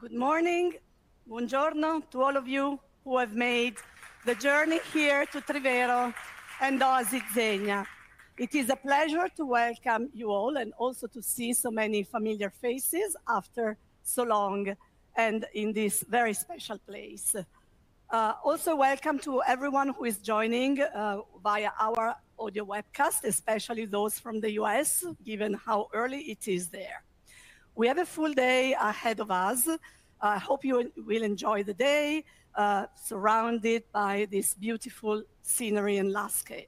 Good morning, buongiorno, to all of you who have made the journey here to Trivero and Oasi Zegna. It is a pleasure to welcome you all and also to see so many familiar faces after so long, and in this very special place. Also welcome to everyone who is joining via our audio webcast, especially those from the U.S., given how early it is there. We have a full day ahead of us. I hope you will enjoy the day, surrounded by this beautiful scenery and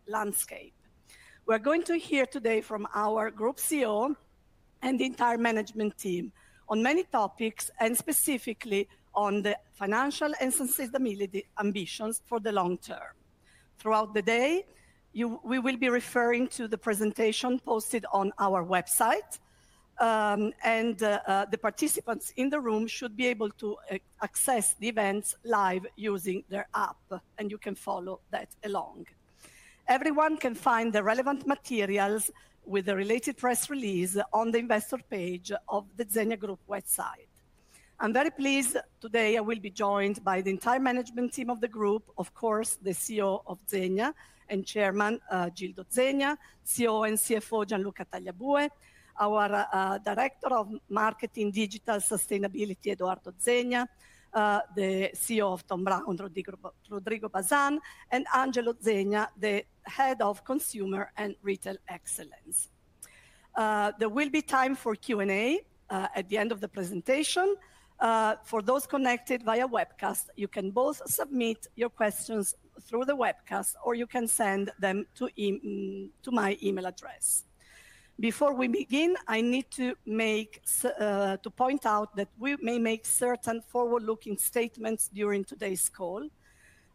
landscape. We're going to hear today from our Group CEO and the entire management team on many topics, and specifically on the financial and sustainability ambitions for the long term. Throughout the day, we will be referring to the presentation posted on our website. The participants in the room should be able to access the events live using their app, and you can follow that along. Everyone can find the relevant materials with the related press release on the investor page of the Zegna Group website. I'm very pleased. Today I will be joined by the entire management team of the group. Of course, the CEO of Zegna and Chairman, Gildo Zegna, CEO and CFO, Gianluca Tagliabue, our Director of Marketing, Digital, and Sustainability, Edoardo Zegna, the CEO of Thom Browne, Rodrigo Bazán, and Angelo Zegna, the Head of Consumer and Retail Excellence. There will be time for Q&A at the end of the presentation. For those connected via webcast, you can both submit your questions through the webcast, or you can send them to my email address. Before we begin, I need to point out that we may make certain forward-looking statements during today's call.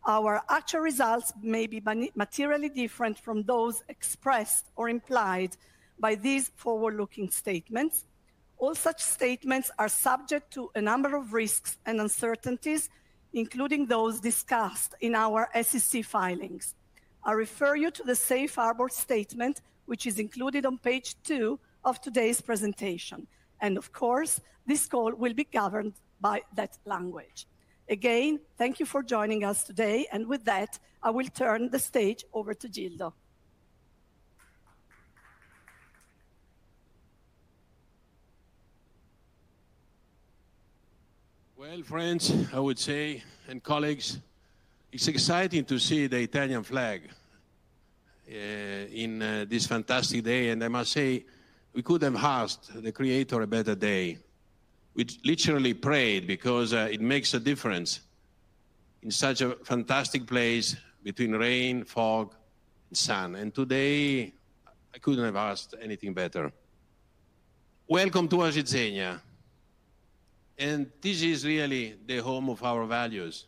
Our actual results may be materially different from those expressed or implied by these forward-looking statements. All such statements are subject to a number of risks and uncertainties, including those discussed in our SEC filings. I refer you to the safe harbor statement, which is included on page two of today's presentation, and of course, this call will be governed by that language. Again, thank you for joining us today, and with that, I will turn the stage over to Gildo. Well, friends, I would say, and colleagues, it's exciting to see the Italian flag in this fantastic day. I must say, we couldn't have asked the Creator a better day. We literally prayed because it makes a difference in such a fantastic place between rain, fog, and sun. Today, I couldn't have asked anything better. Welcome to Oasi Zegna, and this is really the home of our values.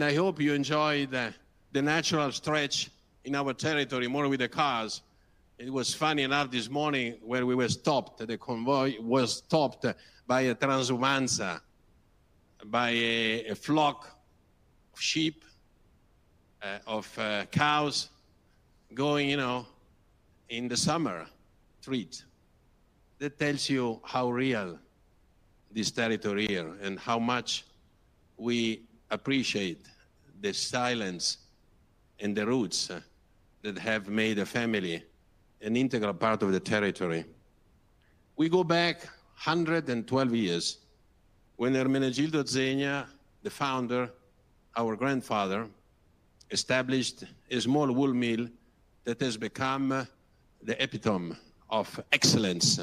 I hope you enjoy the natural stretch in our territory, more with the cars. It was funny enough this morning when we were stopped, the convoy was stopped by a transumanza, by a flock of sheep of cows going, you know, in the summer route. That tells you how real this territory is and how much we appreciate the silence and the roots that have made a family an integral part of the territory. We go back 112 years when Ermenegildo Zegna, the founder, our grandfather, established a small wool mill that has become the epitome of excellence,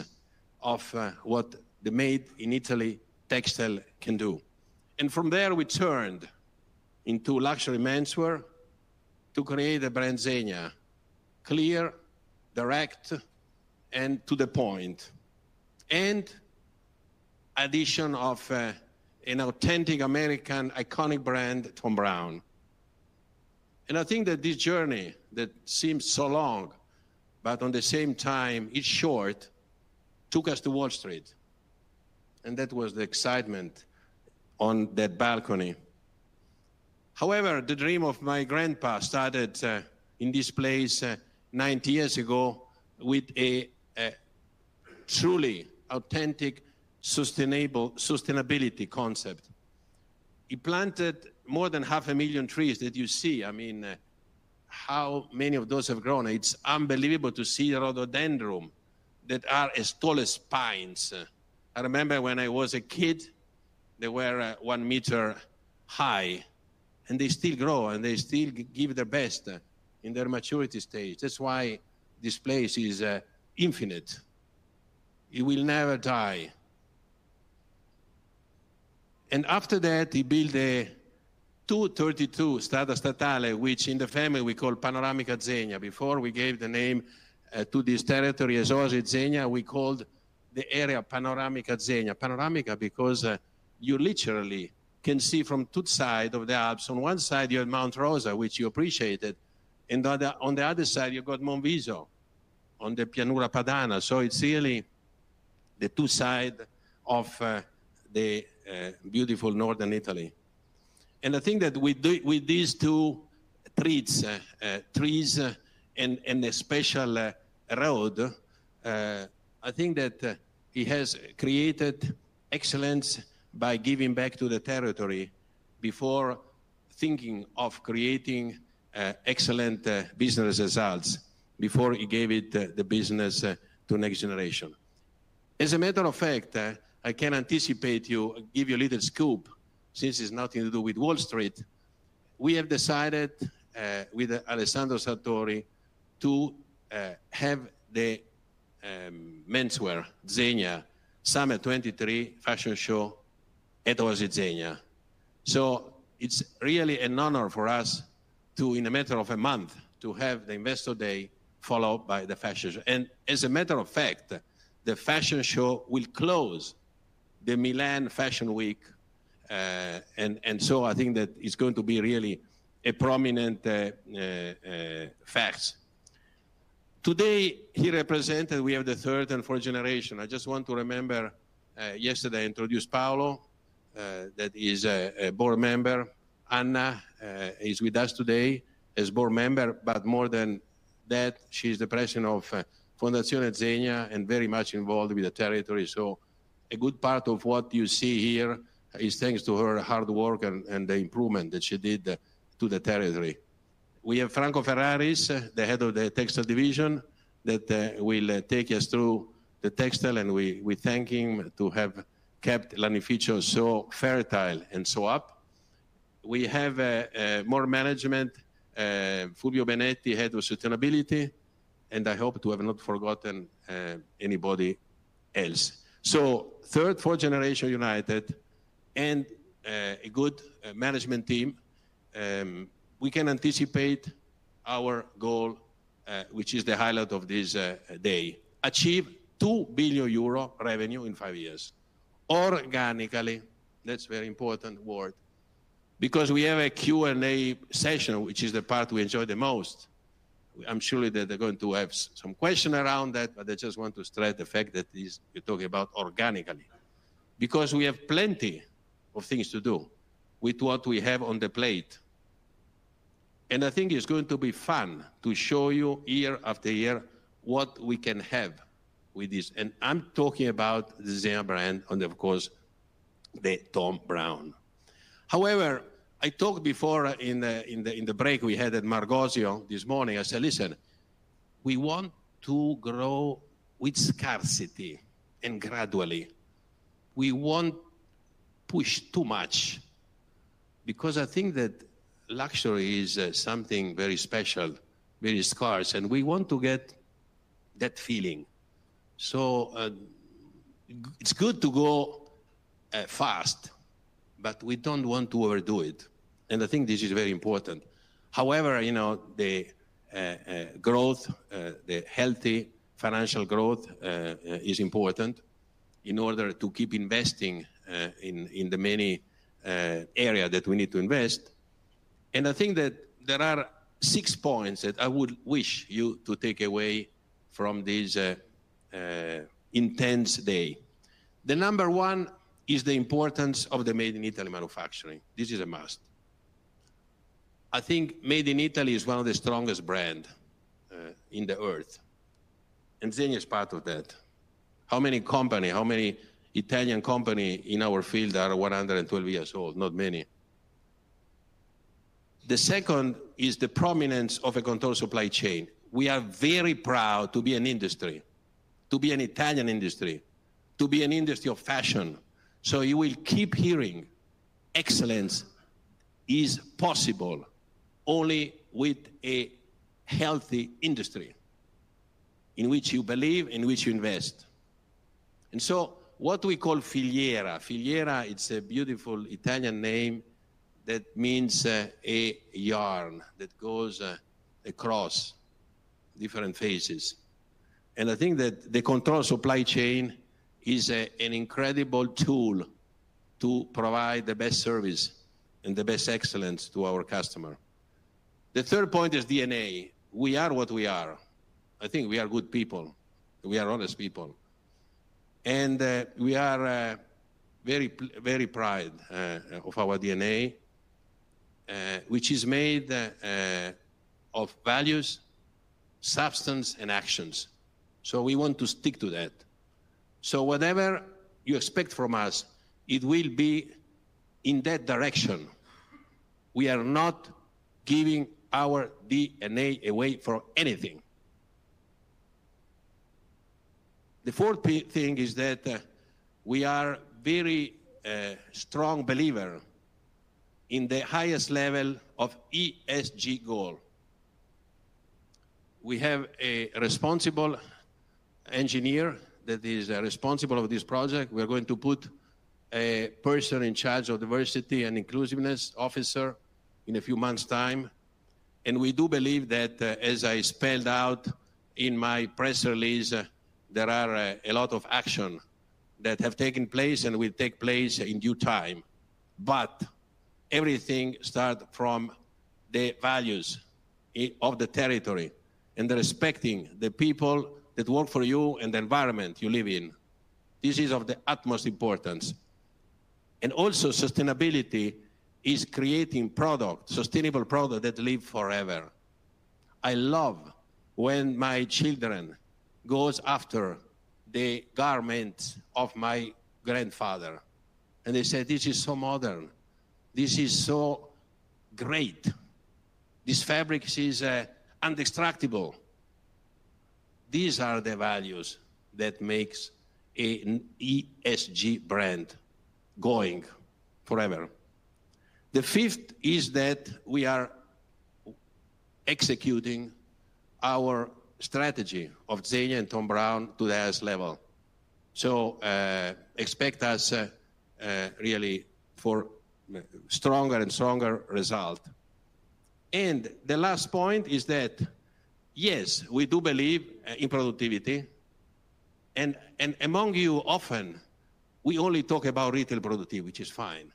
of what the made in Italy textile can do. From there, we turned into luxury menswear to create a brand, Zegna, clear, direct, and to the point. In addition of an authentic American iconic brand, Thom Browne. I think that this journey that seems so long, but at the same time is short, took us to Wall Street, and that was the excitement on the balcony. However, the dream of my grandpa started in this place 90 years ago with a truly authentic, sustainable, sustainability concept. He planted more than 500,000 trees that you see. I mean, how many of those have grown? It's unbelievable to see rhododendron that are as tall as pines. I remember when I was a kid, they were 1 m high, and they still grow, and they still give their best in their maturity stage. That's why this place is infinite. It will never die. After that, he built a 232 strada statale, which in the family we call Panoramica Zegna. Before we gave the name to this territory as Oasi Zegna, we called the area Panoramica Zegna. Panoramica because you literally can see from two sides of the Alps. On one side, you have Monte Rosa, which you appreciated, and the other, on the other side, you've got Monviso on the Pianura Padana. It's really the two sides of the beautiful Northern Italy. I think that with these two trees and a special road he has created excellence by giving back to the territory before thinking of creating excellent business results before he gave the business to next generation. As a matter of fact, I can anticipate you give you a little scoop since it's nothing to do with Wall Street. We have decided with Alessandro Sartori to have the menswear Zegna Summer 2023 fashion show at Oasi Zegna. It's really an honor for us in a matter of a month to have the Investor Day followed by the fashion show. As a matter of fact, the fashion show will close the Milan Fashion Week. I think that it's going to be really a prominent fact. Today we have the third and fourth generation. I just want to remember yesterday I introduced Paolo that is a board member. Anna is with us today as board member, but more than that, she's the president of Fondazione Zegna and very much involved with the territory. A good part of what you see here is thanks to her hard work and the improvement that she did to the territory. We have Franco Ferraris, the head of the textile division, that will take us through the textile, and we thank him to have kept Lanificio so fertile and so up. We have more management, Fulvio Benetti, head of sustainability, and I hope to have not forgotten anybody else. Third, fourth generation united and a good management team, we can anticipate our goal, which is the highlight of this day, achieve 2 billion euro revenue in five years organically. That's very important word, because we have a Q&A session, which is the part we enjoy the most. I'm sure that they're going to have some question around that, but I just want to stress the fact that this, we're talking about organically. Because we have plenty of things to do with what we have on the plate. I think it's going to be fun to show you year after year what we can have with this, and I'm talking about the Zegna brand and of course, the Thom Browne. However, I talked before in the break we had at Margosio this morning. I said, "Listen, we want to grow with scarcity and gradually. We won't push too much, because I think that luxury is something very special, very scarce, and we want to get that feeling." It's good to go fast, but we don't want to overdo it, and I think this is very important. However, the growth, the healthy financial growth, is important in order to keep investing in the many area that we need to invest. I think that there are six points that I would wish you to take away from this intense day. The number one is the importance of the made-in-Italy manufacturing. This is a must. I think made in Italy is one of the strongest brand in the earth, and Zegna is part of that. How many company, how many Italian company in our field are 112 years old? Not many. The second is the prominence of a controlled supply chain. We are very proud to be an industry, to be an Italian industry, to be an industry of fashion. You will keep hearing excellence is possible only with a healthy industry in which you believe, in which you invest. What we call Filiera. Filiera, it's a beautiful Italian name that means a yarn that goes across different phases. I think that the controlled supply chain is an incredible tool to provide the best service and the best excellence to our customer. The third point is DNA. We are what we are. I think we are good people. We are honest people. We are very proud of our DNA, which is made of values, substance, and actions. We want to stick to that. Whatever you expect from us, it will be in that direction. We are not giving our DNA away for anything. The fourth thing is that we are very strong believer in the highest level of ESG goal. We have a responsible engineer that is responsible of this project. We are going to put a person in charge of diversity and inclusiveness officer in a few months' time. We do believe that, as I spelled out in my press release, there are a lot of action that have taken place and will take place in due time. Everything starts from the values of the territory and respecting the people that work for you and the environment you live in. This is of the utmost importance. Also, sustainability is creating products, sustainable products that live forever. I love when my children go after the garment of my grandfather, and they say, "This is so modern. This is so great. This fabric is indestructible." These are the values that make an ESG brand go forever. The fifth is that we are executing our strategy of Zegna and Thom Browne to the highest level. Expect us really for stronger and stronger results. The last point is that, yes, we do believe in productivity and among you often, we only talk about retail productivity, which is fine.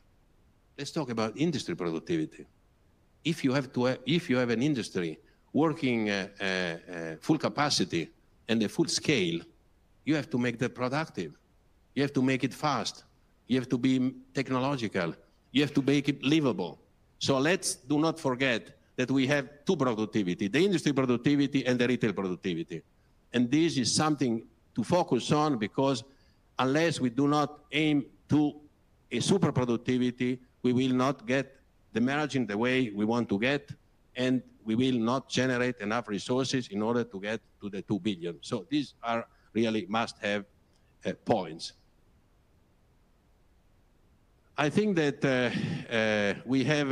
Let's talk about industry productivity. If you have to a. If you have an industry working at full capacity and at full scale, you have to make that productive. You have to make it fast. You have to be technological. You have to make it livable. Let's do not forget that we have two productivity, the industry productivity and the retail productivity, and this is something to focus on because unless we do not aim to a super productivity, we will not get the margin the way we want to get, and we will not generate enough resources in order to get to 2 billion. These are really must-have points. I think that we have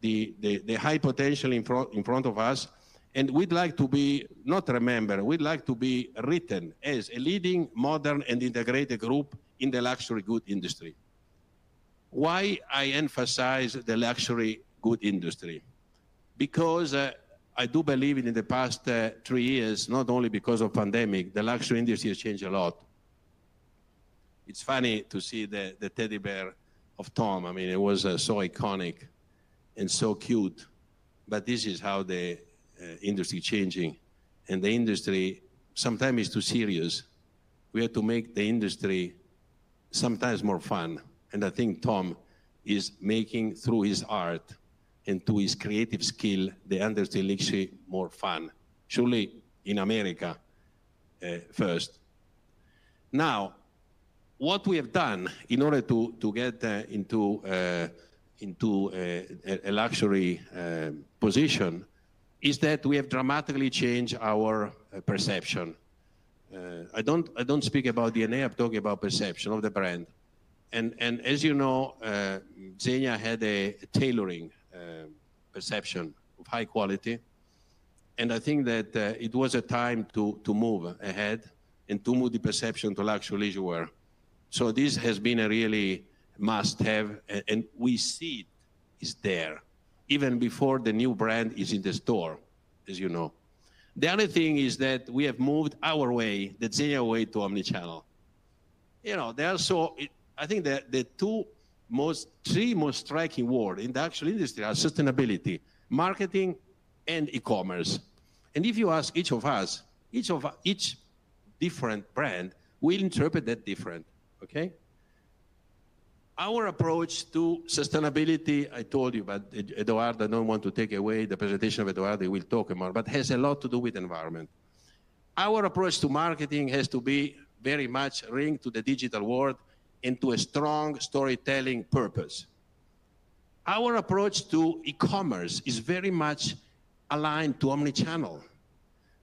the high potential in front of us, and we'd like to be remembered as a leading modern and integrated group in the luxury goods industry. Why I emphasize the luxury goods industry? Because I do believe in the past three years, not only because of pandemic, the luxury industry has changed a lot. It's funny to see the teddy bear of Tom. I mean, it was so iconic and so cute, but this is how the industry changing, and the industry sometimes is too serious. We have to make the industry sometimes more fun, and I think Tom is making, through his art and through his creative skill, the industry luxury more fun, surely in America first. Now, what we have done in order to get into a luxury position is that we have dramatically changed our perception. I don't speak about DNA. I'm talking about perception of the brand. As you know, Zegna had a tailoring perception of high quality, and I think that it was a time to move ahead and to move the perception to luxury leisure wear. This has been a really must-have, and we see it is there even before the new brand is in the store, as you know. The only thing is that we have moved our way, the Zegna way, to omnichannel. You know, I think the three most striking word in the actual industry are sustainability, marketing, and e-commerce. If you ask each of us, each different brand, we interpret that different, okay? Our approach to sustainability, I told you about Edoardo. I don't want to take away the presentation of Edoardo. He will talk about, but has a lot to do with environment. Our approach to marketing has to be very much linked to the digital world and to a strong storytelling purpose. Our approach to e-commerce is very much aligned to omnichannel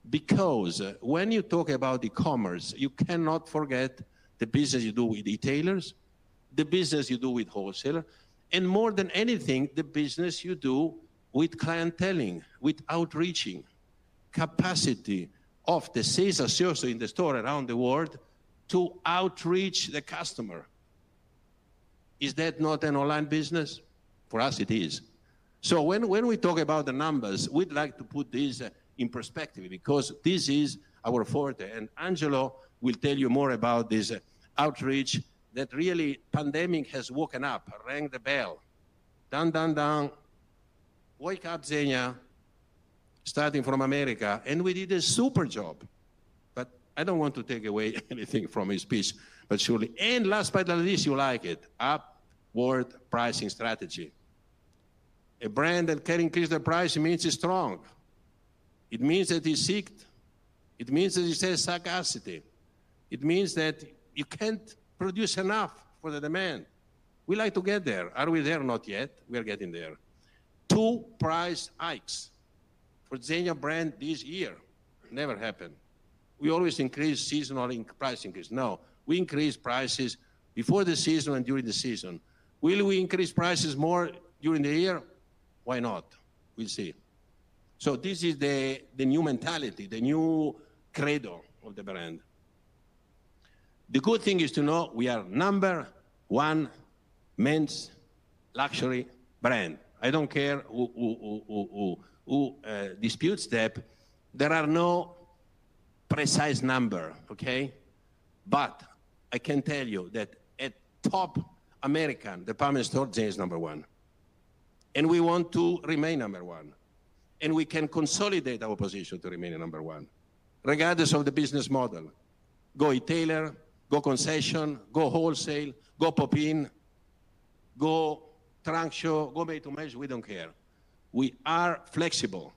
because when you talk about e-commerce, you cannot forget the business you do with retailers, the business you do with wholesaler, and more than anything, the business you do with clienteling, with outreaching, capacity of the sales associates in the store around the world to outreach the customer. Is that not an online business? For us it is. When we talk about the numbers, we'd like to put this in perspective because this is our forte, and Angelo will tell you more about this outreach that really the pandemic has woken up, rang the bell. Dun, dun. Wake up, Zegna, starting from America, and we did a super job. I don't want to take away anything from his pitch, but surely. Last but not least, you like it, upward pricing strategy. A brand that can increase the price means it's strong. It means that it's sought. It means that it has scarcity. It means that you can't produce enough for the demand. We like to get there. Are we there? Not yet. We are getting there. Two price hikes for Zegna brand this year. Never happened. We always increase seasonal price increase. Now, we increase prices before the season and during the season. Will we increase prices more during the year? Why not? We'll see. This is the new mentality, the new credo of the brand. The good thing is to know we are number one men's luxury brand. I don't care who disputes that. There are no precise number, okay? But I can tell you that at top American department store, Zegna is number one. We want to remain number one, and we can consolidate our position to remaining number one regardless of the business model. Go e-tailer, go concession, go wholesale, go pop-in, go trunk show, go made to measure, we don't care. We are flexible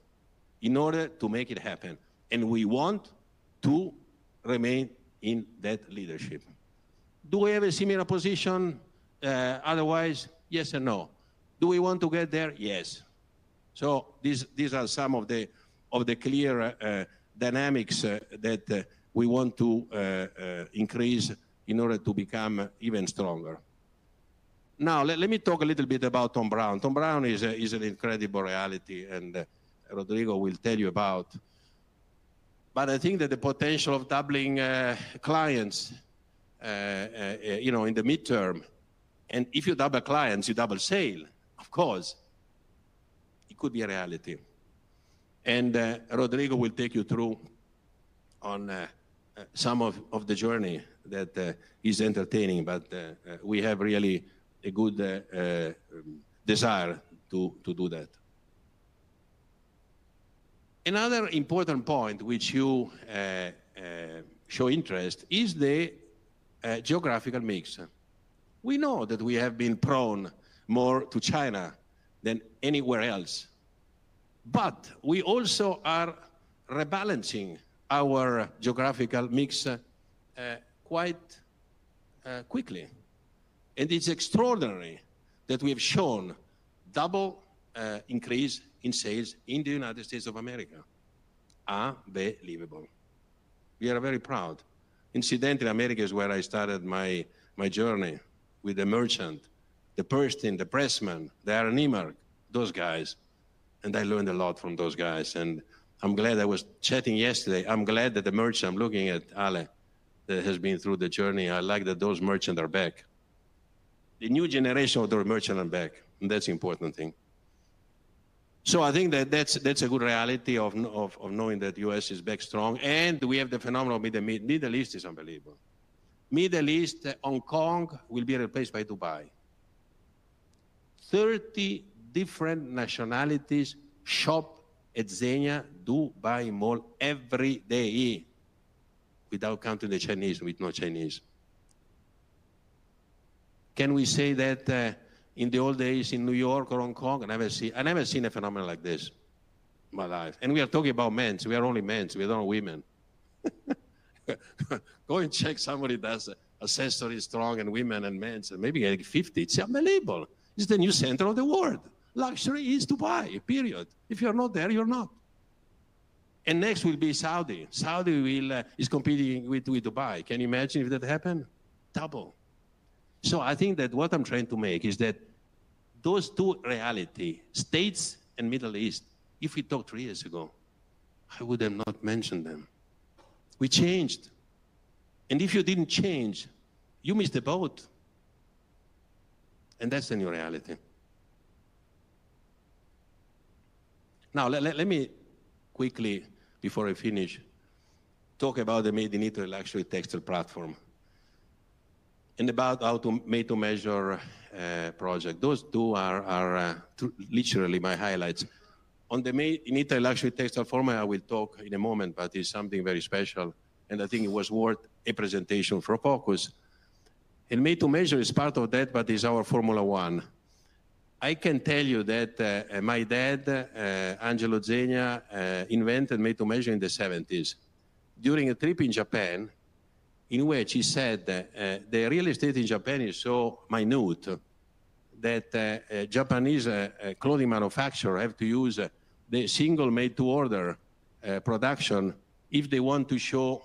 in order to make it happen, and we want to remain in that leadership. Do we have a similar position otherwise? Yes and no. Do we want to get there? Yes. These are some of the clear dynamics that we want to increase in order to become even stronger. Now, let me talk a little bit about Thom Browne. Thom Browne is an incredible reality and Rodrigo will tell you about. I think that the potential of doubling clients, you know, in the mid-term, and if you double clients, you double sales, of course, it could be a reality. Rodrigo will take you through on some of the journey that is entertaining. We have really a good desire to do that. Another important point which you show interest is the geographical mix. We know that we have been prone more to China than anywhere else, but we also are rebalancing our geographical mix quite quickly. It's extraordinary that we have shown double increase in sales in the United States of America. Unbelievable. We are very proud. Incidentally, America is where I started my journey with the merchant, the purchasing, the pressman, those guys, and I learned a lot from those guys, and I'm glad I was chatting yesterday. I'm glad that the merchant, I'm looking at Ale, that has been through the journey. I like that those merchant are back. The new generation of the merchant are back, and that's the important thing. I think that that's a good reality of knowing that U.S. is back strong, and we have the phenomenon with the Middle East is unbelievable. Middle East, Hong Kong will be replaced by Dubai. 30 different nationalities shop at Zegna Dubai Mall every day, without counting the Chinese. With no Chinese. Can we say that in the old days in New York or Hong Kong? I never seen a phenomenon like this in my life. We are talking about men's. We are only men's. We are not women. Go and check somebody that's accessories strong in women and men's and maybe like 50. It's unbelievable. It's the new center of the world. Luxury is Dubai, period. If you're not there, you're not. Next will be Saudi. Saudi will is competing with Dubai. Can you imagine if that happen? Double. I think that what I'm trying to make is that those two reality, States and Middle East, if we talk three years ago, I would have not mentioned them. We changed, and if you didn't change, you missed the boat, and that's the new reality. Now, let me quickly, before I finish, talk about the Made in Italy Luxury Textile Platform and about our made to measure project. Those two are literally my highlights. On the Made in Italy Luxury Textile Platform, I will talk in a moment, but it's something very special, and I think it was worth a presentation for focus. Made to measure is part of that, but it's our Formula One. I can tell you that my dad, Angelo Zegna, invented made to measure in the 1970s during a trip in Japan in which he said that the real estate in Japan is so minute that a Japanese clothing manufacturer have to use the single made to order production if they want to show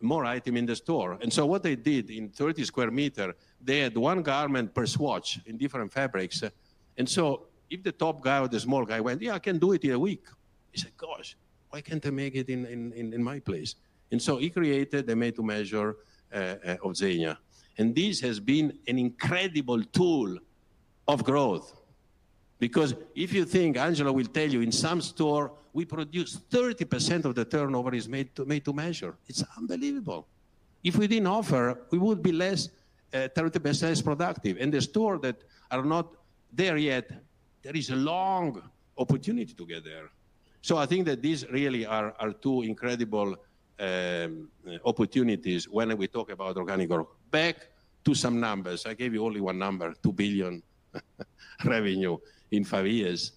more item in the store. What they did in 30 sq m, they had one garment per swatch in different fabrics. If the top guy or the small guy went, "Yeah, I can do it in a week," he said, "Gosh, why can't I make it in my place?" He created the made to measure of Zegna, and this has been an incredible tool of growth because if you think, Angelo will tell you, in some store, we produce 30% of the turnover is made to measure. It's unbelievable. If we didn't offer, we would be less 30% as productive. In the store that are not there yet, there is a long opportunity to get there. I think that these really are two incredible opportunities when we talk about organic growth. Back to some numbers. I gave you only one number, 2 billion revenue in five years.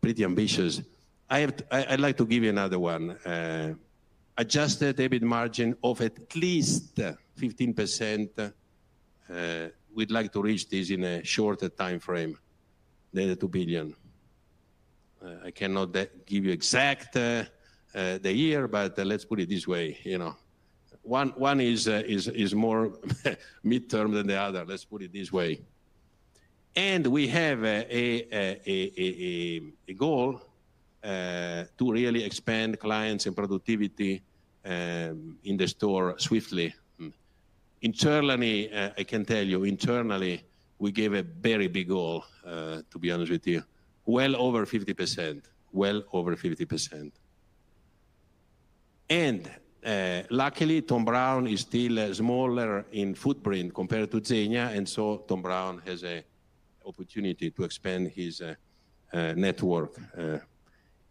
Pretty ambitious. I have to. I'd like to give you another one. Adjusted EBIT margin of at least 15%. We'd like to reach this in a shorter timeframe than the 2 billion. I cannot give you the exact year, but let's put it this way, you know. One is more mid-term than the other, let's put it this way. We have a goal to really expand clients and productivity in the store swiftly. Internally, I can tell you, internally, we gave a very big goal, to be honest with you. Well over 50%. Luckily Thom Browne is still smaller in footprint compared to Zegna, and so Thom Browne has an opportunity to expand his network.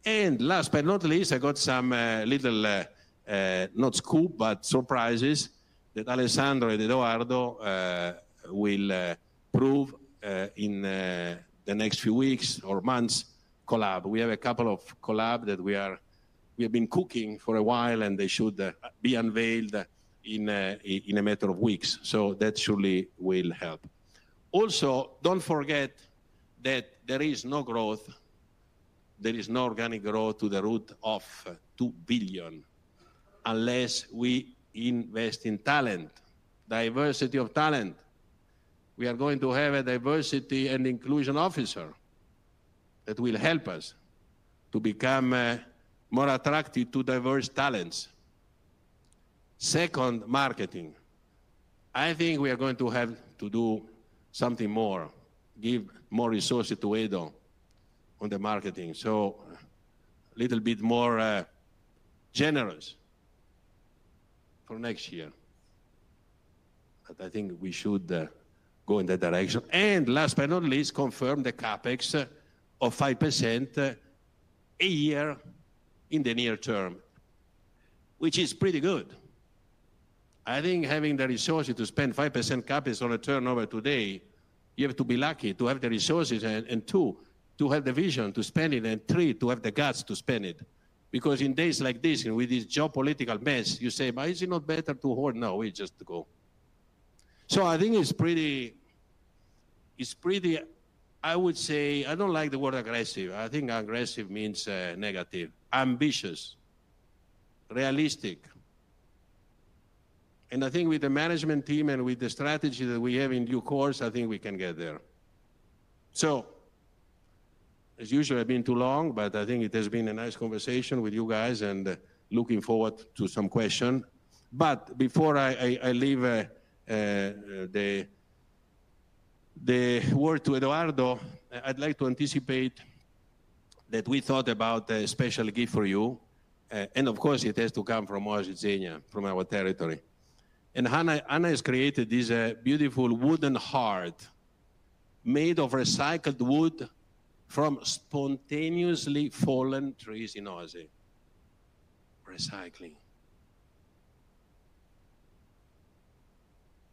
Last but not least, I got some little, not scoop, but surprises that Alessandro and Edoardo will prove in the next few weeks or months. Collab. We have a couple of collab that we have been cooking for a while, and they should be unveiled in a matter of weeks. That surely will help. Also, don't forget that there is no growth, there is no organic growth to the run rate of 2 billion unless we invest in talent, diversity of talent. We are going to have a diversity and inclusion officer that will help us to become more attractive to diverse talents. Second, marketing. I think we are going to have to do something more, give more resources to Edo on the marketing, so little bit more generous for next year. I think we should go in that direction. Last but not least, confirm the CapEx of 5% a year in the near term, which is pretty good. I think having the resources to spend 5% CapEx on a turnover today, you have to be lucky to have the resources, and two, to have the vision to spend it, and three, to have the guts to spend it. Because in days like this and with this geopolitical mess, you say, "But is it not better to hoard?" No, we just go. I think it's pretty. I would say I don't like the word aggressive. I think aggressive means negative. Ambitious, realistic, and I think with the management team and with the strategy that we have in due course, I think we can get there. As usual, I've been too long, but I think it has been a nice conversation with you guys, and looking forward to some question. Before I leave the word to Edoardo, I'd like to anticipate that we thought about a special gift for you, and of course it has to come from Oasi Zegna, from our territory. Anna has created this beautiful wooden heart made of recycled wood from spontaneously fallen trees in Oasi. Recycling.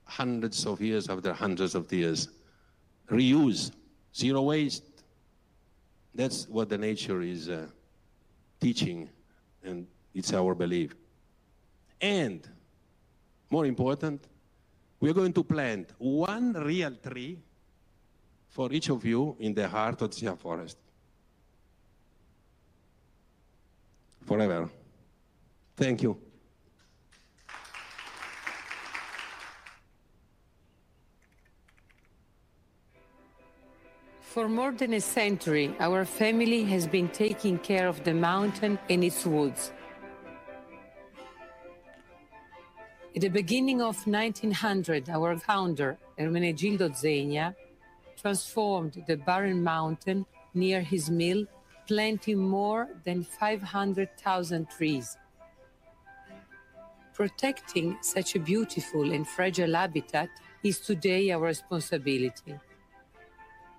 Hundreds of years after hundreds of years. Reuse, zero waste. That's what the nature is teaching, and it's our belief. More important, we are going to plant one real tree for each of you in the heart of Zegna Forest. Forever. Thank you. For more than a century, our family has been taking care of the mountain and its woods. At the beginning of 1900, our founder, Ermenegildo Zegna, transformed the barren mountain near his mill, planting more than 500,000 trees. Protecting such a beautiful and fragile habitat is today our responsibility.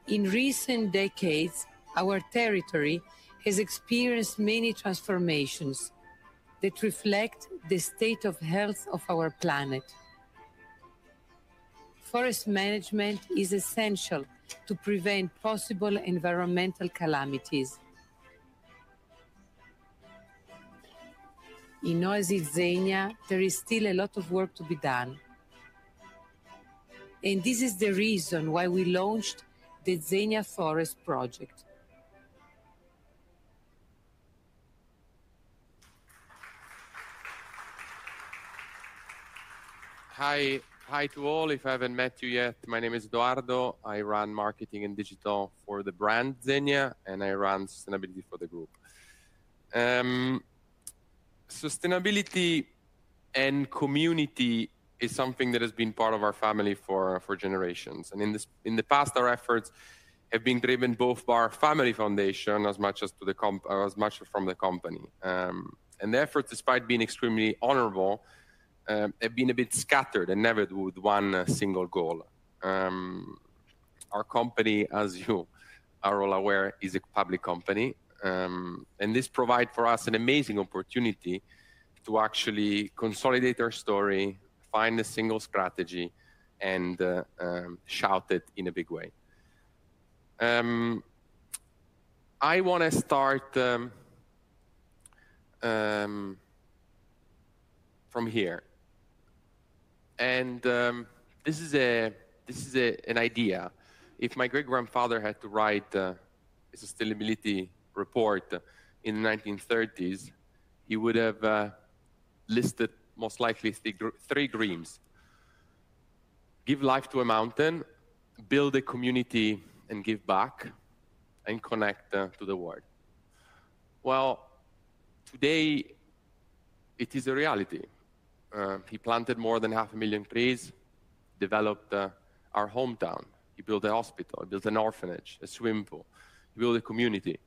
In recent decades, our territory has experienced many transformations that reflect the state of health of our planet. Forest management is essential to prevent possible environmental calamities. In Oasi Zegna, there is still a lot of work to be done, and this is the reason why we launched the Zegna Forest Project. Hi. Hi to all. If I haven't met you yet, my name is Edoardo. I run marketing and digital for the brand Zegna, and I run sustainability for the group. Sustainability and community is something that has been part of our family for generations. In this, in the past, our efforts have been driven both by our family foundation, as much from the company. The effort, despite being extremely honorable, have been a bit scattered and never with one single goal. Our company, as you are all aware, is a public company. This provide for us an amazing opportunity to actually consolidate our story, find a single strategy, and shout it in a big way. I wanna start from here, and this is an idea. If my great-grandfather had to write a sustainability report in the 1930s, he would have listed most likely three dreams, give life to a mountain, build a community, and give back and connect to the world. Well, today it is a reality. He planted more than 500,000 trees. Developed our hometown. He built a hospital, he built an orphanage, a swimming pool. He built a community.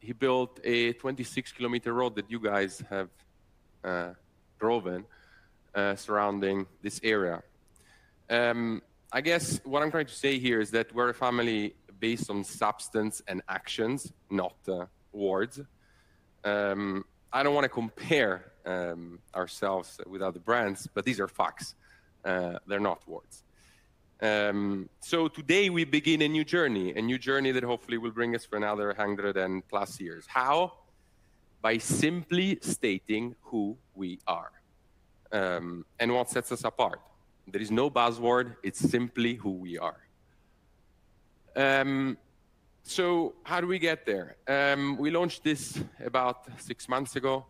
He built a 26 km road that you guys have driven surrounding this area. I guess what I'm trying to say here is that we're a family based on substance and actions, not words. I don't wanna compare ourselves with other brands, but these are facts. They're not words. Today we begin a new journey that hopefully will bring us for another 100+ years. How? By simply stating who we are and what sets us apart. There is no buzzword. It's simply who we are. How do we get there? We launched this about six months ago.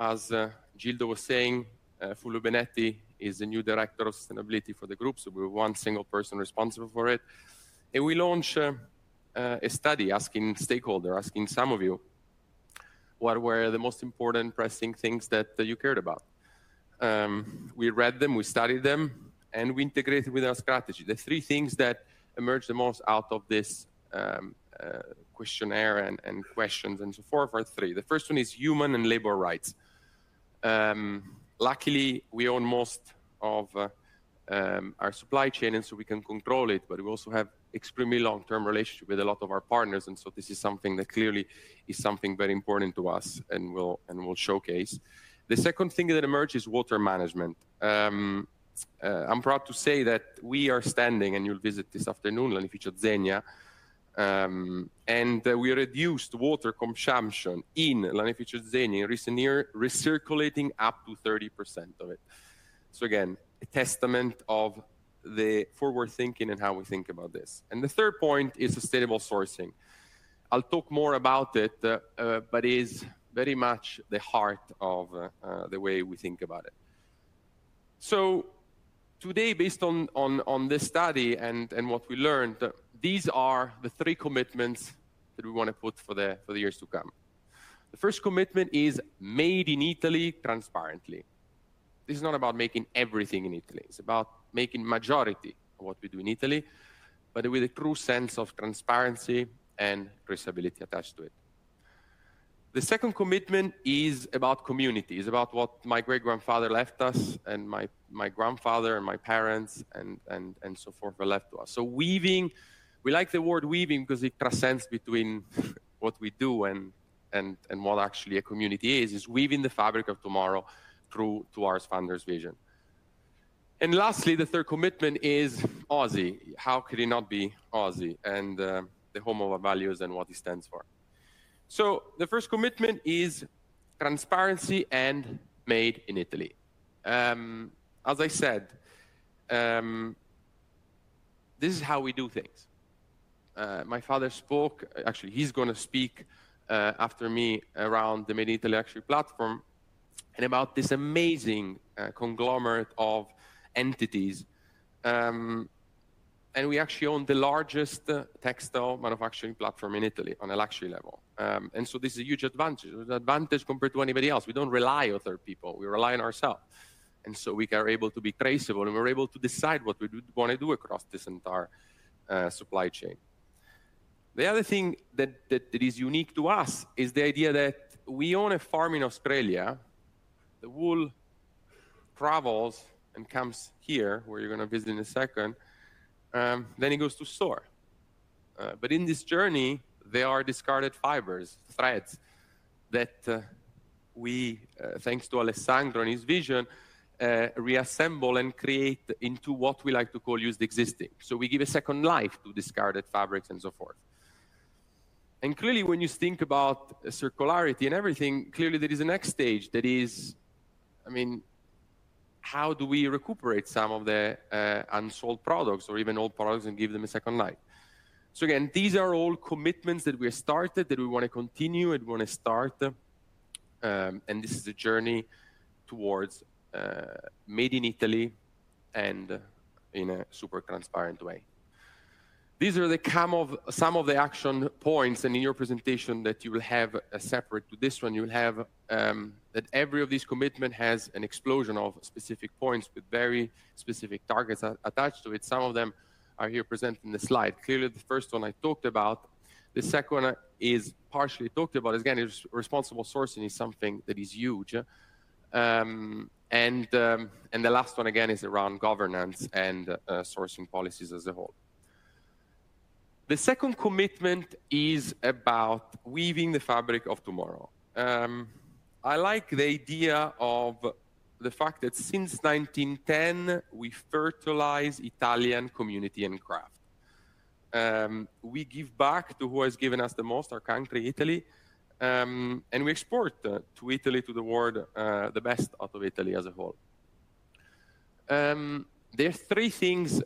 As Gildo was saying, Fulvio Benetti is the new director of sustainability for the group, so we have one single person responsible for it. We launched a study asking some of you what were the most important pressing things that you cared about. We read them, we studied them, and we integrated with our strategy. The three things that emerged the most out of this questionnaire and questions and so forth are three. The first one is human and labor rights. Luckily, we own most of our supply chain, and so we can control it, but we also have extremely long-term relationship with a lot of our partners, and so this is something that clearly is something very important to us, and we'll showcase. The second thing that emerged is water management. I'm proud to say that we are standing, and you'll visit this afternoon, Lanificio Zegna, and we reduced water consumption in Lanificio Zegna, recirculating up to 30% of it. So again, a testament of the forward thinking and how we think about this. The third point is sustainable sourcing. I'll talk more about it, but it is very much the heart of the way we think about it. Today, based on this study and what we learned, these are the three commitments that we wanna put for the years to come. The first commitment is made in Italy transparently. This is not about making everything in Italy. It's about making majority of what we do in Italy, but with a true sense of transparency and traceability attached to it. The second commitment is about community. It's about what my great-grandfather left us, and my grandfather, and my parents, and so forth have left to us. Weaving, we like the word weaving because it transcends between what we do and what actually a community is. It's weaving the fabric of tomorrow through to our founder's vision. Lastly, the third commitment is Oasi. How could it not be Oasi? The home of our values and what it stands for. The first commitment is transparency and made in Italy. As I said, this is how we do things. Actually, he's gonna speak after me around the Made in Italy luxury platform and about this amazing conglomerate of entities. We actually own the largest textile manufacturing platform in Italy on a luxury level. This is a huge advantage. It's an advantage compared to anybody else. We don't rely on third people. We rely on ourself, and we are able to be traceable, and we're able to decide what we wanna do across this entire supply chain. The other thing that is unique to us is the idea that we own a farm in Australia. The wool travels and comes here, where you're gonna visit in a second, then it goes to storage. In this journey, there are discarded fibers, threads that, thanks to Alessandro and his vision, we reassemble and create into what we like to call #UseTheExisting. We give a second life to discarded fabrics and so forth. Clearly, when you think about circularity and everything, clearly there is a next stage that is, I mean, how do we recuperate some of the unsold products or even old products and give them a second life? Again, these are all commitments that we have started, that we wanna continue, and we wanna start, and this is a journey towards Made in Italy and in a super transparent way. These are some of the action points, and in your presentation that you will have separate to this one, you'll have that every one of these commitments has an explanation of specific points with very specific targets attached to it. Some of them are here presented on the slide. Clearly, the first one I talked about. The second one is partially talked about. Again, responsible sourcing is something that is huge. The last one, again, is around governance and sourcing policies as a whole. The second commitment is about weaving the fabric of tomorrow. I like the idea of the fact that since 1910, we fertilize the Italian community and craft. We give back to who has given us the most, our country, Italy, and we export to Italy, to the world, the best out of Italy as a whole. There are three things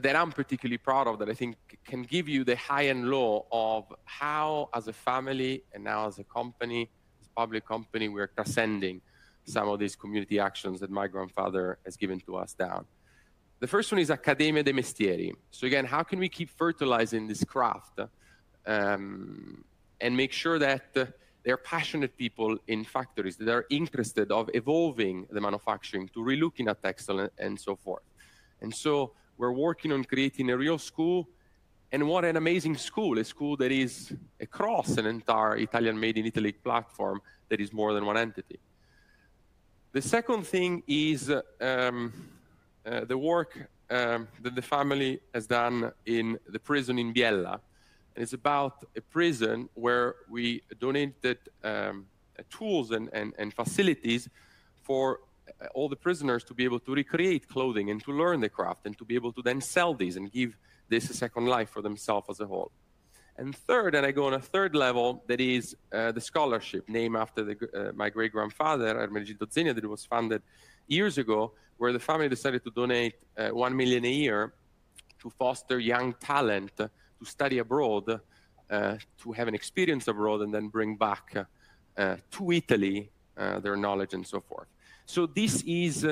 that I'm particularly proud of that I think can give you the high and low of how, as a family, and now as a company, as a public company, we are transmitting some of these community actions that my grandfather has given to us down. The first one is Accademia dei Mestieri. Again, how can we keep fertilizing this craft? Make sure that there are passionate people in factories that are interested in evolving the manufacturing to re-looking at textile and so forth. We're working on creating a real school, and what an amazing school. A school that is across an entire Italian made in Italy platform that is more than one entity. The second thing is the work that the family has done in the prison in Biella. It's about a prison where we donated tools and facilities for all the prisoners to be able to recreate clothing and to learn the craft, and to be able to then sell these and give this a second life for themselves as a whole. Third, and I go on a third level, that is, the scholarship named after my great-grandfather, Ermenegildo Zegna, that was founded years ago, where the family decided to donate 1 million a year to foster young talent to study abroad, to have an experience abroad, and then bring back to Italy their knowledge and so forth. This is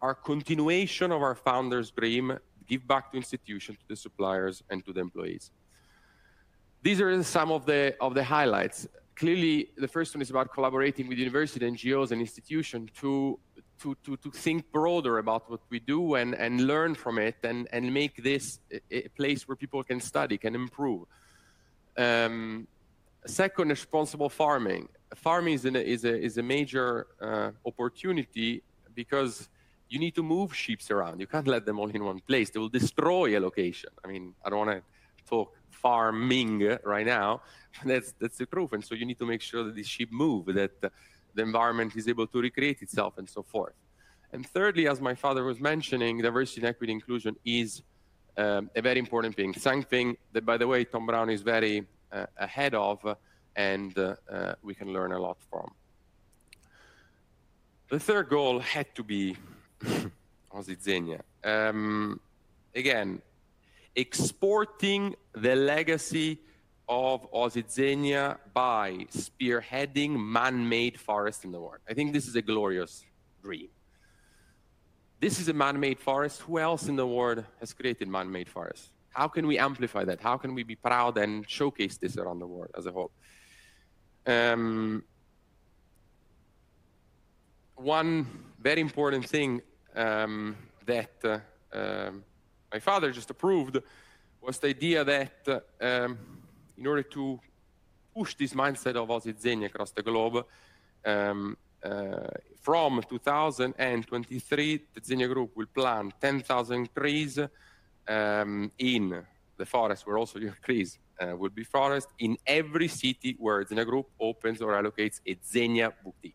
our continuation of our founder's dream, give back to institutions, to the suppliers, and to the employees. These are some of the highlights. Clearly, the first one is about collaborating with university, NGOs, and institutions to think broader about what we do and learn from it and make this a place where people can study, can improve. Second is responsible farming. Farming is a major opportunity because you need to move sheep around. You can't let them all in one place. They will destroy a location. I mean, I don't wanna talk farming right now, but that's the proof. You need to make sure that the sheep move, that the environment is able to recreate itself, and so forth. Thirdly, as my father was mentioning, diversity and equity inclusion is a very important thing. Something that, by the way, Thom Browne is very ahead of and we can learn a lot from. The third goal had to be Oasi Zegna. Again, exporting the legacy of Oasi Zegna by spearheading manmade forest in the world. I think this is a glorious dream. This is a manmade forest. Who else in the world has created manmade forest? How can we amplify that? How can we be proud and showcase this around the world as a whole? One very important thing that my father just approved was the idea that in order to push this mindset of Oasi Zegna across the globe from 2023 the Zegna Group will plant 10,000 trees in the Zegna Forest where also your trees will be Zegna Forest in every city where Zegna Group opens or allocates a Zegna boutique.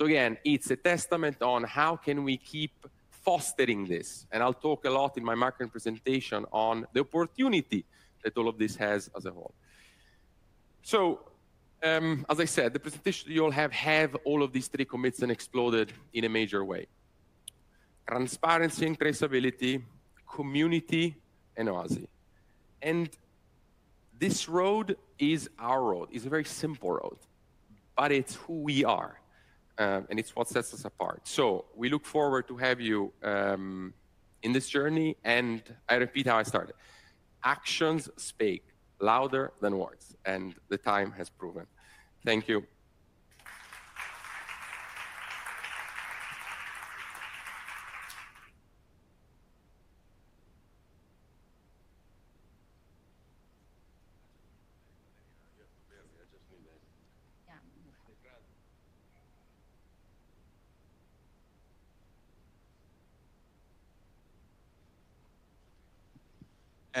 Again, it's a testament to how can we keep fostering this, and I'll talk a lot in my marketing presentation on the opportunity that all of this has as a whole. As I said, the presentation you'll have all of these three commitments and explored in a major way. Transparency and traceability, community, and Oasi. This road is our road. It's a very simple road, but it's who we are, and it's what sets us apart. We look forward to have you in this journey, and I repeat how I started. Actions speak louder than words, and the time has proven. Thank you.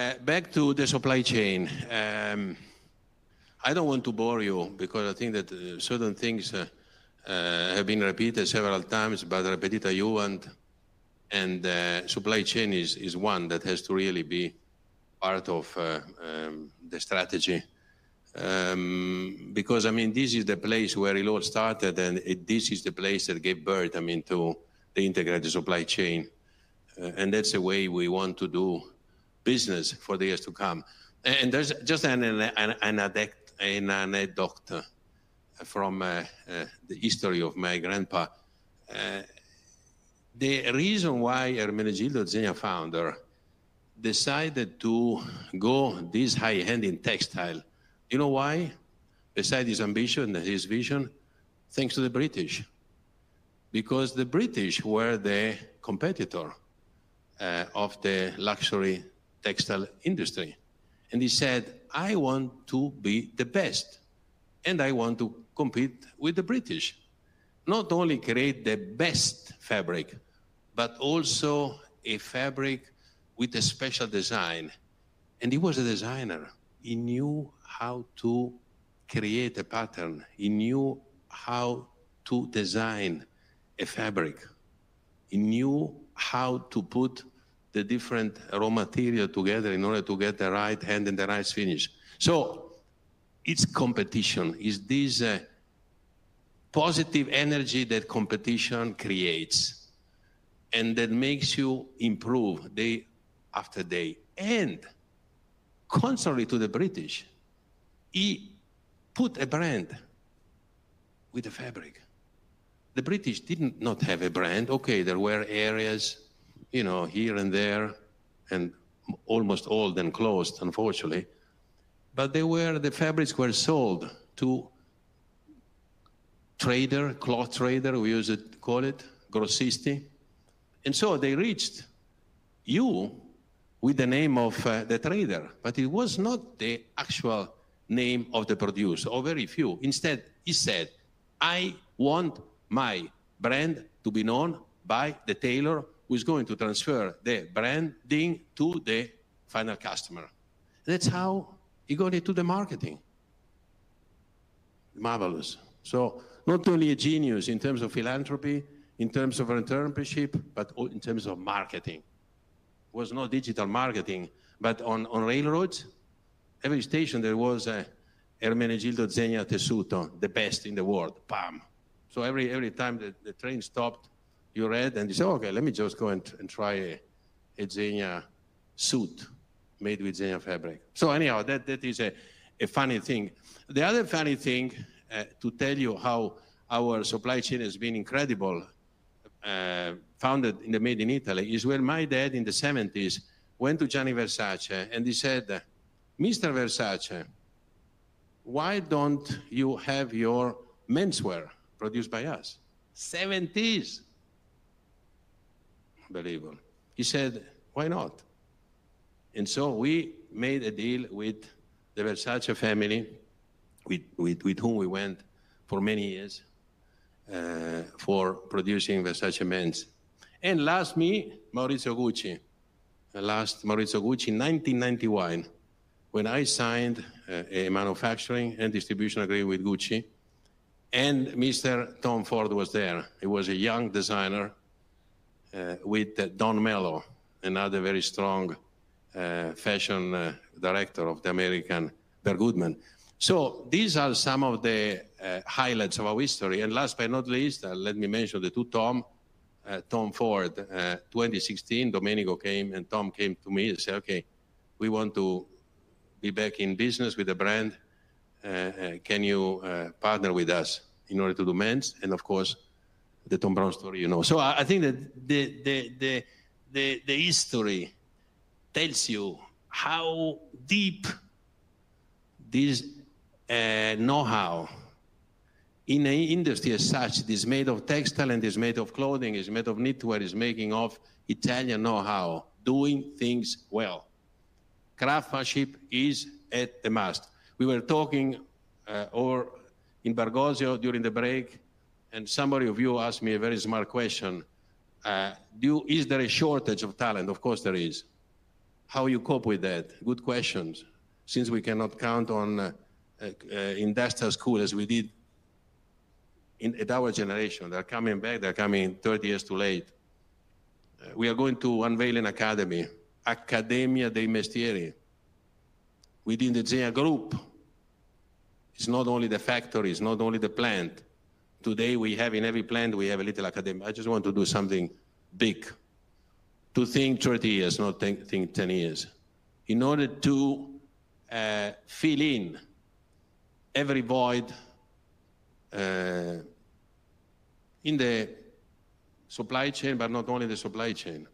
Yeah. Yeah, we are just midway. Yeah. Take that. Back to the supply chain. I don't want to bore you because I think that certain things have been repeated several times, but repetita iuvant, and the supply chain is one that has to really be part of the strategy. Because, I mean, this is the place where it all started, and this is the place that gave birth, I mean, to the integrated supply chain. And that's the way we want to do business for the years to come. There's just an anecdote from the history of my grandpa. The reason why Ermenegildo Zegna founder decided to go this high-end textile, you know why? Besides his ambition and his vision, thanks to the British. Because the British were the competitors of the luxury textile industry. He said, "I want to be the best, and I want to compete with the British. Not only create the best fabric, but also a fabric with a special design." He was a designer. He knew how to create a pattern. He knew how to design a fabric. He knew how to put the different raw material together in order to get the right hand and the right finish. It's competition. It's this, positive energy that competition creates and that makes you improve day after day. Contrary to the British, he put a brand. With the fabric. The British did not have a brand. Okay, there were areas, you know, here and there, and almost all then closed, unfortunately. The fabrics were sold to trader, cloth trader, we used to call it, grossisti. They reached you with the name of the trader. It was not the actual name of the producer, or very few. Instead, he said, "I want my brand to be known by the tailor who's going to transfer the branding to the final customer." That's how he got into the marketing. Marvelous. Not only a genius in terms of philanthropy, in terms of entrepreneurship, but in terms of marketing. There was no digital marketing, but on railroads, every station there was a Ermenegildo Zegna Tessuti, the best in the world, bam. Every time the train stopped, you read and you say, "Okay, let me just go and try a Zegna suit made with Zegna fabric." Anyhow, that is a funny thing. The other funny thing to tell you how our supply chain has been incredible, founded in the mills in Italy, is when my dad in the 1970s went to Gianni Versace, and he said, "Mr. Versace, why don't you have your menswear produced by us?" 1970s. Unbelievable. He said, "Why not?" We made a deal with the Versace family, with whom we went for many years, for producing Versace men's. Lastly, Maurizio Gucci. The last Maurizio Gucci, 1991, when I signed a manufacturing and distribution agreement with Gucci, and Mr. Tom Ford was there. He was a young designer with Dawn Mello, another very strong fashion director of the American Bergdorf Goodman. These are some of the highlights of our history. Last but not least, let me mention the two Tom. Tom Ford, 2016, Domenico came, and Tom came to me and said, "Okay, we want to be back in business with the brand. Can you partner with us in order to do men's?" Of course, the Thom Browne story you know. I think that the history tells you how deep this know-how in an industry as such that is made of textiles and is made of clothing, is made of knitwear, is making of Italian know-how, doing things well. Craftsmanship is at the mast. We were talking over in the lobby during the break, and one of you asked me a very smart question. Is there a shortage of talent? Of course, there is. How do you cope with that? Good question. Since we cannot count on industrial school as we did in our generation. They're coming back. They're coming 30 years too late. We are going to unveil an academy, Accademia dei Mestieri, within the Zegna Group. It's not only the factory, it's not only the plant. Today, we have in every plant, we have a little academy. I just want to do something big. To think 30 years, not think 10 years. In order to fill in every void in the supply chain, but not only the supply chain,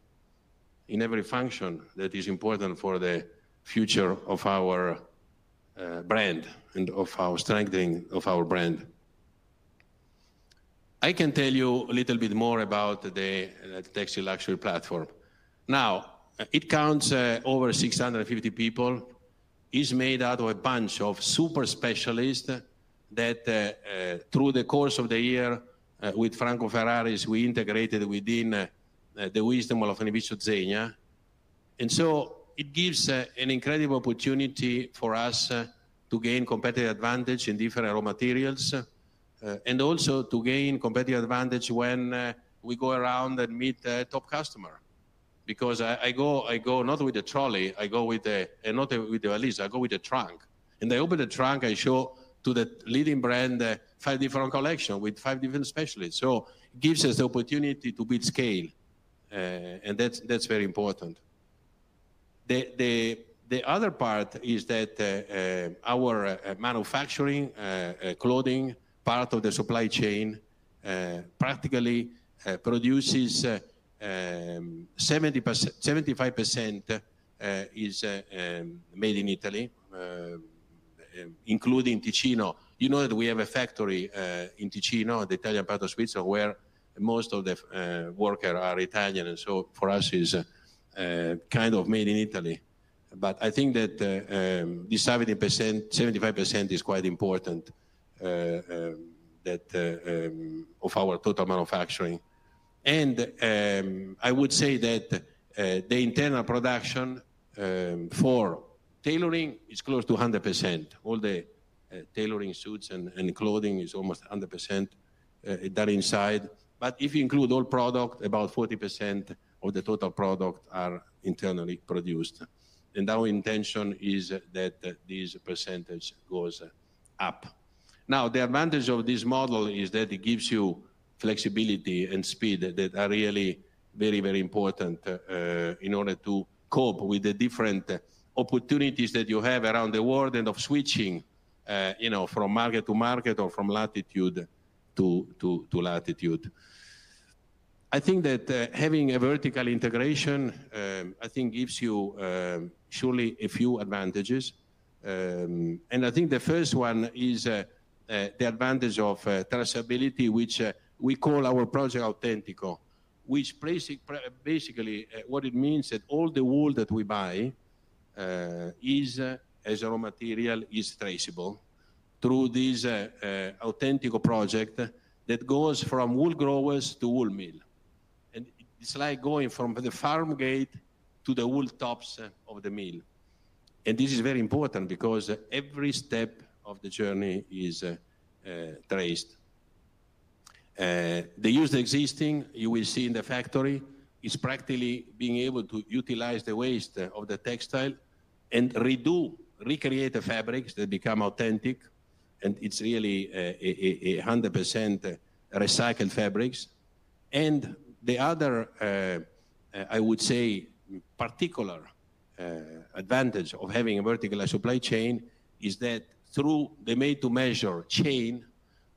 in every function that is important for the future of our brand and of our strengthening of our brand. I can tell you a little bit more about the Textile Luxury Platform. Now, it counts over 650 people. It's made out of a bunch of super specialists that, through the course of the year, with Franco Ferraris, we integrated within the wisdom of Ermenegildo Zegna. It gives an incredible opportunity for us to gain competitive advantage in different raw materials and also to gain competitive advantage when we go around and meet a top customer. Because I go not with a trolley, I go with a. Not with a leash, I go with a trunk. I open the trunk, I show to the leading brand five different collections with five different specialists. It gives us the opportunity to build scale, and that's very important. The other part is that our manufacturing clothing part of the supply chain practically produces 70%-75% is made in Italy, including Ticino. You know that we have a factory in Ticino, the Italian part of Switzerland, where most of the workers are Italian, and so for us is kind of made in Italy. I think that this 70%-75% is quite important that of our total manufacturing. I would say that the internal production for tailoring is close to 100%. All the tailoring suits and clothing is almost 100% done inside. But if you include all product, about 40% of the total product are internally produced. Our intention is that this percentage goes up. Now, the advantage of this model is that it gives you flexibility and speed that are very, very important in order to cope with the different opportunities that you have around the world and of switching, you know, from market to market or from latitude to latitude. I think that having a vertical integration I think gives you surely a few advantages. I think the first one is the advantage of traceability, which we call our project Autentico, which basically what it means that all the wool that we buy, as raw material, is traceable through this Autentico project that goes from Wool Growers to Wool Mill. It's like going from the farm gate to the wool tops of the mill. This is very important because every step of the journey is traced. #UseTheExisting, you will see in the factory, is practically being able to utilize the waste of the textile and recreate the fabrics that become authentic, and it's really a 100% recycled fabrics. The other, I would say particular, advantage of having a vertical supply chain is that through the made-to-measure chain,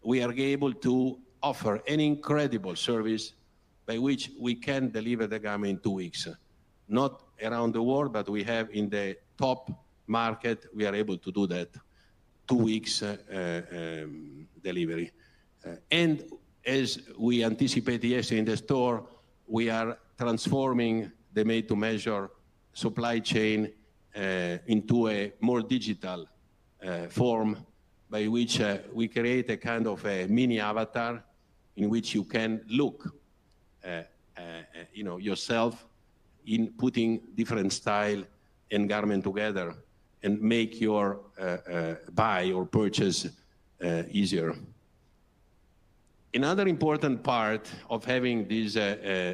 we are able to offer an incredible service by which we can deliver the garment in two weeks. Not around the world, but we have in the top market, we are able to do that two weeks delivery. As we anticipate the MTM in the store, we are transforming the made-to-measure supply chain into a more digital form by which we create a kind of a mini avatar in which you can look, you know, yourself in putting different style and garment together and make your buy or purchase easier. Another important part of having this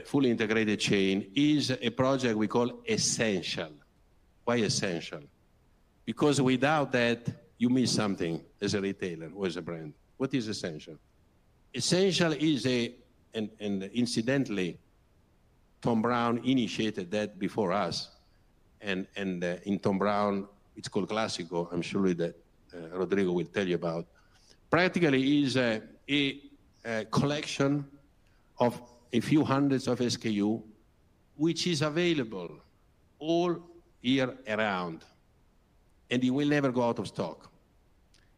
fully integrated chain is a project we call Essentials. Why Essentials? Because without that, you miss something as a retailer or as a brand. What is Essentials? Essentials is in Thom Browne, it's called Classic. I'm sure that Rodrigo will tell you about. Practically is a collection of a few hundreds of SKU which is available all year round, and it will never go out of stock.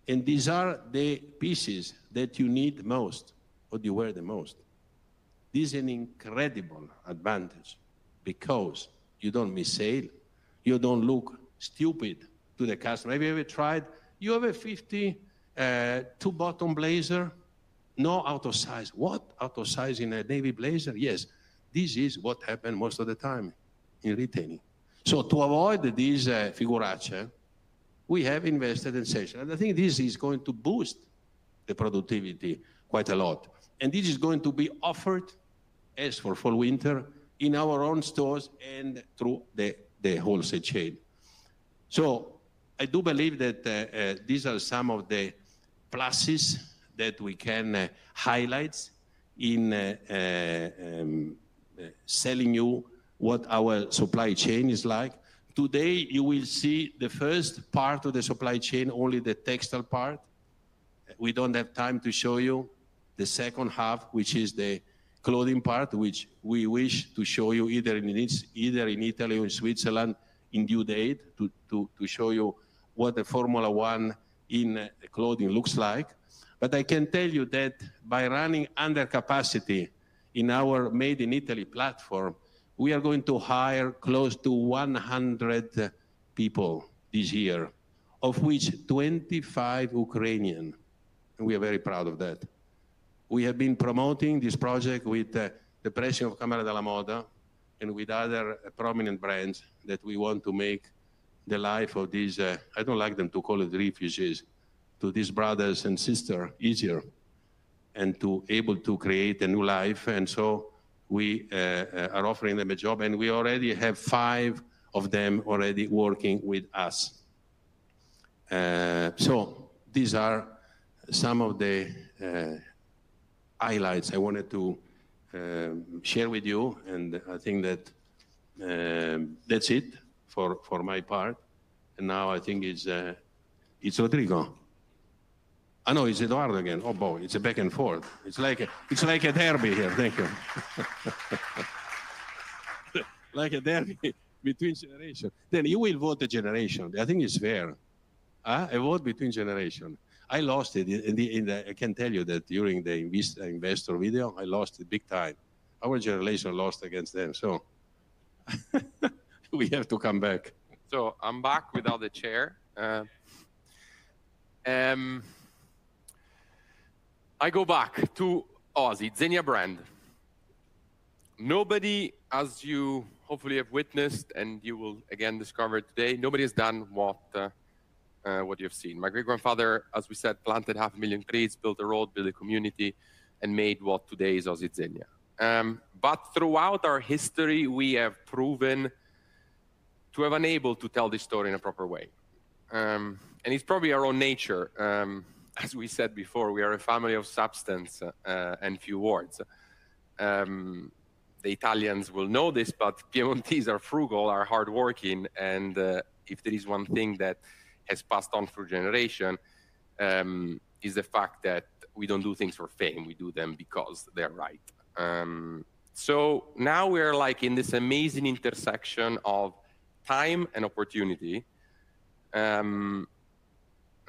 These are the pieces that you need most or you wear the most. This is an incredible advantage because you don't miss sale, you don't look stupid to the customer. Have you ever tried, "You have a 50 two-button blazer?" "No out of size." "What? Out of size in a navy blazer?" "Yes." This is what happen most of the time in retailing. To avoid this, figuraccia, we have invested in succession, and I think this is going to boost the productivity quite a lot. This is going to be offered for fall/winter in our own stores and through the wholesale chain. I do believe that these are some of the pluses that we can highlight in telling you what our supply chain is like. Today, you will see the first part of the supply chain, only the textile part. We don't have time to show you the second half, which is the clothing part, which we wish to show you either in Italy or in Switzerland in due course to show you what the formulation in clothing looks like. I can tell you that by running under capacity in our Made in Italy platform, we are going to hire close to 100 people this year, of which 25 Ukrainian, and we are very proud of that. We have been promoting this project with the pressure of Camera della Moda and with other prominent brands that we want to make the life of these, I don't like them to call it refugees, to these brothers and sister easier and to able to create a new life. We are offering them a job, and we already have five of them already working with us. So these are some of the highlights I wanted to share with you, and I think that that's it for my part. Now I think it's Rodrigo. No, it's Edoardo again. Oh, boy, it's a back and forth. It's like a derby here. Thank you. Like a derby between generation. You will vote the generation. I think it's fair. Huh? A vote between generation. I can tell you that during the investor video, I lost it big time. Our generation lost against them, so we have to come back. I'm back without the chair. I go back to Oasi Zegna brand. Nobody, as you hopefully have witnessed, and you will again discover today, has done what you have seen. My great-grandfather, as we said, planted 500,000 trees, built a road, built a community, and made what today is Oasi Zegna. Throughout our history, we have proven to have been unable to tell this story in a proper way. It's probably our own nature. As we said before, we are a family of substance and few words. The Italians will know this, but Piemontese are frugal, are hardworking, and if there is one thing that has passed on through generation, is the fact that we don't do things for fame. We do them because they're right. Now we're, like, in this amazing intersection of time and opportunity.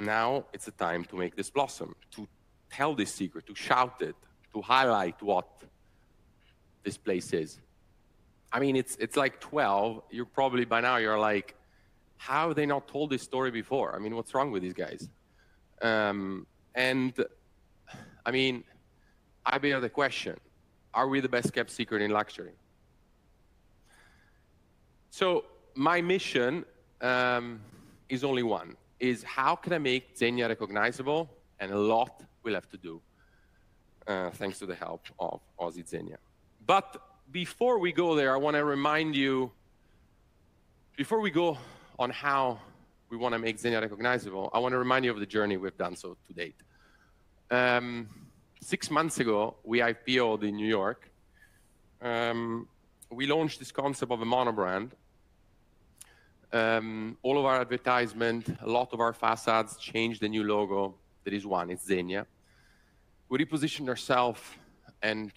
Now it's the time to make this blossom, to tell this secret, to shout it, to highlight what this place is. I mean, it's like 12. You're probably by now like, "How have they not told this story before? I mean, what's wrong with these guys?" I mean, I beg the question, are we the best-kept secret in luxury? My mission is only one, how can I make Zegna recognizable? A lot will have to do, thanks to the help of Oasi Zegna. Before we go there, I wanna remind you. Before we go on how we wanna make Zegna recognizable, I wanna remind you of the journey we've done so to date. Six months ago, we IPO'd in New York. We launched this concept of a mono brand. All of our advertisement, a lot of our facades changed the new logo. There is one, it's Zegna. We reposition ourself and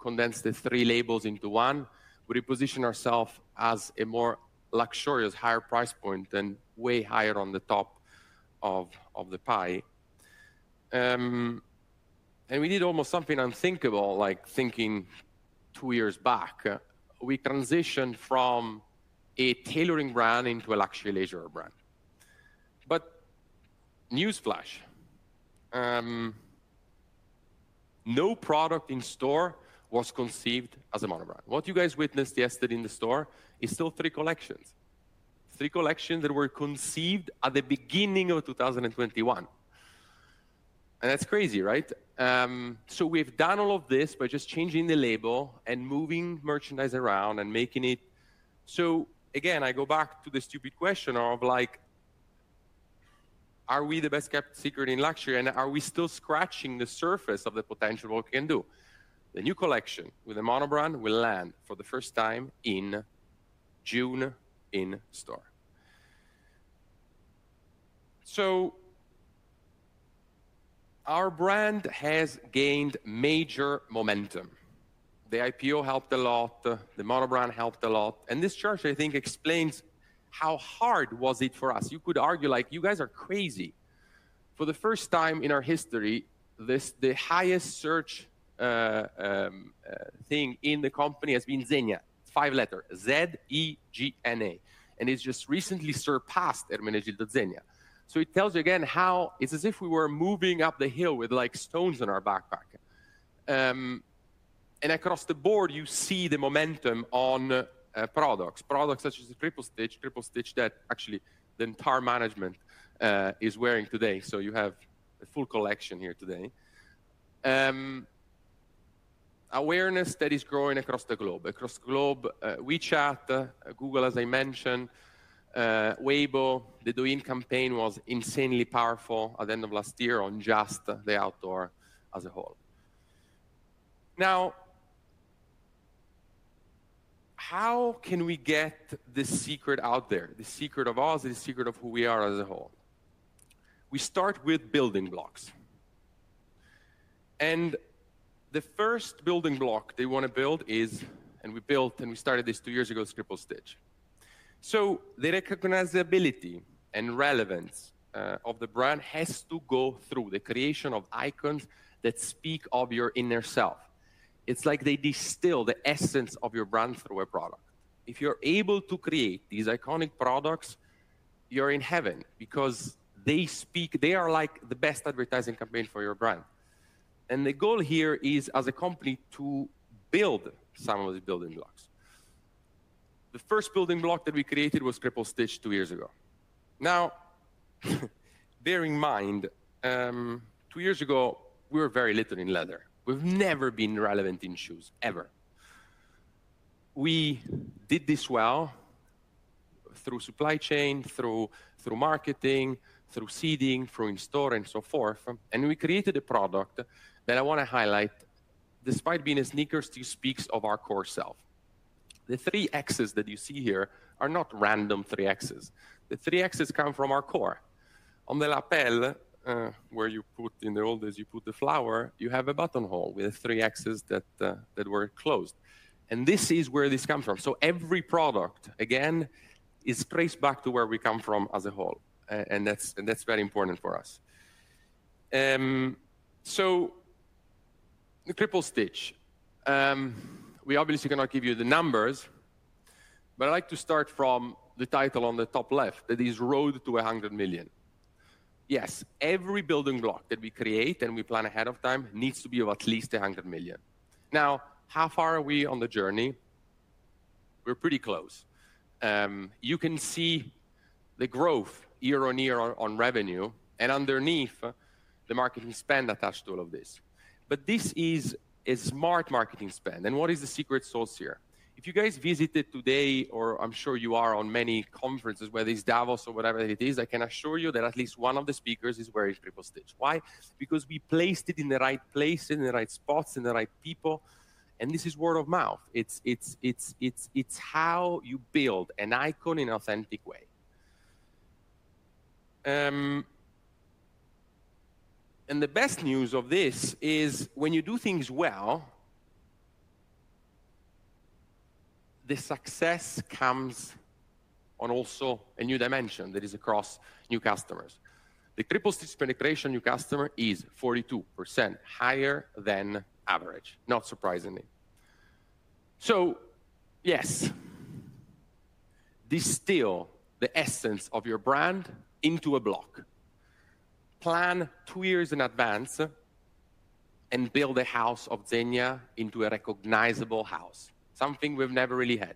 condensed the three labels into one. We reposition ourself as a more luxurious, higher price point and way higher on the top of the pie. We did almost something unthinkable, like thinking two years back. We transitioned from a tailoring brand into a luxury leisure brand. Newsflash, no product in store was conceived as a mono brand. What you guys witnessed yesterday in the store is still three collections. Three collections that were conceived at the beginning of 2021. That's crazy, right? We've done all of this by just changing the label and moving merchandise around and making it. Again, I go back to the stupid question of like, are we the best-kept secret in luxury and are we still scratching the surface of the potential what we can do? The new collection with the mono brand will land for the first time in June in store. Our brand has gained major momentum. The IPO helped a lot. The mono brand helped a lot. This chart, I think, explains how hard was it for us. You could argue like, "You guys are crazy." For the first time in our history, the highest search thing in the company has been Zegna. It's five letter: Z-E-G-N-A. It's just recently surpassed Ermenegildo Zegna. It tells you again how it's as if we were moving up the hill with like stones in our backpack. Across the board, you see the momentum on products. Products such as the Triple Stitch. Triple Stitch that actually the entire management is wearing today. You have a full collection here today. Awareness that is growing across the globe, WeChat, Google, as I mentioned, Weibo. The Douyin campaign was insanely powerful at the end of last year on just the outdoor as a whole. Now, how can we get the secret out there? The secret of us, the secret of who we are as a whole. We start with building blocks. The first building block that we wanna build, and we built and started this two years ago, is Triple Stitch. The recognizability and relevance of the brand has to go through the creation of icons that speak of your inner self. It's like they distill the essence of your brand through a product. If you're able to create these iconic products, you're in heaven because they speak. They are like the best advertising campaign for your brand. The goal here is, as a company, to build some of the building blocks. The first building block that we created was Triple Stitch two years ago. Now bear in mind, two years ago, we were very little in leather. We've never been relevant in shoes, ever. We did this well through supply chain, through marketing, through seeding, through in store, and so forth, and we created a product that I wanna highlight, despite being a sneaker, still speaks of our core self. The three X's that you see here are not random three X's. The three X's come from our core. On the lapel, where you put, in the old days, you put the flower, you have a buttonhole with three X's that were closed. This is where this comes from. Every product, again, is traced back to where we come from as a whole and that's very important for us. The Triple Stitch, we obviously cannot give you the numbers, but I like to start from the title on the top left, that is Road to 100 million. Every building block that we create and we plan ahead of time needs to be of at least 100 million. How far are we on the journey? We're pretty close. You can see the growth year-over-year on revenue and underneath the marketing spend attached to all of this. This is a smart marketing spend, and what is the secret sauce here? If you guys visited today or I'm sure you are on many conferences, whether it's Davos or whatever it is, I can assure you that at least one of the speakers is wearing Triple Stitch. Why? Because we placed it in the right place, in the right spots, in the right people, and this is word of mouth. It's how you build an Icon in authentic way. The best news of this is when you do things well, the success comes on also a new dimension that is across new customers. The Triple Stitch penetration new customer is 42% higher than average, not surprisingly. Yes, distill the essence of your brand into a block. Plan two years in advance and build a house of Zegna into a recognizable house, something we've never really had.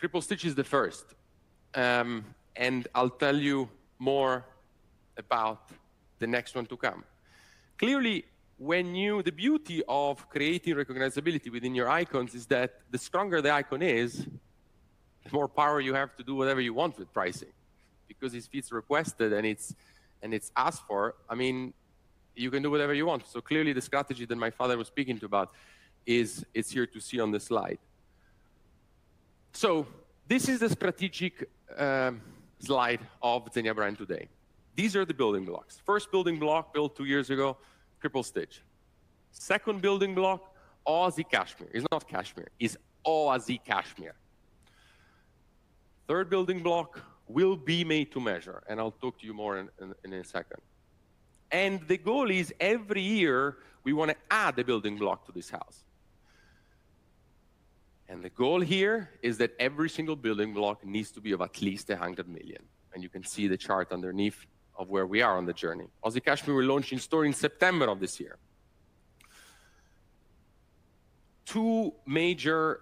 Triple Stitch is the first, and I'll tell you more about the next one to come. Clearly, the beauty of creating recognizability within your Icons is that the stronger the Icon is, the more power you have to do whatever you want with pricing because if it's requested and it's asked for, I mean, you can do whatever you want. Clearly, the strategy that my father was speaking about is here to see on the slide. This is the strategic slide of Zegna brand today. These are the building blocks. First building block built two years ago, Triple Stitch. Second building block, Oasi Cashmere. It's not cashmere, it's Oasi Cashmere. Third building block will be made to measure, and I'll talk to you more in a second. The goal is every year we wanna add a building block to this house. The goal here is that every single building block needs to be of at least 100 million, and you can see the chart underneath of where we are on the journey. Oasi Cashmere we're launching store in September of this year. Two major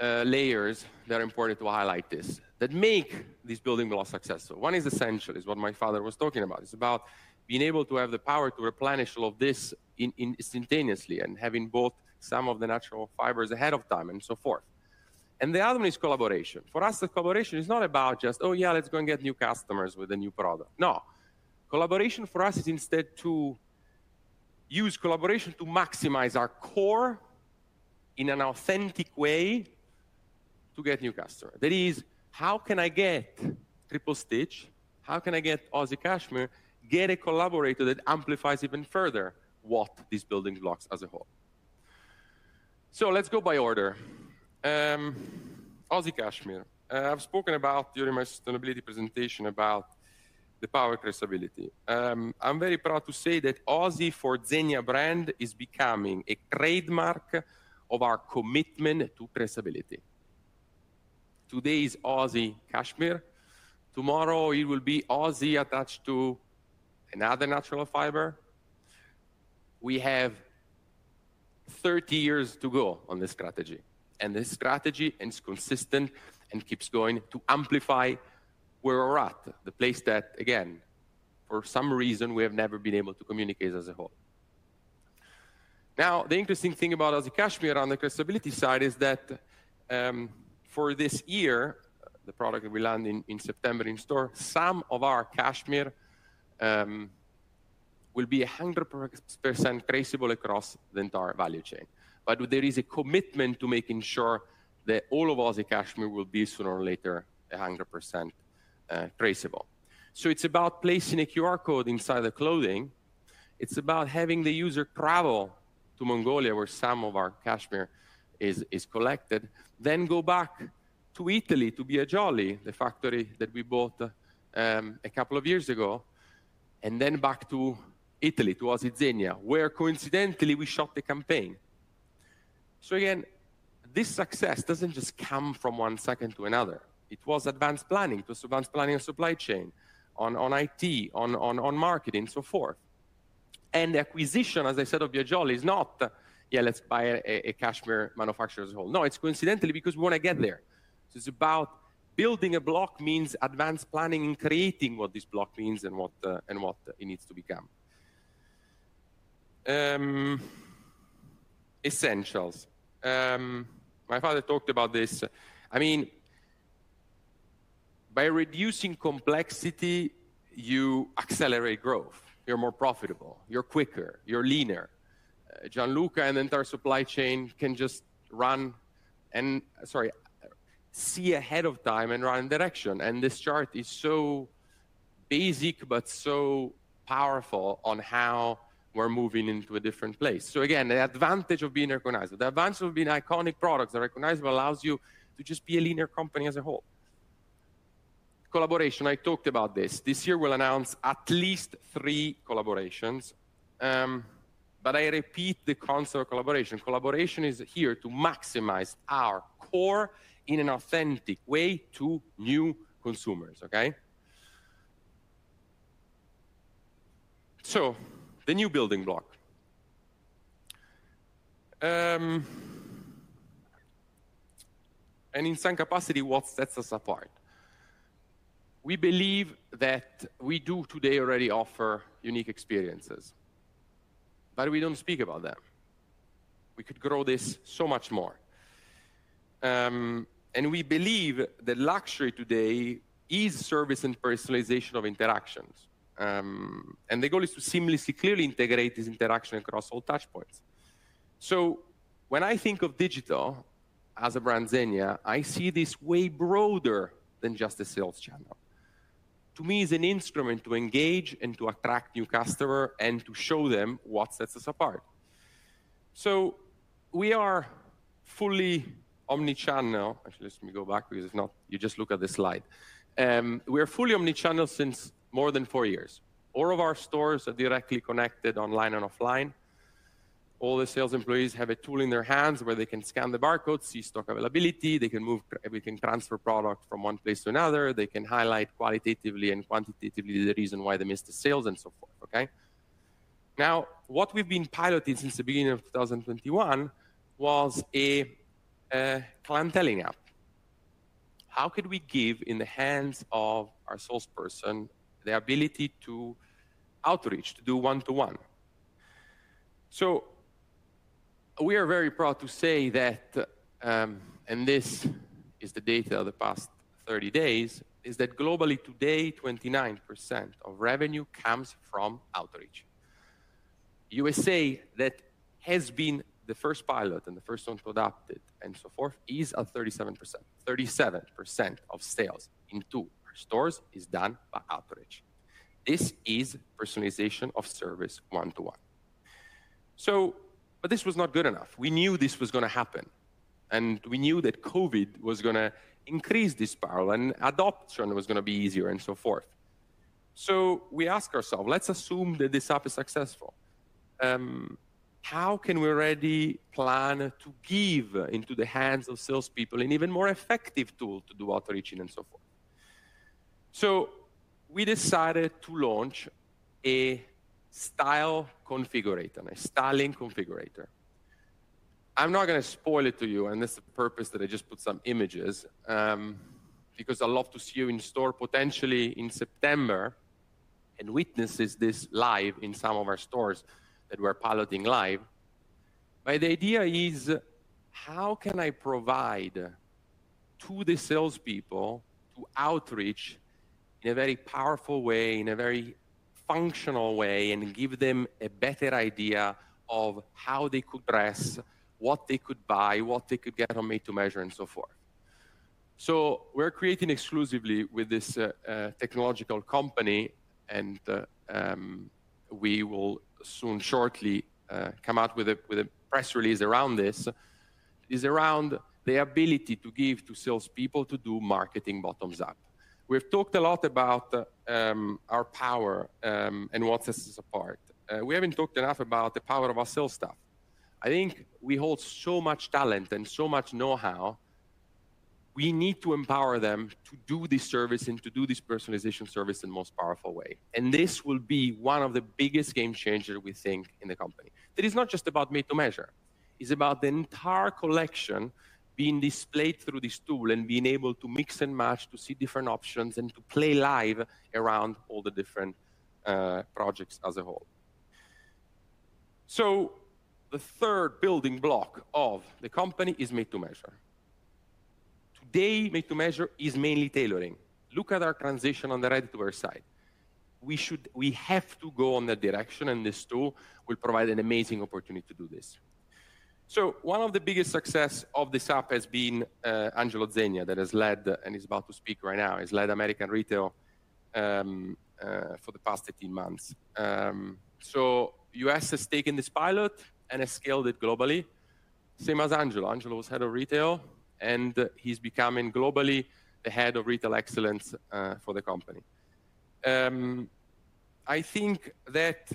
layers that are important to highlight this, that make this building block successful. One is essential. It's what my father was talking about. It's about being able to have the power to replenish all of this instantaneously and having both some of the natural fibers ahead of time and so forth. The other one is collaboration. For us, the collaboration is not about just, oh yeah, let's go and get new customers with a new product. No. Collaboration for us is instead to use collaboration to maximize our core in an authentic way to get new customer. That is, how can I get Triple Stitch, how can I get Oasi Cashmere, get a collaborator that amplifies even further what these building blocks as a whole? Let's go by order. Oasi Cashmere. I've spoken about during my sustainability presentation about the power of traceability. I'm very proud to say that Oasi for Zegna brand is becoming a trademark of our commitment to traceability. Today is Oasi Cashmere. Tomorrow it will be Oasi attached to another natural fiber. We have 30 years to go on this strategy, and this strategy is consistent and keeps going to amplify where we're at, the place that, again, for some reason we have never been able to communicate as a whole. Now, the interesting thing about Oasi Cashmere on the traceability side is that, for this year, the product will be landing in September in store, some of our cashmere will be 100% traceable across the entire value chain. There is a commitment to making sure that all of Oasi Cashmere will be sooner or later 100% traceable. It's about placing a QR code inside the clothing. It's about having the user travel to Mongolia, where some of our cashmere is collected, then go back to Italy to Biagioli, the factory that we bought a couple of years ago, and then back to Italy, to Oasi Zegna, where coincidentally we shot the campaign. Again, this success doesn't just come from one second to another. It was advanced planning. It was advanced planning and supply chain on marketing, so forth. The acquisition, as I said, of Biagioli is not, "Yeah, let's buy a cashmere manufacturer as a whole." No, it's coincidentally because we wanna get there. It's about building a block means advanced planning and creating what this block means and what it needs to become. Essentials. My father talked about this. I mean, by reducing complexity, you accelerate growth. You're more profitable. You're quicker. You're leaner. Gianluca and the entire supply chain can just see ahead of time and run in direction. This chart is so basic but so powerful on how we're moving into a different place. Again, the advantage of being recognizable. The advantage of being iconic products are recognizable allows you to just be a leaner company as a whole. Collaboration, I talked about this. This year we'll announce at least three collaborations, but I repeat the concept of collaboration. Collaboration is here to maximize our core in an authentic way to new consumers, okay? The new building block. In some capacity, what sets us apart. We believe that we do today already offer unique experiences, but we don't speak about them. We could grow this so much more. We believe that luxury today is service and personalization of interactions. The goal is to seamlessly, clearly integrate this interaction across all touch points. When I think of digital as a brand Zegna, I see this way broader than just a sales channel. To me, it's an instrument to engage and to attract new customer and to show them what sets us apart. We are fully omnichannel. Actually, let me go back because if not, you just look at the slide. We are fully omnichannel since more than four years. All of our stores are directly connected online and offline. All the sales employees have a tool in their hands where they can scan the barcode, see stock availability, we can transfer product from one place to another. They can highlight qualitatively and quantitatively the reason why they missed the sales and so forth, okay. Now, what we've been piloting since the beginning of 2021 was a clienteling app. How could we give in the hands of our salesperson the ability to outreach, to do one-to-one? We are very proud to say that, and this is the data of the past 30 days, is that globally today, 29% of revenue comes from outreach. U.S.A., that has been the first pilot and the first one to adopt it, and so forth, is at 37%. 37% of sales into our stores is done by outreach. This is personalization of service one-to-one. But this was not good enough. We knew this was gonna happen, and we knew that COVID was gonna increase this parallel, and adoption was gonna be easier, and so forth. We ask ourself, let's assume that this app is successful, how can we already plan to give into the hands of salespeople an even more effective tool to do outreaching and so forth? We decided to launch a style configurator, a styling configurator. I'm not gonna spoil it to you, and that's the purpose that I just put some images, because I'd love to see you in store potentially in September and witnesses this live in some of our stores that we're piloting live. The idea is, how can I provide to the salespeople to outreach in a very powerful way, in a very functional way, and give them a better idea of how they could dress, what they could buy, what they could get on made to measure, and so forth. We're creating exclusively with this technological company and we will soon shortly come out with a press release around this, around the ability to give to salespeople to do marketing bottom-up. We've talked a lot about our power and what sets us apart. We haven't talked enough about the power of our sales staff. I think we hold so much talent and so much know-how, we need to empower them to do this service and to do this personalization service in the most powerful way. This will be one of the biggest game changer we think in the company. That is not just about made to measure. It's about the entire collection being displayed through this tool and being able to mix and match to see different options and to play live around all the different projects as a whole. The third building block of the company is made to measure. Today, made to measure is mainly tailoring. Look at our transition on the ready-to-wear side. We have to go in that direction, and this tool will provide an amazing opportunity to do this. One of the biggest success of this app has been Angelo Zegna that has led, and he's about to speak right now, has led American retail for the past 18 months. U.S. has taken this pilot and has scaled it globally, same as Angelo. Angelo is head of retail, and he's becoming globally the head of retail excellence for the company. I think that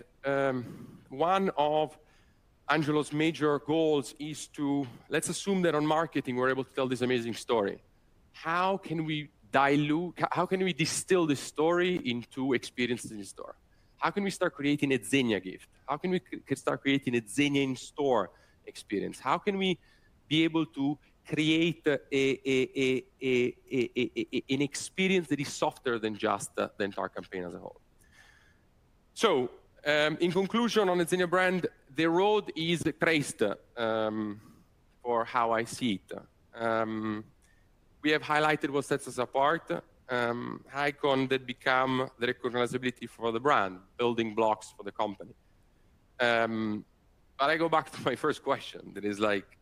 one of Angelo's major goals is to. Let's assume that on marketing, we're able to tell this amazing story. How can we distill this story into experiences in store? How can we start creating a Zegna gift? How can we could start creating a Zegna in-store experience? How can we be able to create an experience that is softer than just the entire campaign as a whole? In conclusion on the Zegna brand, the road is traced for how I see it. We have highlighted what sets us apart, icons that become the recognizability for the brand, building blocks for the company. I go back to my first question that is like,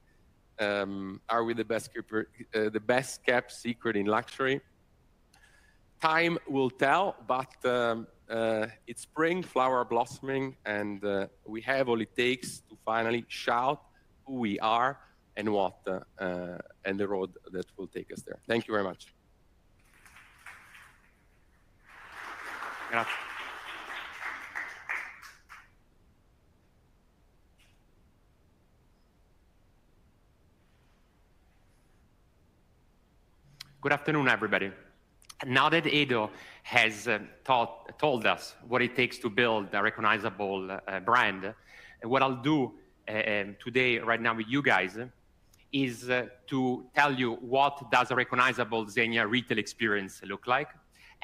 are we the best-kept secret in luxury? Time will tell, it's spring, flowers blossoming, and we have all it takes to finally shout who we are and what and the road that will take us there. Thank you very much. Grazie. Good afternoon, everybody. Now that Edo has told us what it takes to build a recognizable brand, what I'll do today right now with you guys is to tell you what a recognizable Zegna retail experience looks like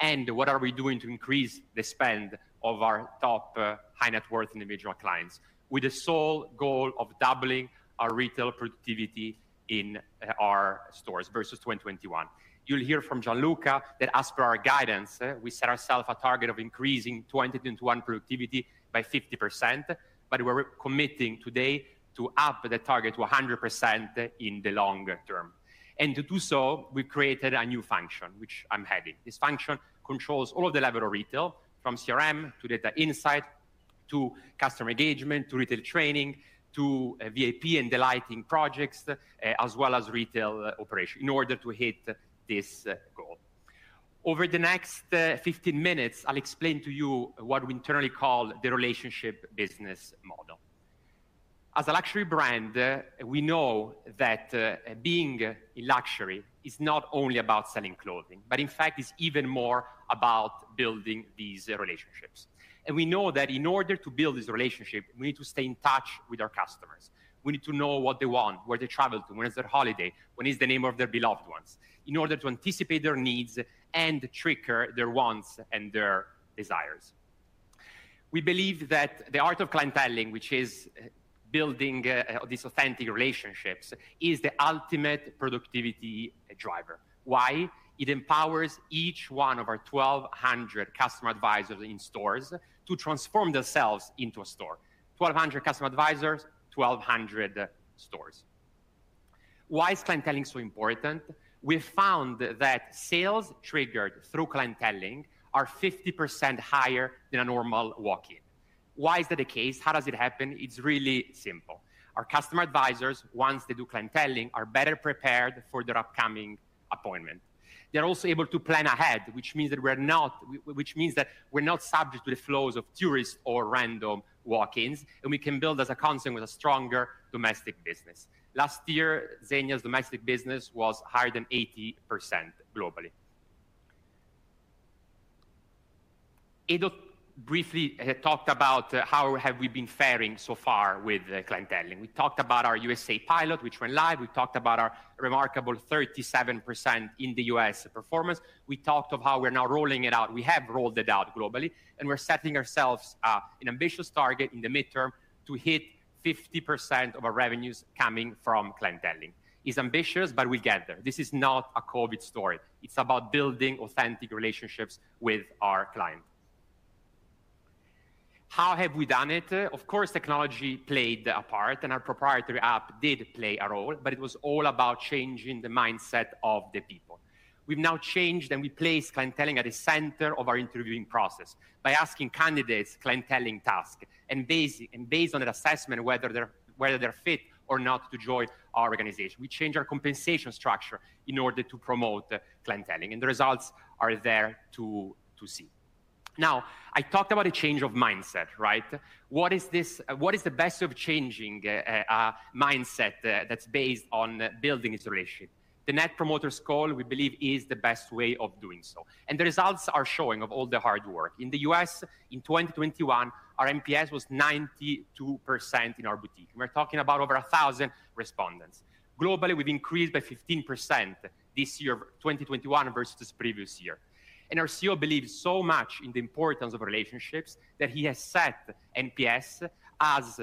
and what we are doing to increase the spend of our top high net worth individual clients with the sole goal of doubling our retail productivity in our stores versus 2021. You'll hear from Gianluca that as per our guidance, we set ourselves a target of increasing 2021 productivity by 50%, but we're committing today to up the target to 100% in the longer term. To do so, we created a new function, which I'm heading. This function controls all of the level of retail from CRM to data insight, to customer engagement, to retail training, to VIP and delighting projects, as well as retail operation in order to hit this goal. Over the next 15 minutes, I'll explain to you what we internally call the relationship business model. As a luxury brand, we know that being a luxury is not only about selling clothing, but in fact it's even more about building these relationships. We know that in order to build this relationship, we need to stay in touch with our customers. We need to know what they want, where they travel to, when is their holiday, when is the name of their beloved ones in order to anticipate their needs and trigger their wants and their desires. We believe that the art of clienteling, which is building these authentic relationships, is the ultimate productivity driver. Why? It empowers each one of our 1,200 customer advisors in stores to transform themselves into a store. 1,200 customer advisors, 1,200 stores. Why is clienteling so important? We found that sales triggered through clienteling are 50% higher than a normal walk-in. Why is that the case? How does it happen? It's really simple. Our customer advisors, once they do clienteling, are better prepared for their upcoming appointment. They're also able to plan ahead, which means that we're not subject to the flows of tourists or random walk-ins, and we can build as a company with a stronger domestic business. Last year, Zegna's domestic business was higher than 80% globally. Edo briefly talked about how we have been faring so far with clienteling. We talked about our U.S.A. pilot, which went live. We talked about our remarkable 37% in the U.S. performance. We talked of how we're now rolling it out. We have rolled it out globally, and we're setting ourselves an ambitious target in the midterm to hit 50% of our revenues coming from clienteling. It's ambitious, but we'll get there. This is not a COVID story. It's about building authentic relationships with our clients. How have we done it? Of course, technology played a part, and our proprietary app did play a role, but it was all about changing the mindset of the people. We've now changed, and we place clienteling at the center of our interviewing process by asking candidates clienteling task, and based on an assessment whether they're fit or not to join our organization. We change our compensation structure in order to promote clienteling, and the results are there to see. Now, I talked about a change of mindset, right? What is the best of changing a mindset that's based on building this relationship? The Net Promoter Score, we believe, is the best way of doing so, and the results are showing of all the hard work. In the U.S., in 2021, our NPS was 92% in our boutique. We're talking about over 1,000 respondents. Globally, we've increased by 15% this year of 2021 versus previous year. Our CEO believes so much in the importance of relationships that he has set NPS as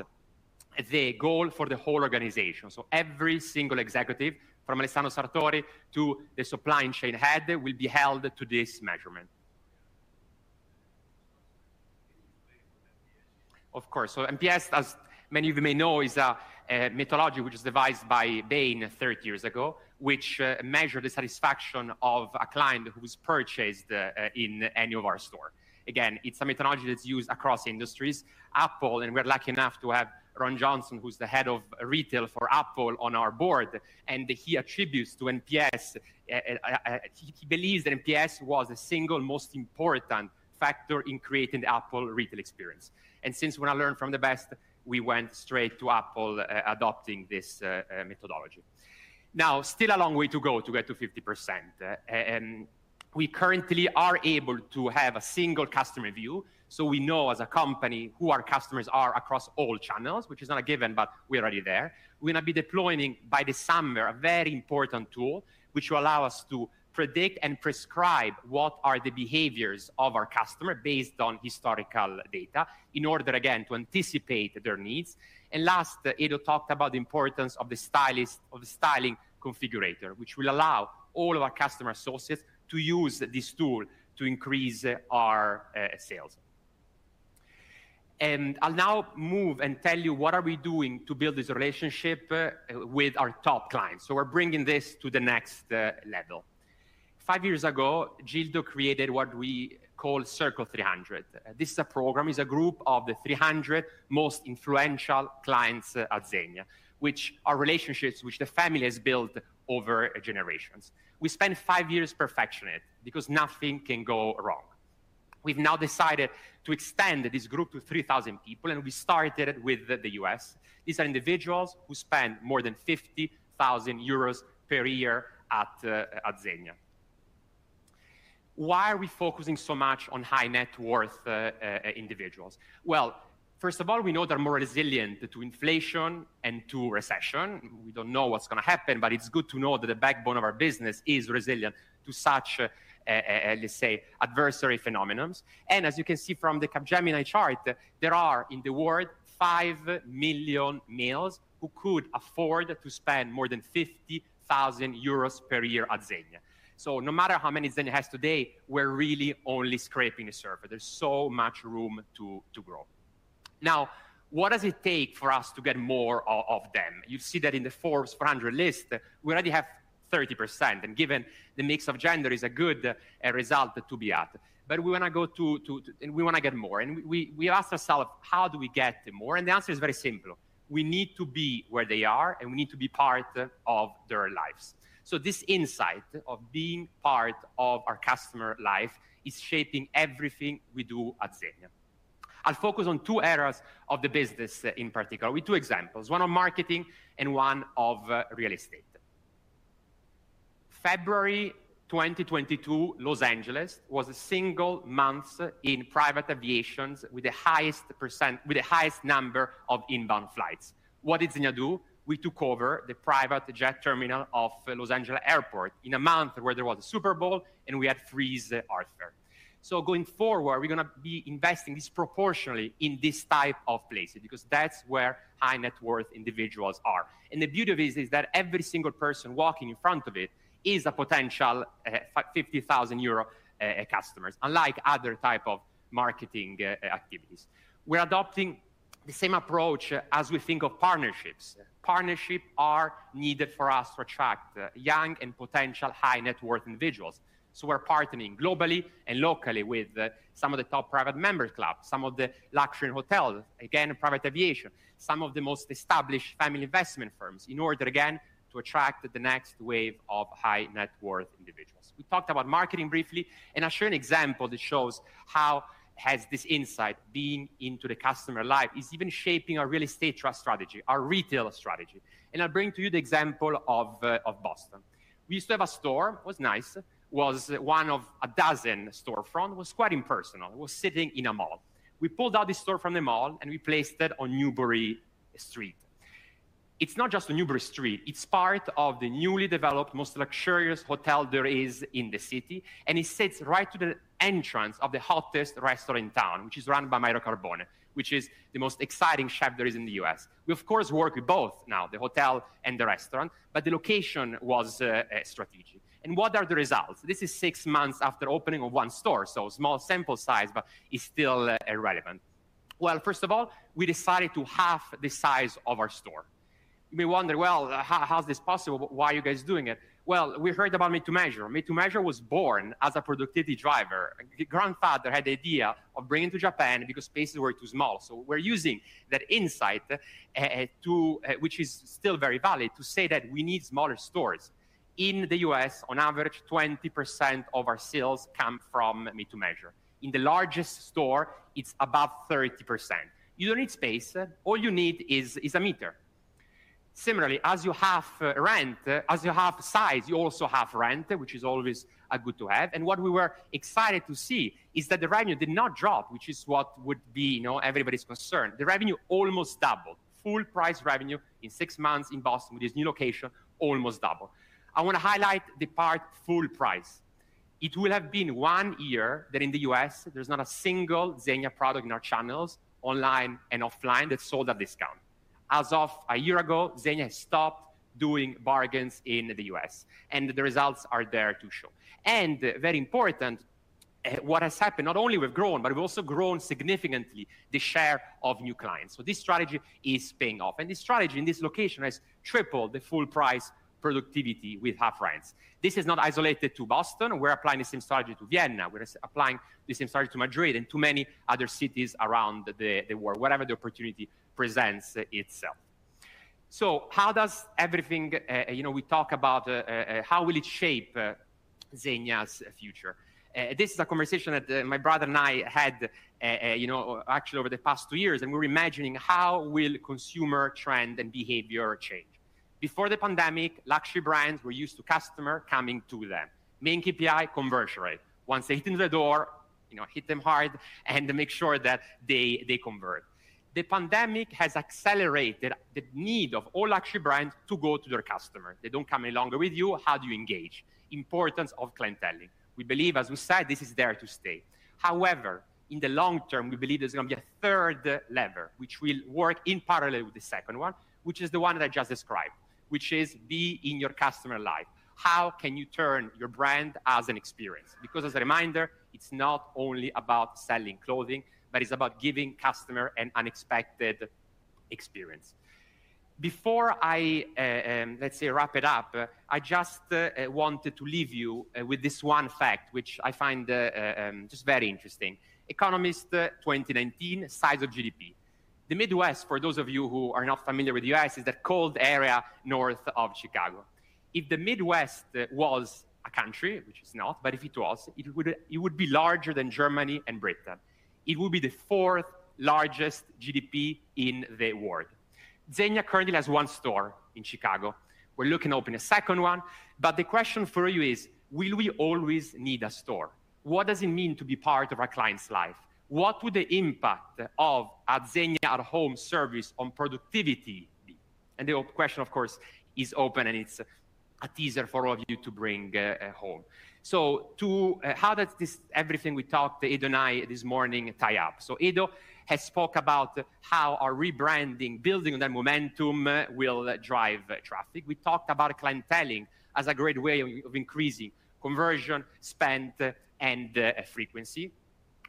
the goal for the whole organization. Every single executive, from Alessandro Sartori to the supply chain head, will be held to this measurement. Can you explain what NPS is? Of course. NPS, as many of you may know, is a methodology which was devised by Bain 30 years ago, which measure the satisfaction of a client who's purchased in any of our store. Again, it's a methodology that's used across industries. Apple, and we're lucky enough to have Ron Johnson, who's the head of retail for Apple, on our board, and he attributes to NPS, he believes that NPS was the single most important factor in creating the Apple retail experience. Since when I learned from the best, we went straight to Apple adopting this methodology. Now, still a long way to go to get to 50%, and we currently are able to have a single customer view, so we know as a company who our customers are across all channels, which is not a given, but we're already there. We're gonna be deploying by the summer a very important tool which will allow us to predict and prescribe what are the behaviors of our customer based on historical data in order, again, to anticipate their needs. Last, Edo talked about the importance of the styling configurator, which will allow all of our customer associates to use this tool to increase our sales. I'll now move and tell you what are we doing to build this relationship with our top clients. We're bringing this to the next level. five years ago, Gildo created what we call Circle 300. This is a program, it's a group of the 300 most influential clients at Zegna, which are relationships which the family has built over generations. We spent five years perfecting it because nothing can go wrong. We've now decided to expand this group to 3,000 people, and we started with the U.S.. These are individuals who spend more than 50,000 euros per year at Zegna. Why are we focusing so much on high net worth individuals? Well, first of all, we know they're more resilient to inflation and to recession. We don't know what's gonna happen, but it's good to know that the backbone of our business is resilient to such, let's say, adverse phenomena. As you can see from the Capgemini chart, there are in the world 5 million males who could afford to spend more than 50,000 euros per year at Zegna. No matter how many Zegna has today, we're really only scraping the surface. There's so much room to grow. What does it take for us to get more of them? You see that in the Forbes 400 list, we already have 30%, and given the mix of gender is a good result to be at. We wanna go to. We wanna get more. We ask ourself, "How do we get more?" The answer is very simple. We need to be where they are, and we need to be part of their lives. This insight of being part of our customer life is shaping everything we do at Zegna. I'll focus on two areas of the business in particular with two examples, one on marketing and one of real estate. February 2022, Los Angeles was a single month in private aviation with the highest number of inbound flights. What did Zegna do? We took over the private jet terminal of Los Angeles Airport in a month where there was a Super Bowl and we had Jerry Lorenzo. Going forward, we're gonna be investing disproportionately in this type of places because that's where high net worth individuals are. The beauty of it is that every single person walking in front of it is a potential 50,000 euro customers, unlike other type of marketing activities. We're adopting the same approach as we think of partnerships. Partnerships are needed for us to attract young and potential high net worth individuals. We're partnering globally and locally with some of the top private members club, some of the luxury hotels, again, private aviation, some of the most established family investment firms in order, again, to attract the next wave of high net worth individuals. We talked about marketing briefly, and I'll show you an example that shows how this insight into the customer lifecycle is even shaping our real estate trust strategy, our retail strategy, and I'll bring to you the example of Boston. We used to have a store, it was nice. It was one of a dozen storefront. It was quite impersonal. It was sitting in a mall. We pulled out the store from the mall, and we placed it on Newbury Street. It's not just on Newbury Street, it's part of the newly developed, most luxurious hotel there is in the city, and it sits right to the entrance of the hottest restaurant in town, which is run by Mario Carbone, which is the most exciting chef there is in the U.S.. We, of course, work with both now, the hotel and the restaurant, but the location was strategic. What are the results? This is six months after opening of one store, so small sample size, but it's still relevant. Well, first of all, we decided to halve the size of our store. You may wonder, well, how is this possible? Why are you guys doing it? Well, we heard about made to measure. Made to measure was born as a productivity driver. Grandfather had the idea of bringing to Japan because spaces were too small. We're using that insight, which is still very valid, to say that we need smaller stores. In the U.S., on average, 20% of our sales come from made to measure. In the largest store, it's above 30%. You don't need space. All you need is a meter. Similarly, as you half rent, as you half size, you also half rent, which is always good to have. What we were excited to see is that the revenue did not drop, which is what would be, you know, everybody's concern. The revenue almost doubled. Full price revenue in six months in Boston with this new location almost doubled. I wanna highlight the part full price. It will have been one year that in the U.S. there's not a single Zegna product in our channels online and offline that's sold at discount. As of a year ago, Zegna has stopped doing bargains in the U.S., and the results are there to show. Very important, what has happened, not only we've grown, but we've also grown significantly the share of new clients. This strategy is paying off, and this strategy in this location has tripled the full price productivity with half rents. This is not isolated to Boston. We're applying the same strategy to Vienna. We're applying the same strategy to Madrid and to many other cities around the world, wherever the opportunity presents itself. How does everything. You know, we talk about how will it shape Zegna's future. This is a conversation that my brother and I had, you know, actually over the past two years, and we were imagining how will consumer trend and behavior change. Before the pandemic, luxury brands were used to customer coming to them. Main KPI, conversion rate. Once they hit into the door, you know, hit them hard and make sure that they convert. The pandemic has accelerated the need of all luxury brands to go to their customer. They don't come any longer with you. How do you engage? Importance of clienteling. We believe, as we said, this is there to stay. However, in the long term, we believe there's gonna be a third lever which will work in parallel with the second one, which is the one that I just described, which is be in your customer life. How can you turn your brand as an experience? Because as a reminder, it's not only about selling clothing, but it's about giving customer an unexpected experience. Before I, let's say, wrap it up, I just wanted to leave you with this one fact which I find just very interesting. The Economist 2019, size of GDP. The Midwest, for those of you who are not familiar with the U.S., is that cold area north of Chicago. If the Midwest was a country, which it's not, but if it was, it would be larger than Germany and Britain. It would be the fourth largest GDP in the world. Zegna currently has one store in Chicago. We're looking to open a second one. The question for you is, will we always need a store? What does it mean to be part of our client's life? What would the impact of a Zegna at home service on productivity be? The question, of course, is open, and it's a teaser for all of you to bring home. How does this, everything we talked, Edo and I, this morning tie up? Edo has spoke about how our rebranding, building that momentum will drive traffic. We talked about clienteling as a great way of increasing conversion, spend, and frequency.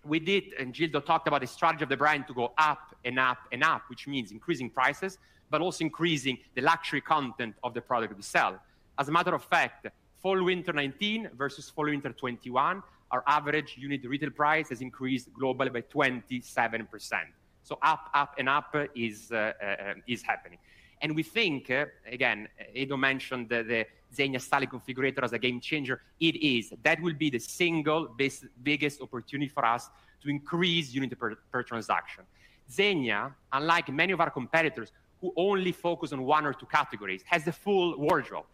We did, and Gildo talked about the strategy of the brand to go up and up and up, which means increasing prices, but also increasing the luxury content of the product we sell. As a matter of fact, fall/winter 2019 versus fall/winter 2021, our average unit retail price has increased globally by 27%. Up, up, and up is happening. We think, again, Edo mentioned the Zegna styling configurator as a game changer. It is. That will be the single biggest opportunity for us to increase unit per transaction. Zegna, unlike many of our competitors who only focus on one or two categories, has a full wardrobe.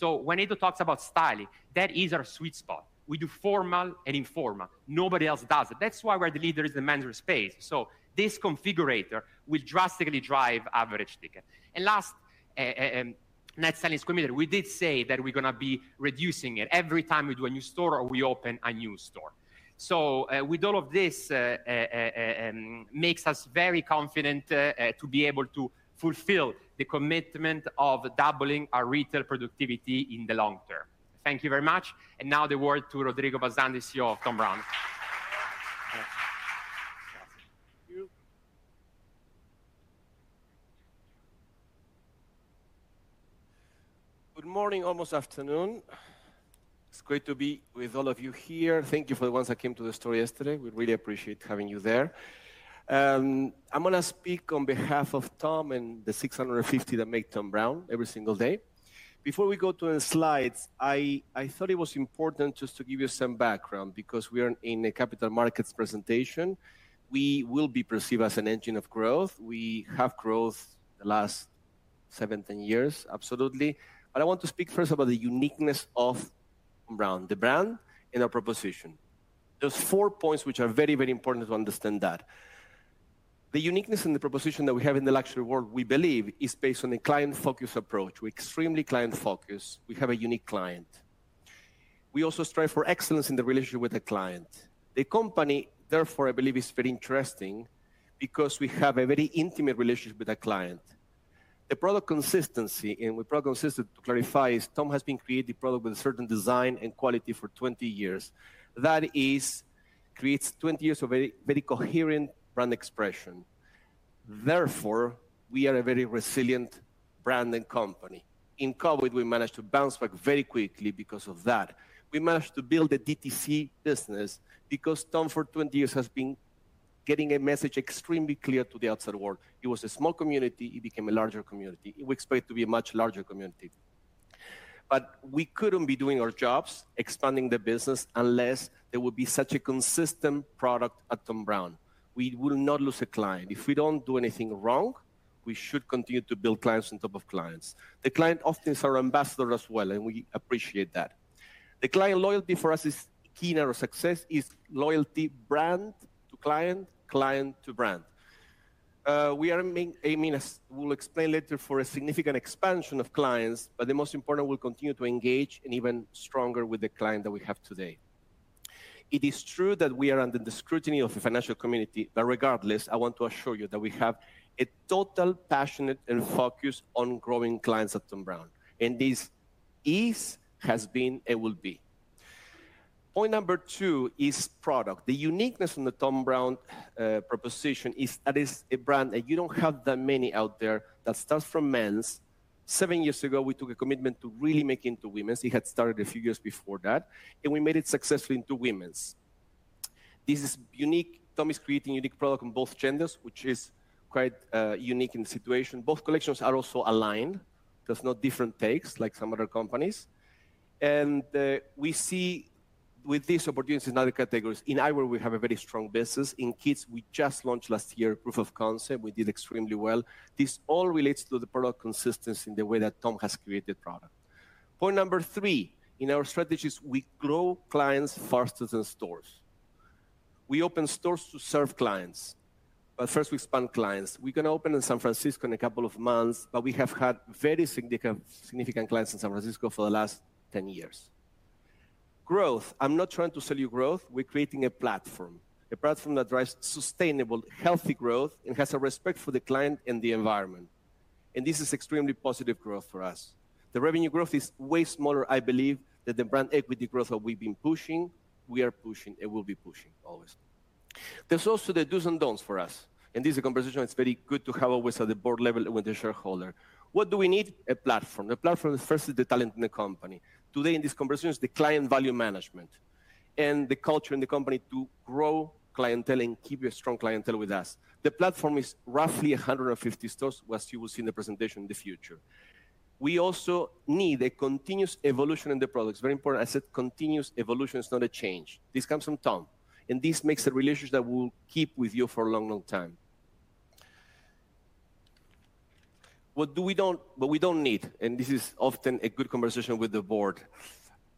When Edo talks about styling, that is our sweet spot. We do formal and informal. Nobody else does it. That's why we're the leaders in the menswear space. This configurator will drastically drive average ticket. Last, net selling square meter, we did say that we're gonna be reducing it every time we do a new store or we open a new store. With all of this, makes us very confident to be able to fulfill the commitment of doubling our retail productivity in the long term. Thank you very much. Now the word to Rodrigo Bazán, the CEO of Thom Browne. Thank you. Good morning, almost afternoon. It's great to be with all of you here. Thank you for the ones that came to the store yesterday. We really appreciate having you there. I'm gonna speak on behalf of Thom Browne and the 650 that make Thom Browne every single day. Before we go to the slides, I thought it was important just to give you some background because we are in a capital markets presentation. We will be perceived as an engine of growth. We have grown the last seven to 10 years, absolutely. I want to speak first about the uniqueness of Thom Browne, the brand and our proposition. There's four points which are very, very important to understand that. The uniqueness and the proposition that we have in the luxury world, we believe is based on a client-focused approach. We're extremely client-focused. We have a unique client. We also strive for excellence in the relationship with the client. The company, therefore, I believe is very interesting because we have a very intimate relationship with the client. The product consistency, and with product consistency, to clarify, is Thom Browne has been creating product with a certain design and quality for 20 years. That is, creates 20 years of very, very coherent brand expression. Therefore, we are a very resilient brand and company. In COVID, we managed to bounce back very quickly because of that. We managed to build a DTC business because Thom Browne for 20 years has been getting a message extremely clear to the outside world. It was a small community, it became a larger community. We expect it to be a much larger community. We couldn't be doing our jobs expanding the business unless there would be such a consistent product at Thom Browne. We will not lose a client. If we don't do anything wrong, we should continue to build clients on top of clients. The client often is our ambassador as well, and we appreciate that. The client loyalty for us is key in our success, is loyalty brand to client to brand. We are aiming, as we'll explain later, for a significant expansion of clients, but the most important, we'll continue to engage and even stronger with the client that we have today. It is true that we are under the scrutiny of the financial community, but regardless, I want to assure you that we have a total passion and focus on growing clients at Thom Browne. This is, has been, and will be. Point number two is product. The uniqueness from the Thom Browne proposition is that it's a brand that you don't have that many out there that starts from men's. Seven years ago, we took a commitment to really make into women's. It had started a few years before that, and we made it successfully into women's. This is unique. Thom is creating unique product on both genders, which is quite unique in situation. Both collections are also aligned. There's no different takes like some other companies. We see with these opportunities in other categories, in eyewear we have a very strong business. In kids, we just launched last year, proof of concept. We did extremely well. This all relates to the product consistency in the way that Thom has created product. Point number three, in our strategies, we grow clients faster than stores. We open stores to serve clients, but first we expand clients. We're gonna open in San Francisco in a couple of months, but we have had very significant clients in San Francisco for the last 10 years. Growth. I'm not trying to sell you growth. We're creating a platform, a platform that drives sustainable, healthy growth and has a respect for the client and the environment. This is extremely positive growth for us. The revenue growth is way smaller, I believe, than the brand equity growth that we've been pushing, we are pushing, and will be pushing always. There's also the do's and don'ts for us, and this is a conversation that's very good to have always at the board level and with the shareholder. What do we need? A platform. The platform is firstly the talent in the company. Today, in this conversation, is the client value management. The culture in the company to grow clientele and keep a strong clientele with us. The platform is roughly 150 stores, as you will see in the presentation in the future. We also need a continuous evolution in the products. Very important. I said continuous evolution, it's not a change. This comes from Thom, and this makes a relationship that will keep with you for a long, long time. What we don't need, and this is often a good conversation with the board,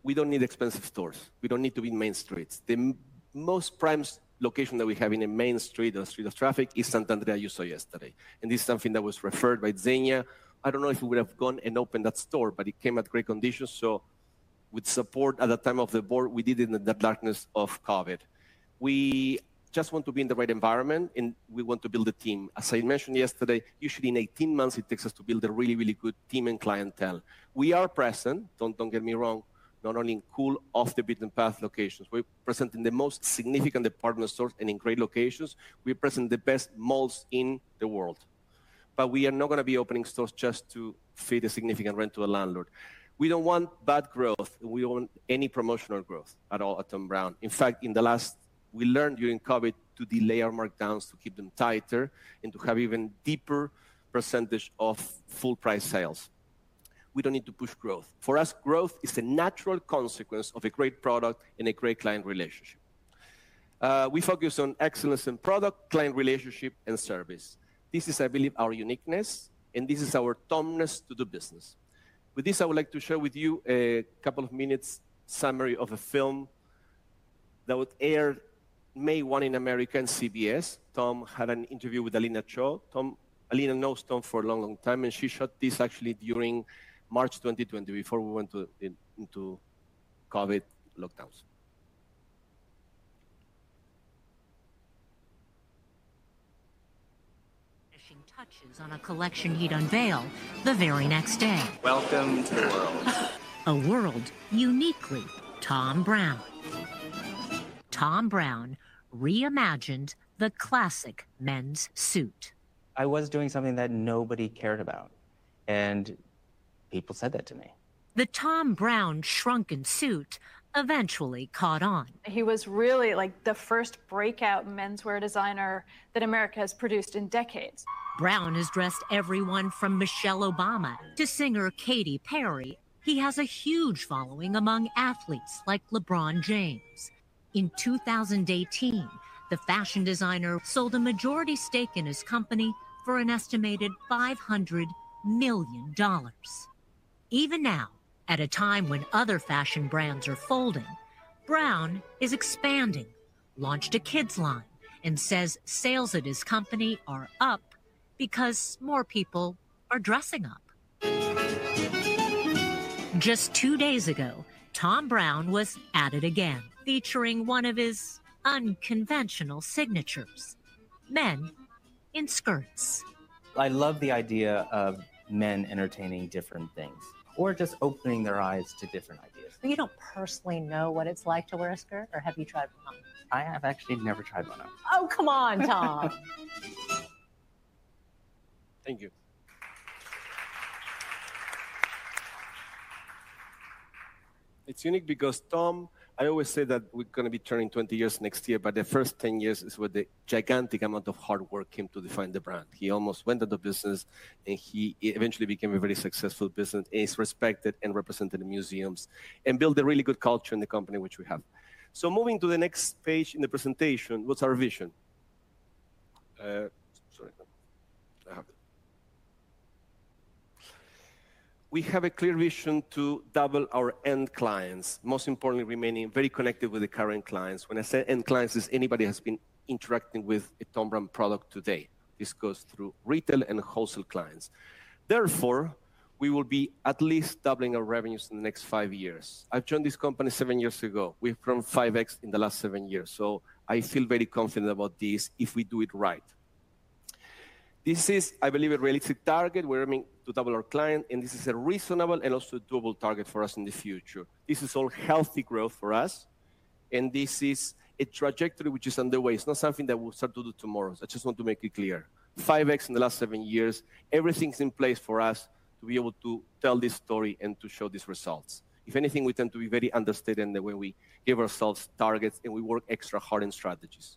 we don't need expensive stores. We don't need to be in main streets. The most prime location that we have in a main street, a street of traffic, is Via Sant'Andrea that you saw yesterday, and this is something that was referred by Zegna. I don't know if we would have gone and opened that store, but it came at great conditions, so with support at that time of the board, we did it in the darkness of COVID. We just want to be in the right environment, and we want to build a team. As I mentioned yesterday, usually in 18 months it takes us to build a really, really good team and clientele. We are present, don't get me wrong, not only in cool, off the beaten path locations. We're present in the most significant department stores and in great locations. We are present in the best malls in the world. We are not gonna be opening stores just to fit a significant rent to a landlord. We don't want bad growth. We don't want any promotional growth at all at Thom Browne. In fact, in the last. We learned during COVID to delay our markdowns, to keep them tighter, and to have even deeper percentage of full price sales. We don't need to push growth. For us, growth is a natural consequence of a great product and a great client relationship. We focus on excellence in product, client relationship, and service. This is, I believe, our uniqueness, and this is our Thomness to do business. With this, I would like to share with you a couple of minutes summary of a film that would air May 1 in American CBS. Thom had an interview with Alina Cho. Alina knows Thom for a long, long time, and she shot this actually during March 2020, before we went into COVID lockdowns. Finishing touches on a collection he'd unveil the very next day. Welcome to my world. A world uniquely Thom Browne. Thom Browne reimagined the classic men's suit. I was doing something that nobody cared about, and people said that to me. The Thom Browne shrunken suit eventually caught on. He was really, like, the first breakout menswear designer that America has produced in decades. Browne has dressed everyone from Michelle Obama to singer Katy Perry. He has a huge following among athletes like LeBron James. In 2018, the fashion designer sold a majority stake in his company for an estimated $500 million. Even now, at a time when other fashion brands are folding, Browne is expanding, launched a kids line, and says sales at his company are up because more people are dressing up. Just two days ago, Thom Browne was at it again, featuring one of his unconventional signatures, men in skirts. I love the idea of men entertaining different things or just opening their eyes to different ideas. You don't personally know what it's like to wear a skirt, or have you tried one on? I have actually never tried one on. Oh, come on, Thom. Thank you. It's unique because Thom Browne, I always say that we're gonna be turning 20 years next year, but the first 10 years is where the gigantic amount of hard work came to define the brand. He almost went out of business, and he eventually became a very successful business and is respected and represented in museums and built a really good culture in the company, which we have. Moving to the next page in the presentation, what's our vision? We have a clear vision to double our end clients, most importantly remaining very connected with the current clients. When I say end clients, it's anybody that's been interacting with a Thom Browne product today. This goes through retail and wholesale clients. Therefore, we will be at least doubling our revenues in the next five years. I've joined this company seven years ago. We've grown 5x in the last seven years, so I feel very confident about this if we do it right. This is, I believe, a realistic target. We're aiming to double our clients, and this is a reasonable and also doable target for us in the future. This is all healthy growth for us, and this is a trajectory which is underway. It's not something that we'll start to do tomorrow. I just want to make it clear. 5x in the last seven years, everything's in place for us to be able to tell this story and to show these results. If anything, we tend to be very understated in the way we give ourselves targets, and we work extra hard in strategies.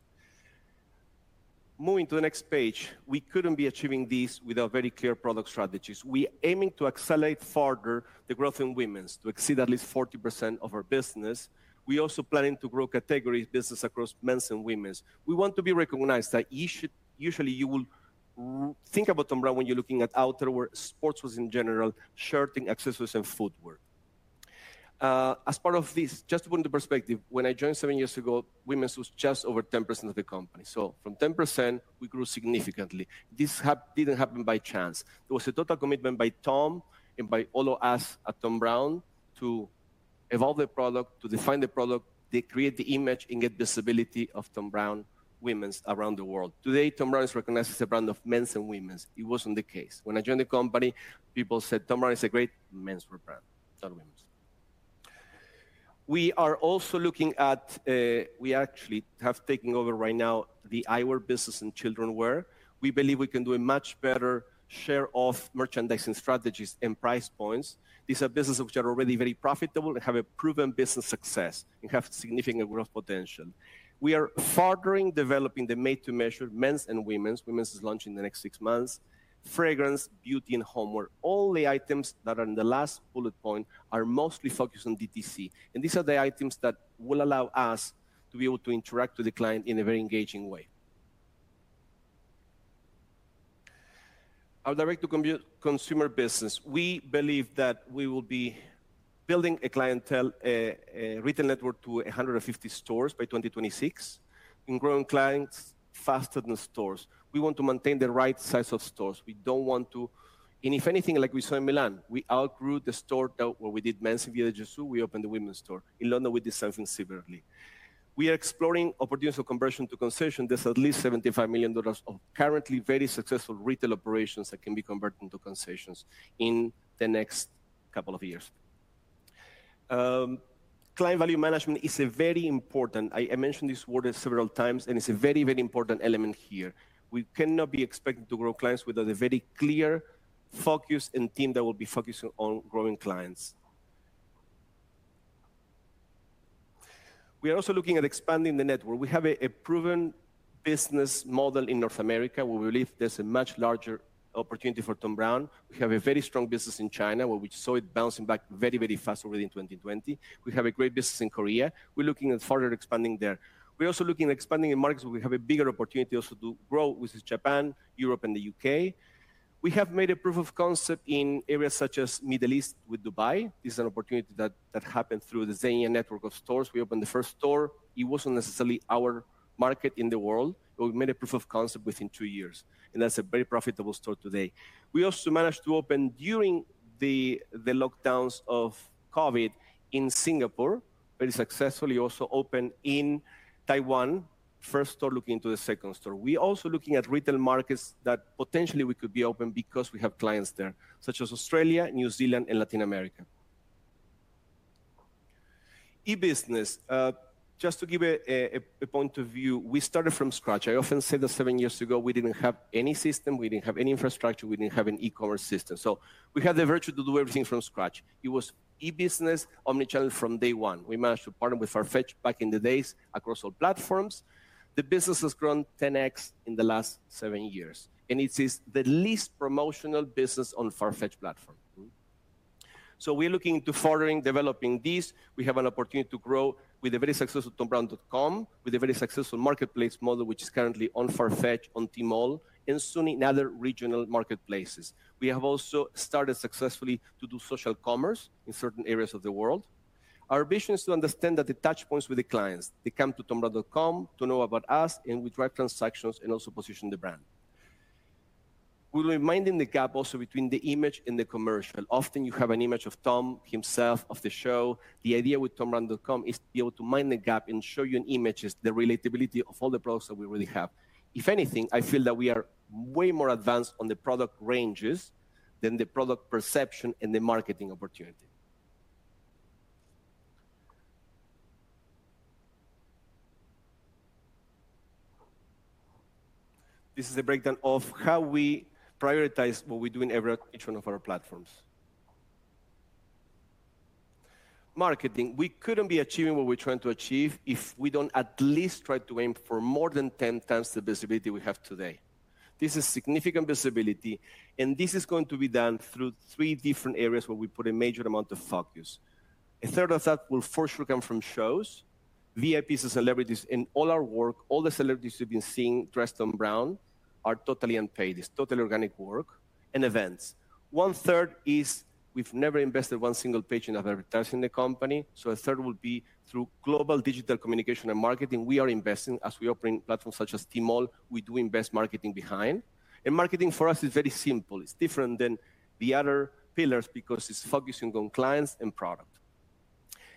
Moving to the next page, we couldn't be achieving this without very clear product strategies. We're aiming to accelerate further the growth in women's, to exceed at least 40% of our business. We're also planning to grow categories business across men's and women's. We want to be recognized that usually you will think about Thom Browne when you're looking at outerwear, sportswear in general, shirting, accessories, and footwear. As part of this, just to put into perspective, when I joined seven years ago, women's was just over 10% of the company. From 10%, we grew significantly. This didn't happen by chance. There was a total commitment by Thom and by all of us at Thom Browne to evolve the product, to define the product, to create the image, and get visibility of Thom Browne women's around the world. Today, Thom Browne is recognized as a brand of men's and women's. It wasn't the case. When I joined the company, people said, "Thom Browne is a great menswear brand, not women's." We are also looking at, we actually have taken over right now the eyewear business and children's wear. We believe we can do a much better share of merchandise and strategies and price points. These are businesses which are already very profitable and have a proven business success and have significant growth potential. We are furthering developing the made-to-measure men's and women's is launching in the next six months, fragrance, beauty, and homeware. All the items that are in the last bullet point are mostly focused on DTC, and these are the items that will allow us to be able to interact with the client in a very engaging way. Our direct-to-consumer business, we believe that we will be building a clientele, a retail network to 150 stores by 2026 and growing clients faster than stores. We want to maintain the right size of stores. We don't want to. If anything, like we saw in Milan, we outgrew the store where we did men's in Via Gesù, we opened the women's store. In London, we did something similar. We are exploring opportunities for conversion to concession. There's at least $75 million of currently very successful retail operations that can be converted into concessions in the next couple of years. Client value management is a very important. I mentioned this word several times, and it's a very, very important element here. We cannot be expected to grow clients without a very clear focus and team that will be focusing on growing clients. We are also looking at expanding the network. We have a proven business model in North America, where we believe there's a much larger opportunity for Thom Browne. We have a very strong business in China, where we saw it bouncing back very, very fast already in 2020. We have a great business in Korea. We're looking at further expanding there. We're also looking at expanding in markets where we have a bigger opportunity also to grow, which is Japan, Europe, and the U.K.. We have made a proof of concept in areas such as Middle East with Dubai. This is an opportunity that happened through the Zegna network of stores. We opened the first store. It wasn't necessarily our market in the world, but we made a proof of concept within two years, and that's a very profitable store today. We also managed to open during the lockdowns of COVID in Singapore, very successfully also opened in Taiwan, first store, looking into the second store. We're also looking at retail markets that potentially we could be open because we have clients there, such as Australia, New Zealand, and Latin America. E-business, just to give a point of view, we started from scratch. I often say that seven years ago, we didn't have any system. We didn't have any infrastructure. We didn't have an e-commerce system. So we had the virtue to do everything from scratch. It was e-business, omnichannel from day one. We managed to partner with Farfetch back in the days across all platforms. The business has grown 10x in the last seven years, and it is the least promotional business on Farfetch platform. We're looking to furthering developing this. We have an opportunity to grow with a very successful thombrowne.com, with a very successful marketplace model, which is currently on Farfetch, on Tmall, and soon in other regional marketplaces. We have also started successfully to do social commerce in certain areas of the world. Our vision is to understand that the touchpoints with the clients, they come to thombrowne.com to know about us, and we drive transactions and also position the brand. We're minding the gap also between the image and the commercial. Often, you have an image of Thom himself, of the show. The idea with thombrowne.com is to be able to mind the gap and show you in images the relatability of all the products that we really have. If anything, I feel that we are way more advanced on the product ranges than the product perception and the marketing opportunity. This is a breakdown of how we prioritize what we do in every, each one of our platforms. Marketing, we couldn't be achieving what we're trying to achieve if we don't at least try to aim for more than 10x the visibility we have today. This is significant visibility, and this is going to be done through three different areas where we put a major amount of focus. A third of that will for sure come from shows, VIPs and celebrities, and all our work, all the celebrities you've been seeing dressed Thom Browne are totally unpaid. It's totally organic work and events. One third is we've never invested one single page in advertising the company, so a third will be through global digital communication and marketing. We are investing as we operate platforms such as Tmall. We do invest marketing behind. Marketing for us is very simple. It's different than the other pillars because it's focusing on clients and product.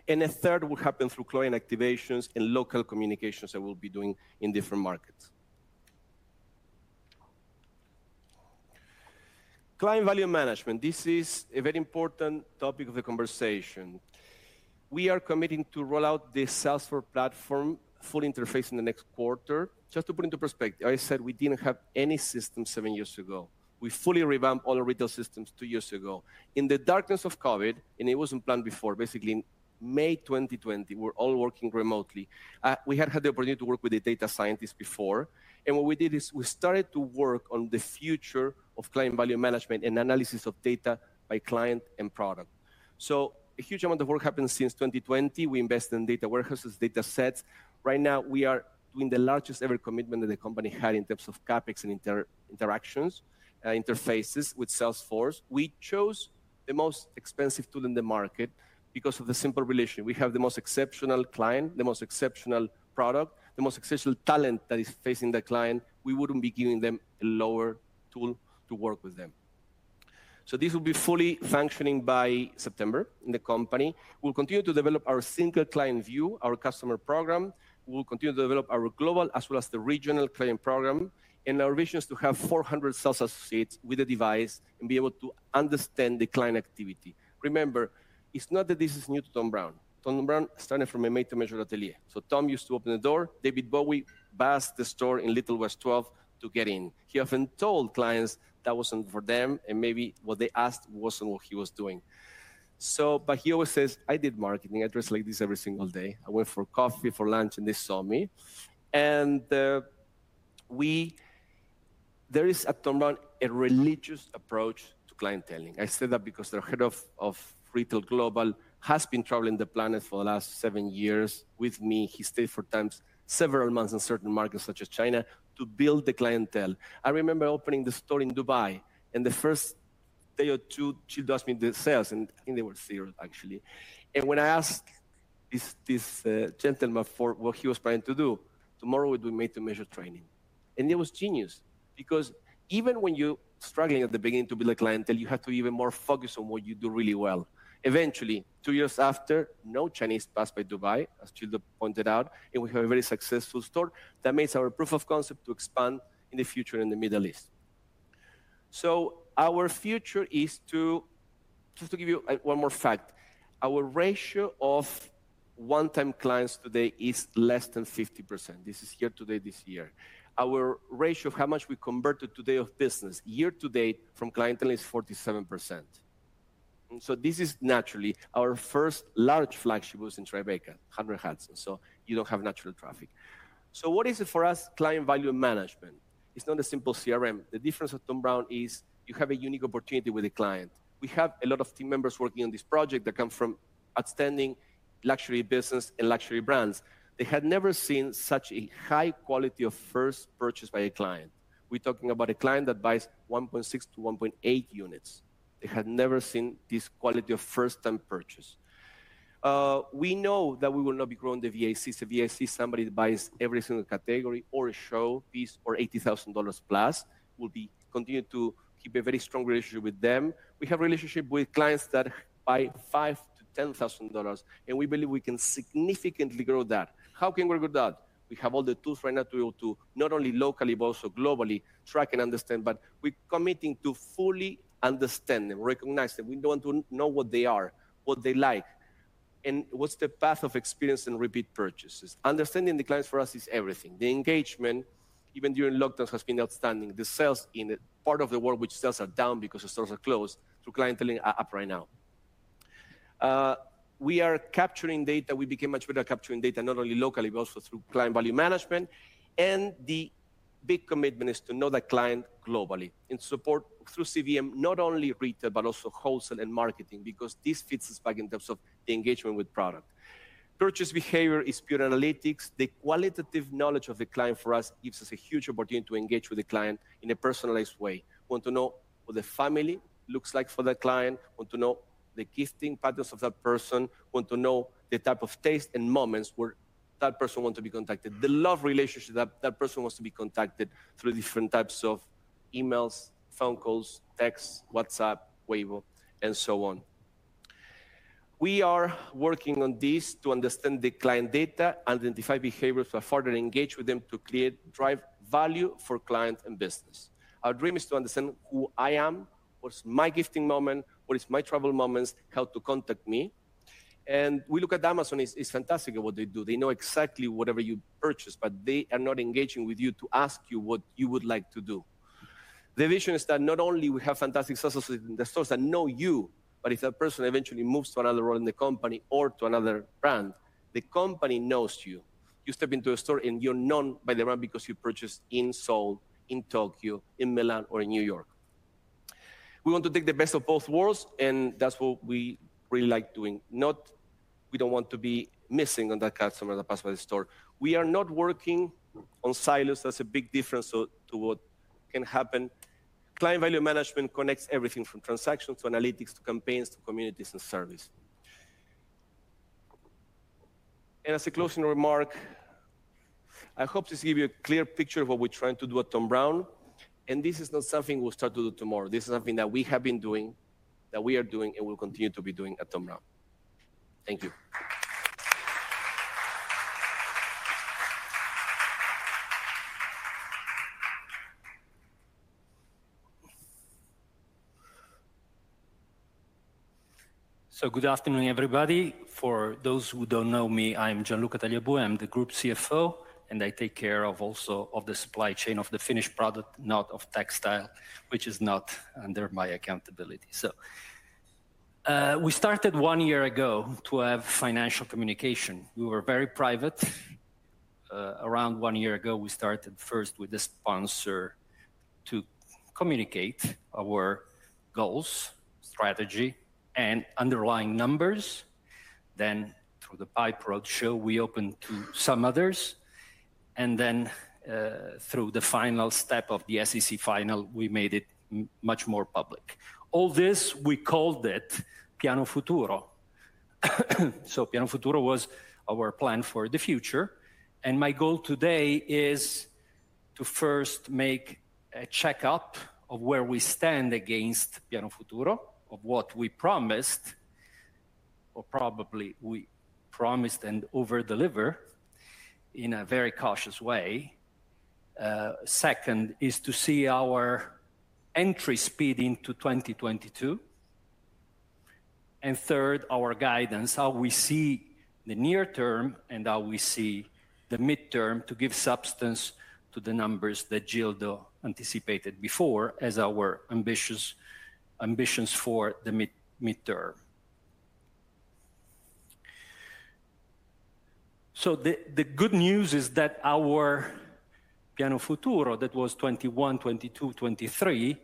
A third will happen through client activations and local communications that we'll be doing in different markets. Client value management, this is a very important topic of the conversation. We are committing to roll out the Salesforce platform full interface in the next quarter. Just to put into perspective, I said we didn't have any system seven years ago. We fully revamped all our retail systems two years ago. In the darkness of COVID, and it wasn't planned before, basically in May 2020, we're all working remotely, we had had the opportunity to work with a data scientist before, and what we did is we started to work on the future of client value management and analysis of data by client and product. A huge amount of work happened since 2020. We invested in data warehouses, data sets. Right now, we are doing the largest ever commitment that the company had in terms of CapEx and interactions, interfaces with Salesforce. We chose the most expensive tool in the market because of the simple relation. We have the most exceptional client, the most exceptional product, the most exceptional talent that is facing the client. We wouldn't be giving them a lower tool to work with them. This will be fully functioning by September in the company. We'll continue to develop our single client view, our customer program. We'll continue to develop our global as well as the regional client program, and our vision is to have 400 sales associates with a device and be able to understand the client activity. Remember, it's not that this is new to Thom Browne. Thom Browne started from a made-to-measure atelier. Thom used to open the door. David Bowie buzzed the store in Little West 12th to get in. He often told clients that wasn't for them, and maybe what they asked wasn't what he was doing. He always says, "I did marketing. I dressed like this every single day. I went for coffee, for lunch, and they saw me." There is at Thom Browne a religious approach to clienteling. I say that because their head of retail global has been traveling the planet for the last seven years with me. He stayed at times several months in certain markets such as China to build the clientele. I remember opening the store in Dubai, and the first day or two, she'd asked me the sales, and I think they were zero actually. When I asked this gentleman for what he was planning to do, tomorrow we do made-to-measure training. It was genius because even when you're struggling at the beginning to build a clientele, you have to even more focus on what you do really well. Eventually, two years after, now Chinese pass by Dubai, as Gildo pointed out, and we have a very successful store that makes our proof of concept to expand in the future in the Middle East. Just to give you, one more fact, our ratio of one-time clients today is less than 50%. This is year-to-date this year. Our ratio of how much we converted to date of business year to date from clientele is 47%. This is naturally our first large flagship was in Tribeca, 100 Hudson, so you don't have natural traffic. What is it for us, client value management? It's not a simple CRM. The difference with Thom Browne is you have a unique opportunity with a client. We have a lot of team members working on this project that come from outstanding luxury business and luxury brands. They had never seen such a high quality of first purchase by a client. We're talking about a client that buys 1.6-1.8 units. They had never seen this quality of first-time purchase. We know that we will not be growing the VIC. VIC is somebody that buys every single category or a show piece or $80,000+. We'll be continuing to keep a very strong relationship with them. We have relationship with clients that buy $5,000-$10,000, and we believe we can significantly grow that. How can we grow that? We have all the tools right now to be able to not only locally but also globally track and understand, but we're committing to fully understand and recognize that we want to know what they are, what they like, and what's the path of experience in repeat purchases. Understanding the clients for us is everything. The engagement, even during lockdown, has been outstanding. The sales in part of the world which sales are down because the stores are closed, through clienteling are up right now. We are capturing data. We became much better at capturing data, not only locally, but also through client value management. The big commitment is to know that client globally and support through CVM, not only retail, but also wholesale and marketing, because this feeds us back in terms of the engagement with product. Purchase behavior is pure analytics. The qualitative knowledge of the client for us gives us a huge opportunity to engage with the client in a personalized way. Want to know what the family looks like for that client. Want to know the gifting patterns of that person. Want to know the type of taste and moments where that person want to be contacted. The long relationship that person wants to be contacted through different types of emails, phone calls, texts, WhatsApp, Weibo, and so on. We are working on this to understand the client data, identify behaviors to further engage with them to create, drive value for client and business. Our dream is to understand who I am, what's my gifting moment, what is my travel moments, how to contact me. We look at Amazon is fantastic at what they do. They know exactly whatever you purchase, but they are not engaging with you to ask you what you would like to do. The vision is that not only we have fantastic sales associates in the stores that know you, but if that person eventually moves to another role in the company or to another brand, the company knows you. You step into a store, and you're known by the brand because you purchased in Seoul, in Tokyo, in Milan, or in New York. We want to take the best of both worlds, and that's what we really like doing. We don't want to be missing on that customer that pass by the store. We are not working on silos. That's a big difference to what can happen. Client value management connects everything from transactions to analytics to campaigns to communities and service. As a closing remark, I hope this give you a clear picture of what we're trying to do at Thom Browne, and this is not something we'll start to do tomorrow. This is something that we have been doing, that we are doing, and will continue to be doing at Thom Browne. Thank you. Good afternoon, everybody. For those who don't know me, I'm Gianluca Tagliabue. I'm the group CFO, and I take care of also of the supply chain of the finished product, not of textile, which is not under my accountability. We started one year ago to have financial communication. We were very private. Around one year ago, we started first with a sponsor to communicate our goals, strategy, and underlying numbers. Through the IPO roadshow, we opened to some others, and then, through the final step of the SEC filing, we made it much more public. All this, we called it Piano Futuro. Piano Futuro was our plan for the future, and my goal today is to first make a checkup of where we stand against Piano Futuro, of what we promised, or probably we promised and over-deliver in a very cautious way. Second is to see our entry speed into 2022. Third, our guidance, how we see the near term and how we see the midterm to give substance to the numbers that Gildo anticipated before as our ambitious ambitions for the midterm. The good news is that our Piano Futuro, that was 2021, 2022, 2023,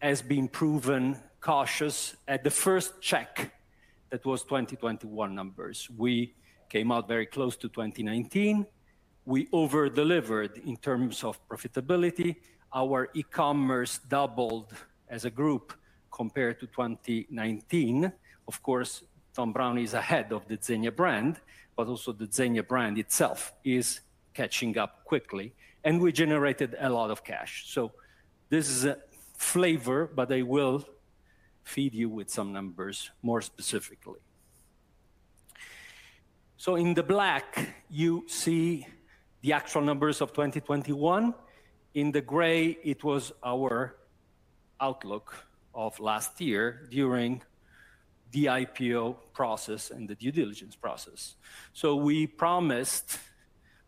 has been proven cautious at the first check. That was 2021 numbers. We came out very close to 2019. We over-delivered in terms of profitability. Our e-commerce doubled as a group compared to 2019. Of course, Thom Browne is ahead of the Zegna brand, but also the Zegna brand itself is catching up quickly, and we generated a lot of cash. This is a flavor, but I will feed you with some numbers more specifically. In the black, you see the actual numbers of 2021. In the gray, it was our outlook of last year during the IPO process and the due diligence process. We promised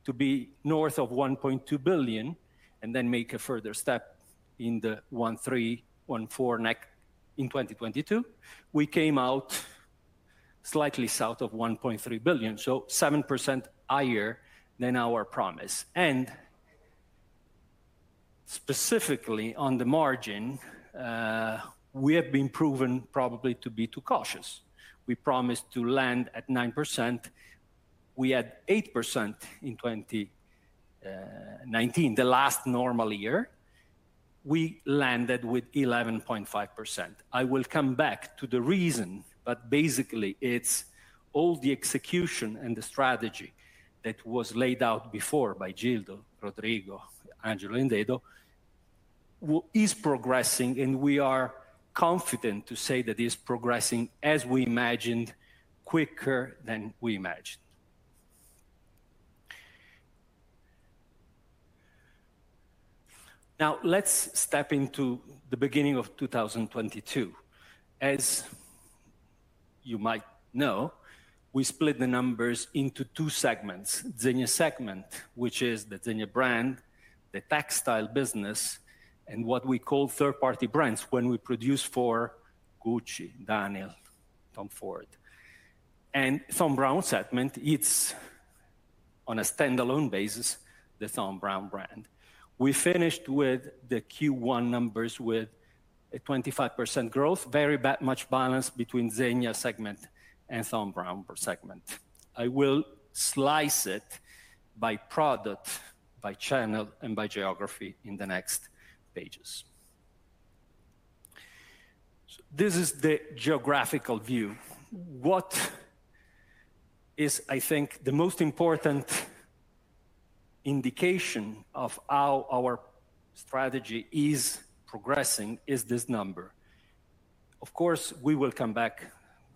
to be north of 1.2 billion and then make a further step in the 1.3 billion-1.4 billion range in 2022. We came out slightly south of 1.3 billion, so 7% higher than our promise. Specifically, on the margin, we have been proven probably to be too cautious. We promised to land at 9%. We had 8% in 2019, the last normal year. We landed with 11.5%. I will come back to the reason, but basically, it's all the execution and the strategy that was laid out before by Gildo, Rodrigo, Angelo, and Edo is progressing, and we are confident to say that it is progressing as we imagined, quicker than we imagined. Now, let's step into the beginning of 2022. As you might know, we split the numbers into two segments. Zegna segment, which is the Zegna brand, the textile business, and what we call third-party brands, when we produce for Gucci, Dunhill, Tom Ford. Thom Browne segment, it's on a standalone basis, the Thom Browne brand. We finished with the Q1 numbers with a 25% growth, very much balanced between Zegna segment and Thom Browne segment. I will slice it by product, by channel, and by geography in the next pages. This is the geographical view. What is, I think, the most important indication of how our strategy is progressing is this number. Of course, we will come back,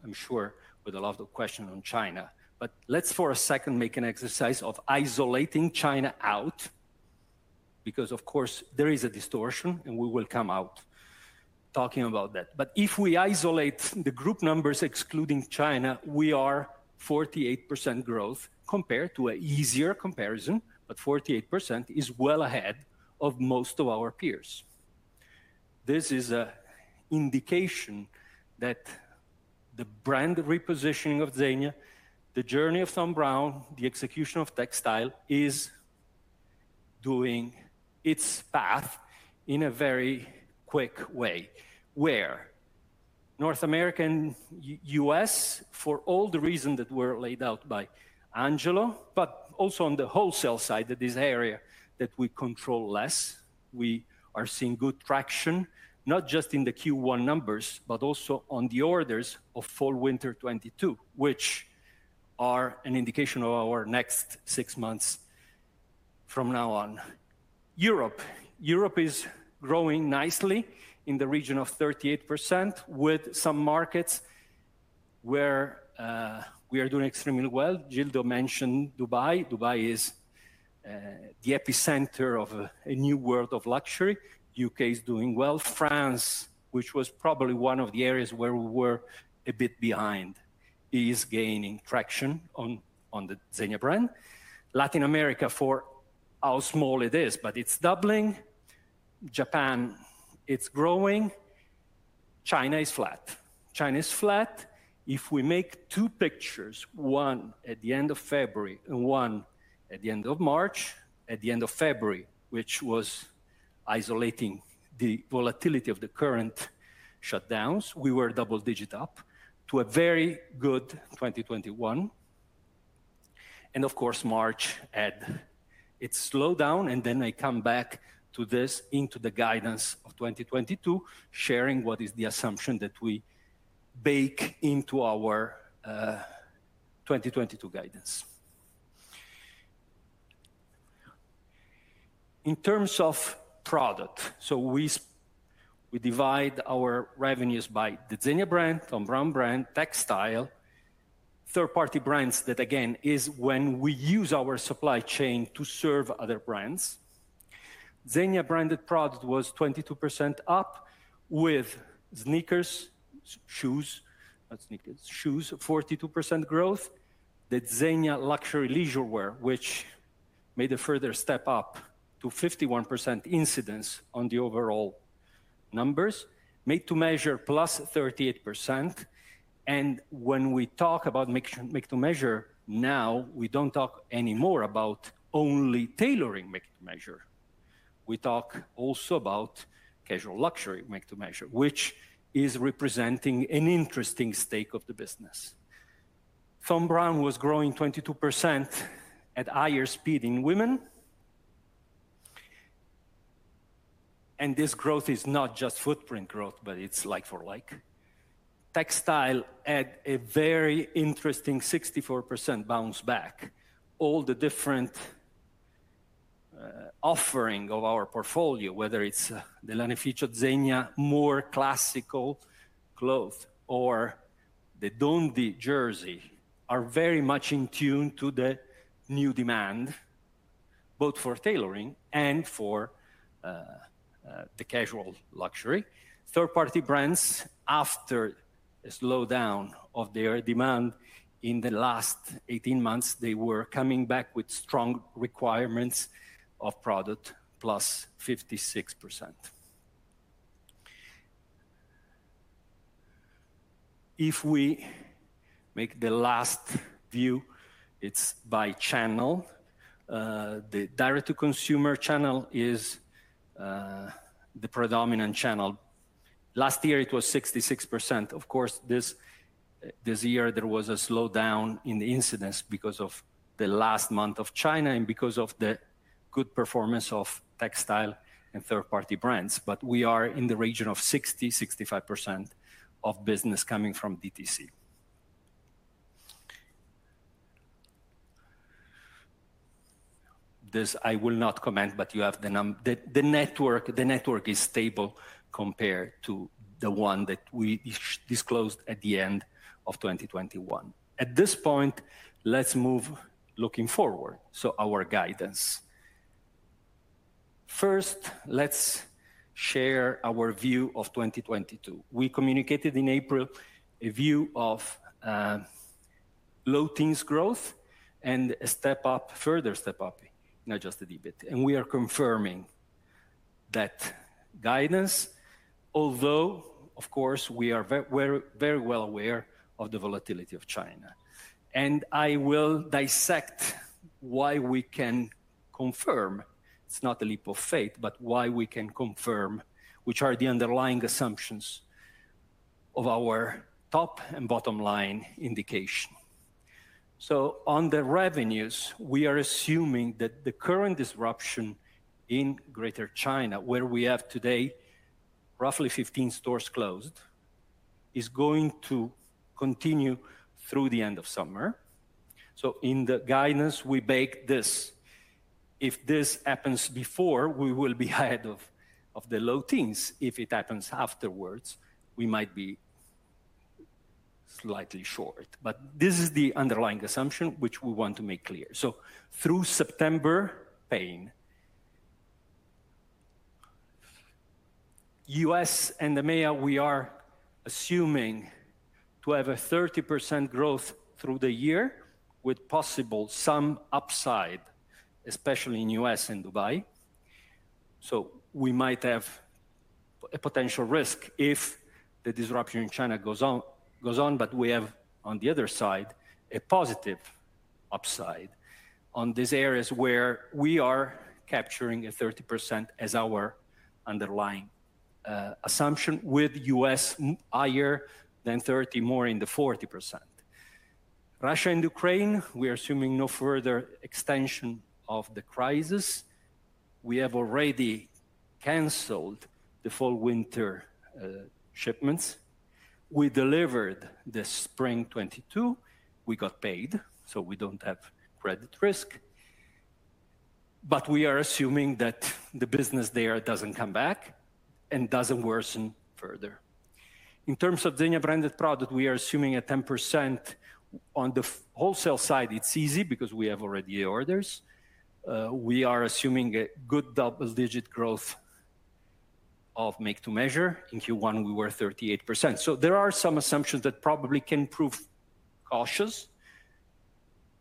I'm sure, with a lot of questions on China. Let's for a second make an exercise of isolating China out, because of course, there is a distortion, and we will come out talking about that. If we isolate the group numbers, excluding China, we are 48% growth compared to an easier comparison, but 48% is well ahead of most of our peers. This is an indication that the brand repositioning of Zegna, the journey of Thom Browne, the execution of textiles is doing its path in a very quick way, where North America, U.S., for all the reasons that were laid out by Angelo, but also on the wholesale side, that is an area that we control less, we are seeing good traction, not just in the Q1 numbers, but also on the orders of fall/winter 2022, which are an indication of our next six months from now on. Europe is growing nicely in the region of 38% with some markets where we are doing extremely well. Gildo mentioned Dubai. Dubai is the epicenter of a new world of luxury. U.K. is doing well. France, which was probably one of the areas where we were a bit behind, is gaining traction on the Zegna brand. Latin America, for how small it is, but it's doubling. Japan, it's growing. China is flat. China is flat. If we make two pictures, one at the end of February and one at the end of March, at the end of February, which was isolating the volatility of the current shutdowns, we were double-digit up to a very good 2021. Of course, March had its slowdown, and then I come back to this into the guidance of 2022, sharing what is the assumption that we bake into our 2022 guidance. In terms of product, we divide our revenues by the Zegna brand, Thom Browne brand, textile, third-party brands that again is when we use our supply chain to serve other brands. Zegna branded product was 22% up with sneakers, shoes, not sneakers, shoes, 42% growth. The Zegna luxury leisurewear, which made a further step up to 51% incidence on the overall numbers, made to measure +38%. When we talk about make to measure now, we don't talk anymore about only tailoring make to measure. We talk also about casual luxury make to measure, which is representing an interesting stake of the business. Thom Browne was growing 22% at higher speed in women. This growth is not just footprint growth, but it's like for like. Textile had a very interesting 64% bounce back. All the different offering of our portfolio, whether it's the Lanificio Zegna more classical cloth or the Dondi jersey, are very much in tune to the new demand, both for tailoring and for the casual luxury. Third-party brands, after a slowdown of their demand in the last 18 months, they were coming back with strong requirements of product, +56%. If we make the last view, it's by channel. The direct-to-consumer channel is the predominant channel. Last year it was 66%. Of course, this year there was a slowdown in the incidence because of the lockdown in China and because of the good performance of textile and third-party brands. We are in the region of 60%-65% of business coming from DTC. This I will not comment, but you have the numbers. The network is stable compared to the one that we disclosed at the end of 2021. At this point, let's move looking forward, so our guidance. First, let's share our view of 2022. We communicated in April a view of low-teens growth and a step up, further step up, not just a little bit. We are confirming that guidance, although of course we're very well aware of the volatility of China. I will dissect why we can confirm. It's not a leap of faith, but why we can confirm which are the underlying assumptions of our top and bottom line indication. On the revenues, we are assuming that the current disruption in Greater China, where we have today roughly 15 stores closed, is going to continue through the end of summer. In the guidance, we bake this. If this happens before, we will be ahead of the low-teens. If it happens afterwards, we might be slightly short. This is the underlying assumption which we want to make clear. Through September, APAC, U.S. and the EMEA, we are assuming to have a 30% growth through the year with possible some upside, especially in U.S. and Dubai. We might have a potential risk if the disruption in China goes on, but we have on the other side, a positive upside on these areas where we are capturing a 30% as our underlying assumption with U.S. higher than 30%, more in the 40%. Russia and Ukraine, we are assuming no further extension of the crisis. We have already canceled the fall/winter shipments. We delivered the spring 2022, we got paid, so we don't have credit risk, but we are assuming that the business there doesn't come back and doesn't worsen further. In terms of Zegna branded product, we are assuming a 10%. On the wholesale side, it's easy because we have already orders. We are assuming a good double-digit growth of made-to-measure. In Q1, we were 38%. There are some assumptions that probably can prove cautious,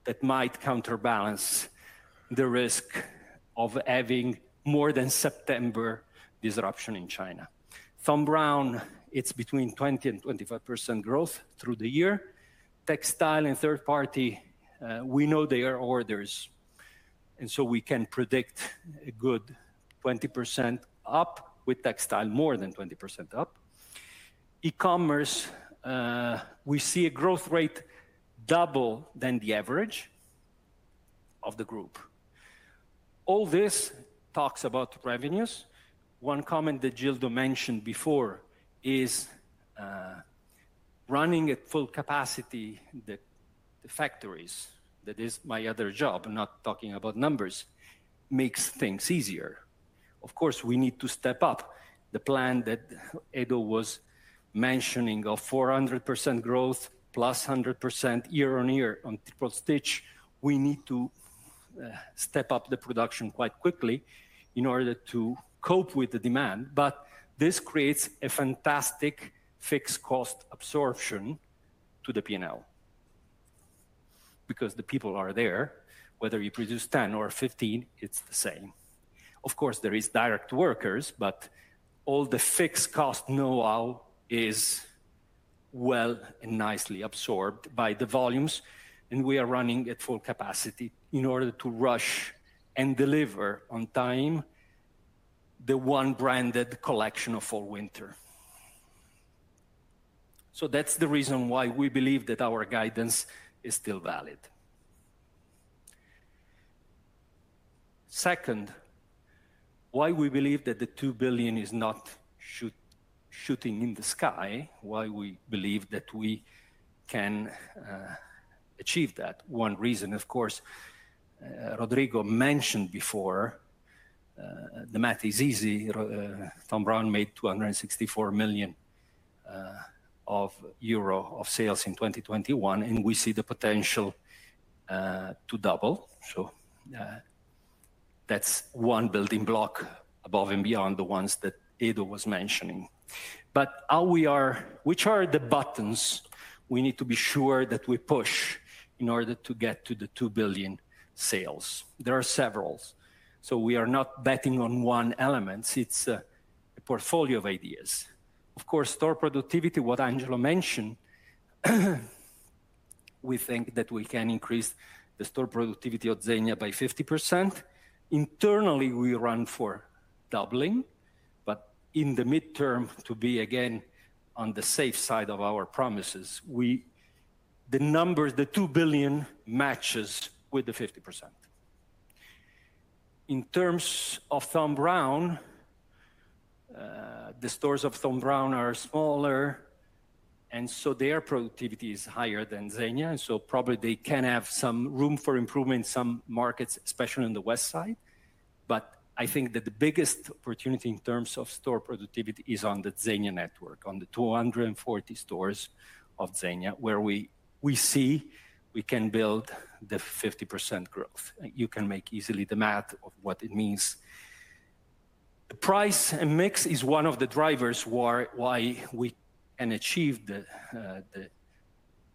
that might counterbalance the risk of having more than September disruption in China. Thom Browne, it's between 20%-25% growth through the year. Textiles and third party, we know there are orders. We can predict a good 20% up with textiles, more than 20% up. E-commerce, we see a growth rate double than the average of the group. All this talks about revenues. One comment that Gildo mentioned before is running at full capacity, the factories, that is my other job, I'm not talking about numbers, makes things easier. Of course, we need to step up the plan that Edo was mentioning of 400% growth + 100% year-on-year on Triple Stitch. We need to step up the production quite quickly in order to cope with the demand. This creates a fantastic, fixed cost absorption to the P&L because the people are there, whether you produce 10 m or 15 m, it's the same. Of course, there is direct workers, but all the fixed cost know-how is well and nicely absorbed by the volumes, and we are running at full capacity in order to rush and deliver on time the one branded collection of fall/winter. That's the reason why we believe that our guidance is still valid. Second, why we believe that the 2 billion is not shooting in the sky, why we believe that we can achieve that. One reason, of course, Rodrigo mentioned before, the math is easy. Thom Browne made EUR 264 million of sales in 2021, and we see the potential to double. That's one building block above and beyond the ones that Edo was mentioning. Which are the buttons we need to be sure that we push in order to get to the 2 billion sales? There are several. We are not betting on one element. It's a portfolio of ideas. Of course, store productivity, what Angelo mentioned, we think that we can increase the store productivity of Zegna by 50%. Internally, we run for doubling. But in the midterm, to be again on the safe side of our promises, the number, the 2 billion matches with the 50%. In terms of Thom Browne, the stores of Thom Browne are smaller, and so their productivity is higher than Zegna. Probably they can have some room for improvement in some markets, especially on the west side. I think that the biggest opportunity in terms of store productivity is on the Zegna network, on the 240 stores of Zegna, where we see we can build the 50% growth. You can make easily the math of what it means. The price and mix is one of the drivers why we can achieve the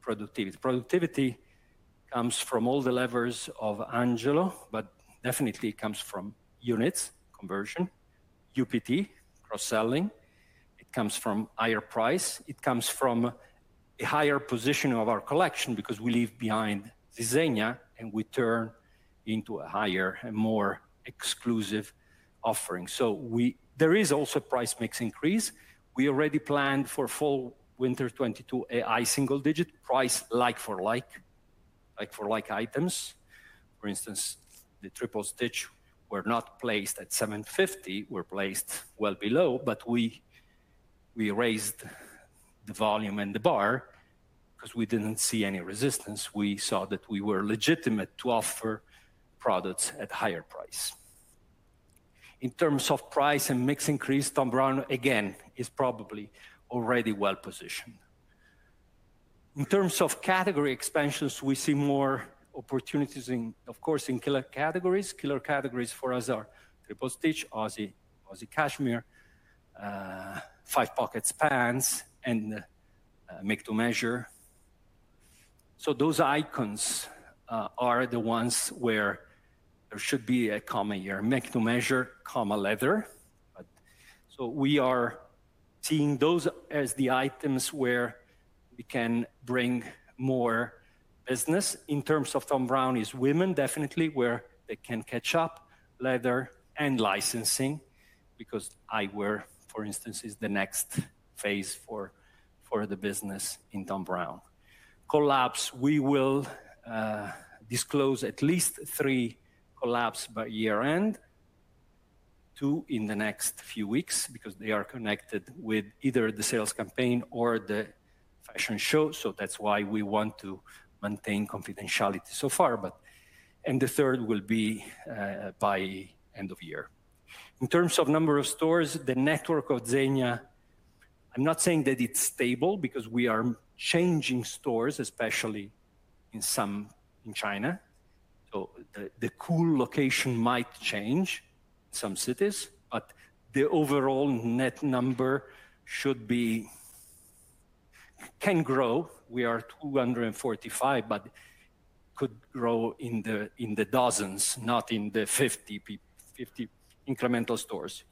productivity. Productivity comes from all the levers of Angelo, but definitely it comes from units, conversion, UPT, cross-selling. It comes from higher price. It comes from a higher positioning of our collection because we leave behind the Zegna, and we turn into a higher and more exclusive offering. There is also price mix increase. We already planned for fall/winter 2022 a high single-digit price like-for-like items. For instance, the Triple Stitch were not placed at 750, were placed well below, but we raised the volume and the bar because we didn't see any resistance. We saw that we were legitimate to offer products at higher price. In terms of price and mix increase, Thom Browne, again, is probably already well-positioned. In terms of category expansions, we see more opportunities in, of course, in killer categories. Killer categories for us are Triple Stitch, Oasi Cashmere, five-pocket pants, and made-to-measure. Those icons are the ones where there should be a comma here, made-to-measure, comma, leather. We are seeing those as the items where we can bring more business. In terms of Thom Browne is women, definitely where they can catch up, leather and licensing, because eyewear, for instance, is the next phase for the business in Thom Browne. Collabs, we will disclose at least three collabs by year-end, two in the next few weeks, because they are connected with either the sales campaign or the fashion show, so that's why we want to maintain confidentiality so far. The third will be by end of year. In terms of number of stores, the network of Zegna, I'm not saying that it's stable, because we are changing stores, especially in some in China. The cool location might change in some cities, but the overall net number should be. Can grow. We are 245, but could grow in the dozens, not in the 50 incremental stores.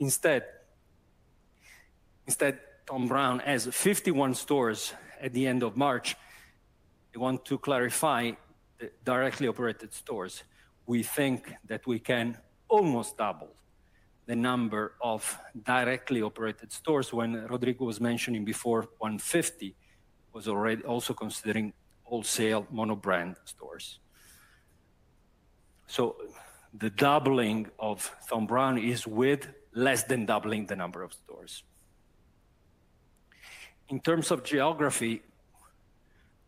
Instead, Thom Browne has 51 stores at the end of March. I want to clarify the directly operated stores. We think that we can almost double the number of directly operated stores. When Rodrigo was mentioning before, 150 was already also considering wholesale mono-brand stores. The doubling of Thom Browne is with less than doubling the number of stores. In terms of geography,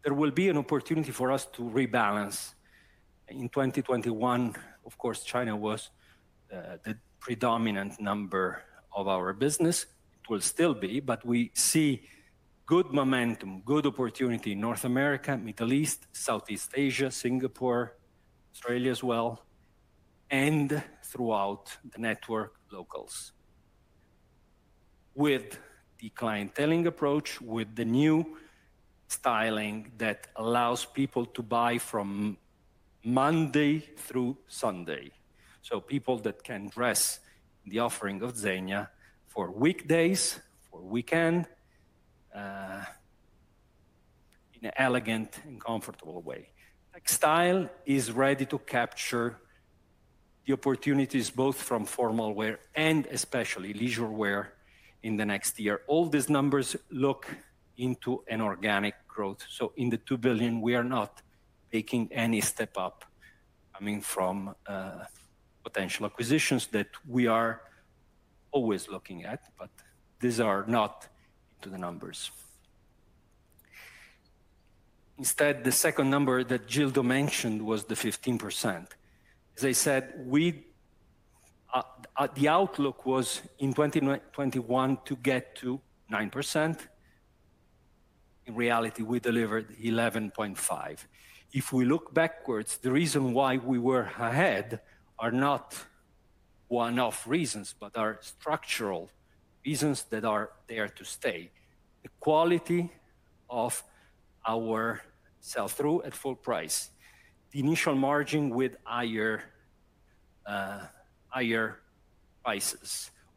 there will be an opportunity for us to rebalance in 2021. Of course, China was the predominant number of our business. It will still be, but we see good momentum, good opportunity in North America, Middle East, Southeast Asia, Singapore, Australia as well, and throughout the network locals. With the clienteling approach, with the new styling that allows people to buy from Monday through Sunday. People that can dress the offering of Zegna for weekdays, for weekend, in an elegant and comfortable way. Textile is ready to capture the opportunities both from formal wear and especially leisure wear in the next year. All these numbers look into an organic growth. In the 2 billion, we are not taking any step up, I mean, from potential acquisitions that we are always looking at, but these are not to the numbers. Instead, the second number that Gildo mentioned was the 15%. As I said, we. The outlook was in 2021 to get to 9%. In reality, we delivered 11.5%. If we look backwards, the reason why we were ahead are not one-off reasons, but are structural reasons that are there to stay. The quality of our sell-through at full price, the initial margin with higher prices,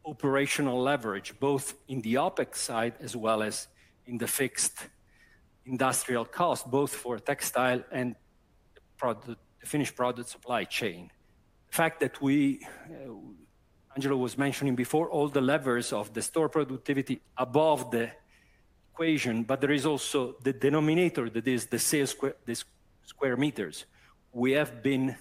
operational leverage, both in the OpEx side as well as in the fixed industrial cost, both for textile and the finished product supply chain. The fact that Angelo was mentioning before all the levers of the store productivity above the equation, but there is also the denominator that is the sales square, the square meters. We have been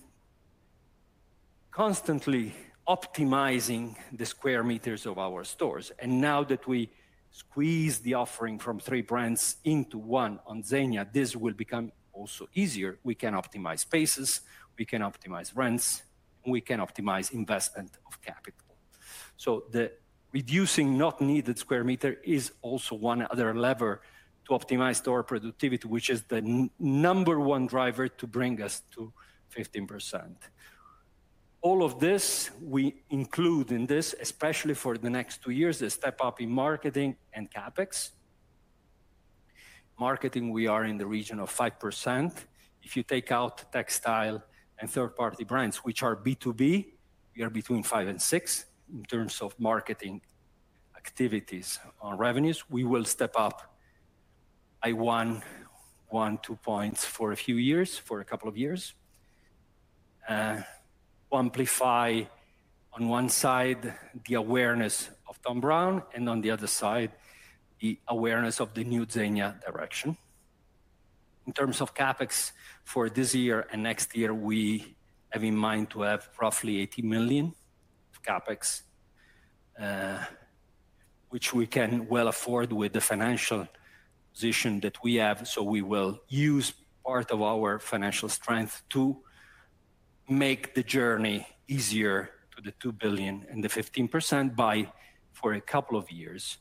constantly optimizing the square meters of our stores, and now that we squeeze the offering from three brands into one on Zegna, this will become also easier. We can optimize spaces, we can optimize rents, and we can optimize investment of capital. The reducing not needed square meter is also one other lever to optimize store productivity, which is the number one driver to bring us to 15%. All of this, we include in this, especially for the next two years, a step up in marketing and CapEx. Marketing, we are in the region of 5%. If you take out textile and third-party brands, which are B2B, we are between 5% and 6% in terms of marketing activities on revenues. We will step up by one to two points for a couple of years to amplify on one side the awareness of Thom Browne and on the other side, the awareness of the new Zegna direction. In terms of CapEx for this year and next year, we have in mind to have roughly 80 million of CapEx, which we can well afford with the financial position that we have. We will use part of our financial strength to make the journey easier to the 2 billion and the 15% by, for a couple of years,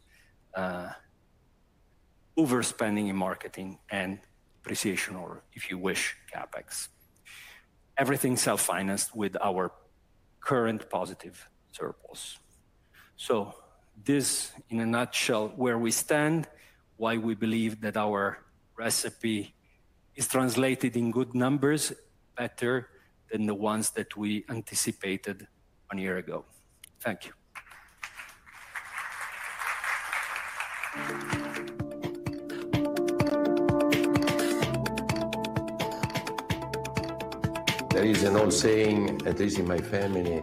overspending in marketing and depreciation or, if you wish, CapEx. Everything self-financed with our current positive surplus. This, in a nutshell, where we stand, why we believe that our recipe is translated in good numbers better than the ones that we anticipated one year ago. Thank you. There is an old saying, at least in my family,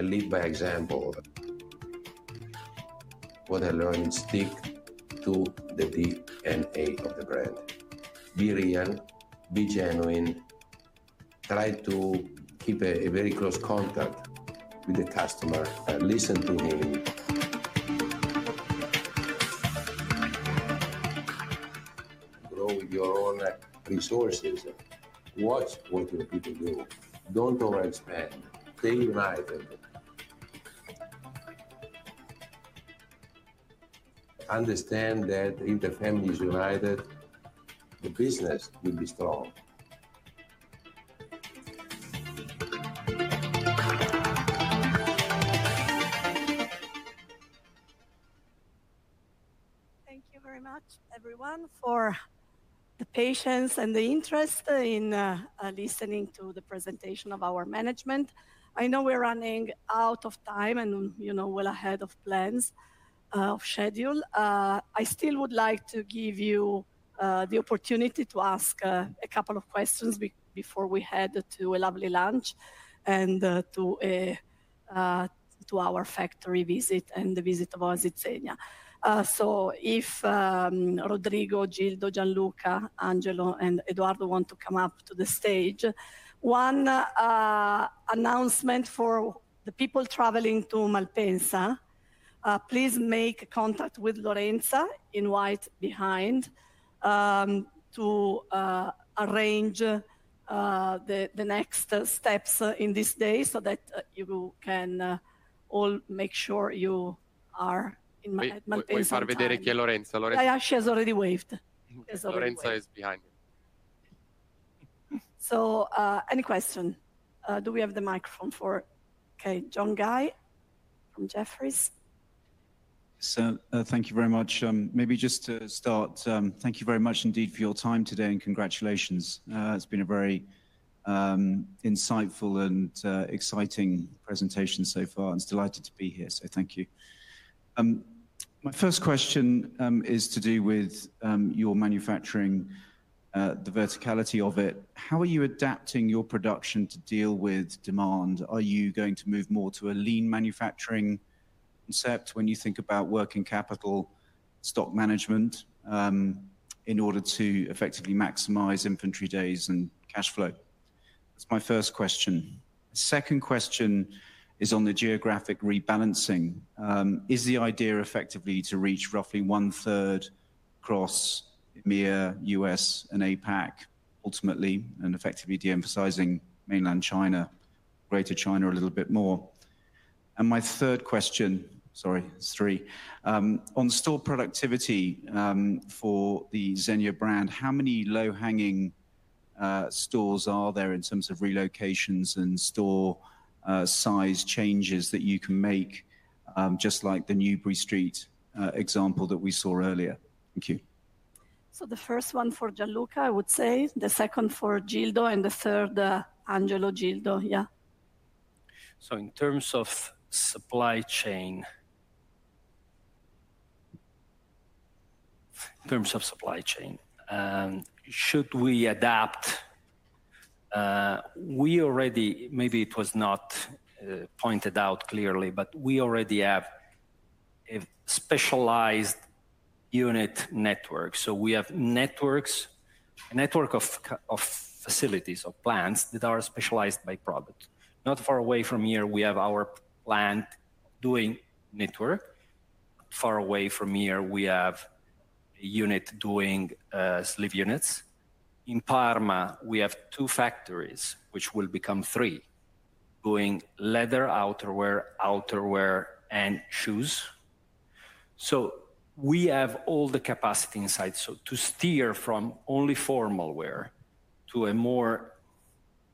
“Lead by example.” What I learned, stick to the DNA of the brand. Be real, be genuine. Try to keep a very close contact with the customer and listen to him. Grow your own resources. Watch what your people do. Don't overexpand. Stay united. Understand that if the family is united, the business will be strong. Thank you very much everyone for the patience and the interest in listening to the presentation of our management. I know we're running out of time, and, you know, well ahead of plans of schedule. I still would like to give you the opportunity to ask a couple of questions before we head to a lovely lunch, and to our factory visit and the visit of our Zegna. If Rodrigo, Gildo, Gianluca, Angelo, and Edoardo want to come up to the stage. One announcement for the people traveling to Malpensa, please make contact with Lorenza, in white behind, to arrange the next steps in this day so that you can all make sure you are at Malpensa on time. Can you show who Lorenza is? Lorenza. Yeah, she has already waved. Lorenza is behind. Any question? Do we have the microphone? Okay, John Guy from Jefferies. Thank you very much. Maybe just to start, thank you very much indeed for your time today, and congratulations. It's been a very insightful and exciting presentation so far. I was delighted to be here, so thank you. My first question is to do with your manufacturing, the verticality of it. How are you adapting your production to deal with demand? Are you going to move more to a lean manufacturing concept when you think about working capital stock management, in order to effectively maximize inventory days and cash flow? That's my first question. Second question is on the geographic rebalancing. Is the idea effectively to reach roughly one-third across EMEA, U.S., and APAC ultimately, and effectively de-emphasizing Mainland China, Greater China a little bit more? My third question, sorry, it's three, on store productivity, for the Zegna brand, how many low-hanging stores are there in terms of relocations and store size changes that you can make, just like the Newbury Street example that we saw earlier? Thank you. The first one for Gianluca, I would say. The second for Gildo, and the third, Angelo, Gildo. In terms of supply chain, we already, maybe it was not pointed out clearly, but we already have a specialized unit network. We have a network of facilities or plants that are specialized by product. Not far away from here, we have our plant doing knitwear. Not far away from here, we have a unit doing sleeve units. In Parma, we have two factories, which will become three, doing leather outerwear and shoes. We have all the capacity inside. To steer from only formal wear to a more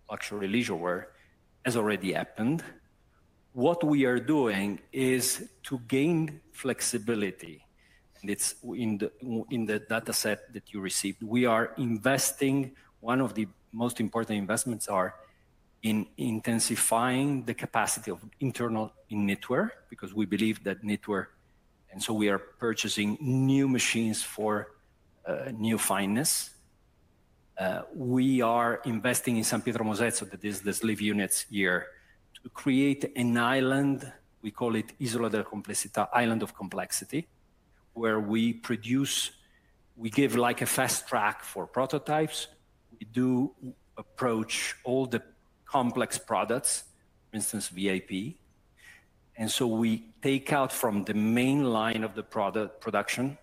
casual leisure wear has already happened. What we are doing is to gain flexibility, and it's in the dataset that you received. We are investing. One of the most important investments are in intensifying the capacity of internal in knitwear because we believe that knitwear, and so we are purchasing new machines for new fineness. We are investing in San Pietro Mosezzo, that is the sleeve units here, to create an island, we call it Isola della Complessità, Island of Complexity, where we produce, we give like a fast track for prototypes. We do approach all the complex products, for instance, VIP. We take out from the main line of the product production,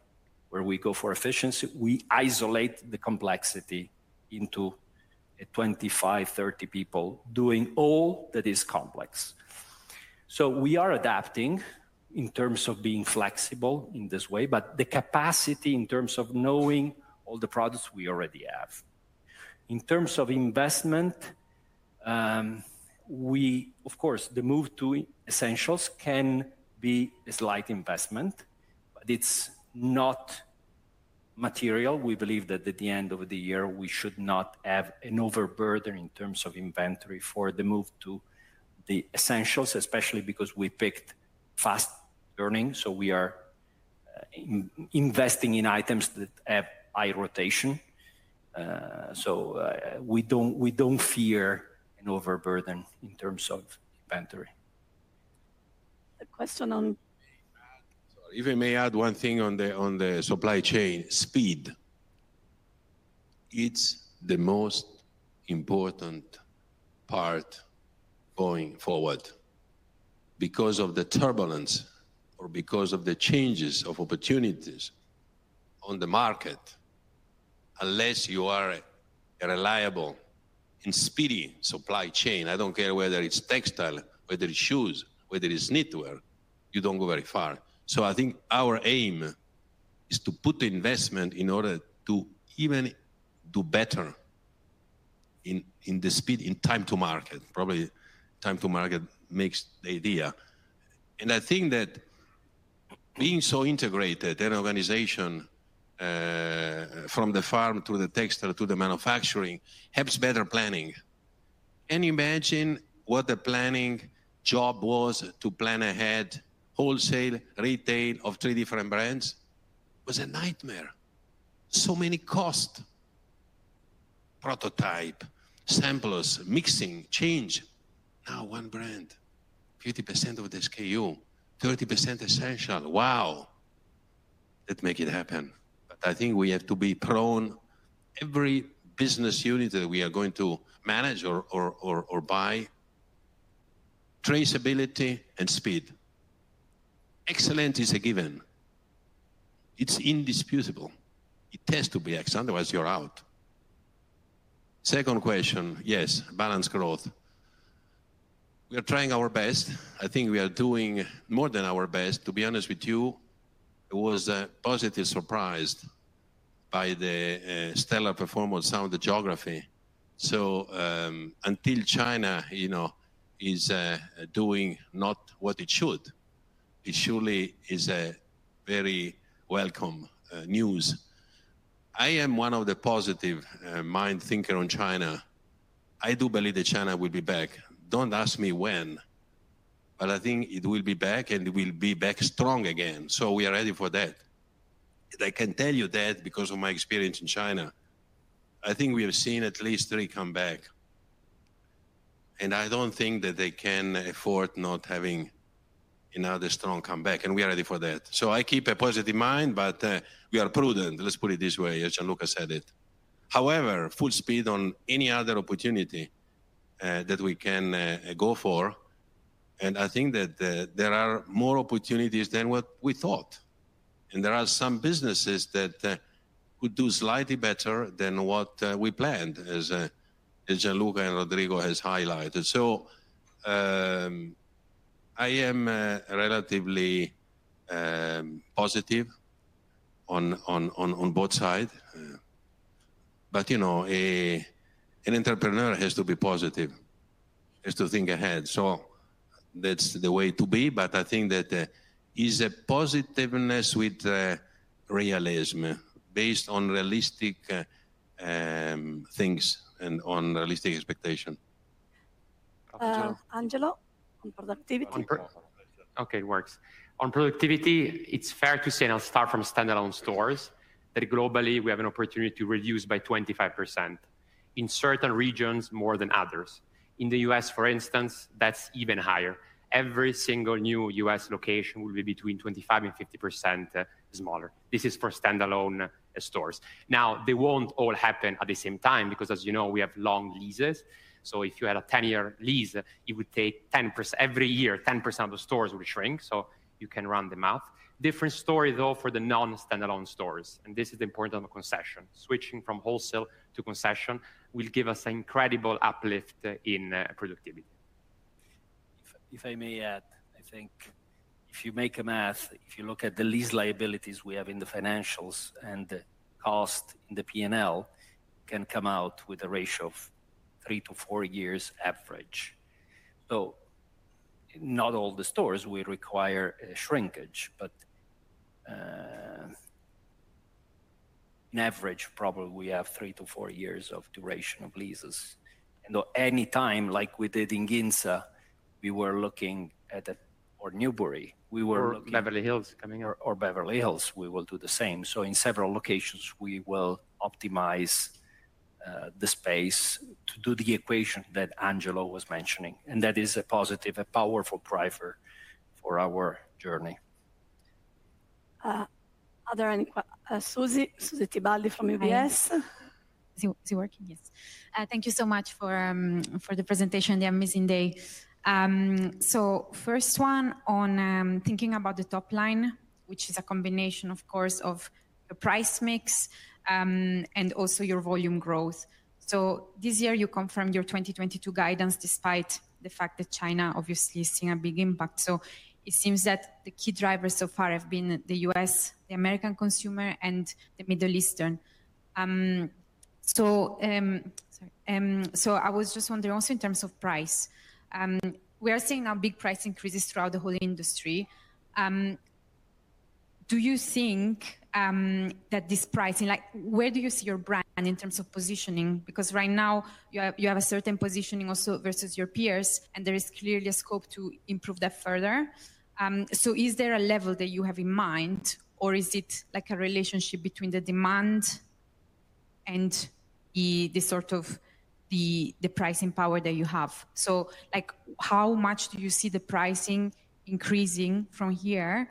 where we go for efficiency, we isolate the complexity into a 25-30 people doing all that is complex. We are adapting in terms of being flexible in this way, but the capacity in terms of knowing all the products we already have. In terms of investment, of course, the move to Essentials can be a slight investment, but it's not material. We believe that at the end of the year, we should not have an overburden in terms of inventory for the move to the Essentials, especially because we picked fast turners, so we are investing in items that have high rotation. We don't fear an overburden in terms of inventory. The question on. May I add? If I may add one thing on the supply chain speed, it's the most important part going forward because of the turbulence or because of the changes of opportunities on the market. Unless you are a reliable and speedy supply chain, I don't care whether it's textile, whether it's shoes, whether it's knitwear, you don't go very far. I think our aim is to put investment in order to even do better in the speed, in time to market, probably time to market makes the idea. I think that being so integrated an organization, from the farm to the textile to the manufacturing helps better planning. Can you imagine what the planning job was to plan ahead wholesale, retail of three different brands? It was a nightmare. Many costs, prototype, samplers, mixing, change. Now one brand, 50% of the SKU, 30% essential. Wow, let's make it happen. I think we have to be present in every business unit that we are going to manage or buy, traceability and speed. Excellence is a given. It's indisputable. It has to be excellent otherwise you're out. Second question, yes, balanced growth. We are trying our best. I think we are doing more than our best, to be honest with you. I was positively surprised by the stellar performance of some of the geographies. Until China is not doing what it should, it surely is a very welcome news. I am one of the positive-minded thinkers on China. I do believe that China will be back. Don't ask me when, but I think it will be back, and it will be back strong again, so we are ready for that. I can tell you that because of my experience in China. I think we have seen at least three comebacks, and I don't think that they can afford not having another strong comeback, and we are ready for that. I keep a positive mind, but we are prudent, let's put it this way, as Gianluca said it. However, full speed on any other opportunity that we can go for, and I think that there are more opportunities than what we thought. There are some businesses that could do slightly better than what we planned, as Gianluca and Rodrigo has highlighted. I am relatively positive on both sides. You know, an entrepreneur has to be positive, has to think ahead. That's the way to be. I think that it's a positivity with realism based on realistic things and on realistic expectation. Angelo, on productivity. Okay, it works. On productivity, it's fair to say, and I'll start from standalone stores, that globally we have an opportunity to reduce by 25%. In certain regions more than others. In the U.S., for instance, that's even higher. Every single new U.S. location will be between 25% and 50% smaller. This is for standalone stores. Now, they won't all happen at the same time because, as you know, we have long leases. If you had a 10-year lease, it would take 10%. Every year, 10% of the stores will shrink, so you can run the math. Different story, though, for the non-standalone stores, and this is the importance of a concession. Switching from wholesale to concession will give us an incredible uplift in productivity. If I may add, I think if you do the math, if you look at the lease liabilities we have in the financials and the cost in the P&L can come out with a ratio of three to four years average. Not all the stores will require a shrinkage, but on average, probably we have three to four years of duration of leases. You know, anytime, like we did in Ginza or Newbury, we were looking. Beverly Hills coming up. Beverly Hills, we will do the same. In several locations, we will optimize the space to do the equation that Angelo was mentioning, and that is a positive, a powerful driver for our journey. Susy Tibaldi from UBS. Hi. Is it working? Yes. Thank you so much for the presentation and the amazing day. First one on thinking about the top line, which is a combination, of course, of the price mix and also your volume growth. This year you confirmed your 2022 guidance despite the fact that China obviously is seeing a big impact. It seems that the key drivers so far have been the U.S., the American consumer, and the Middle Eastern. Sorry. I was just wondering also in terms of price, we are seeing now big price increases throughout the whole industry. Do you think that this pricing. Like, where do you see your brand in terms of positioning? Because right now you have a certain positioning also versus your peers, and there is clearly a scope to improve that further. Is there a level that you have in mind, or is it like a relationship between the demand and the sort of pricing power that you have? Like, how much do you see the pricing increasing from here?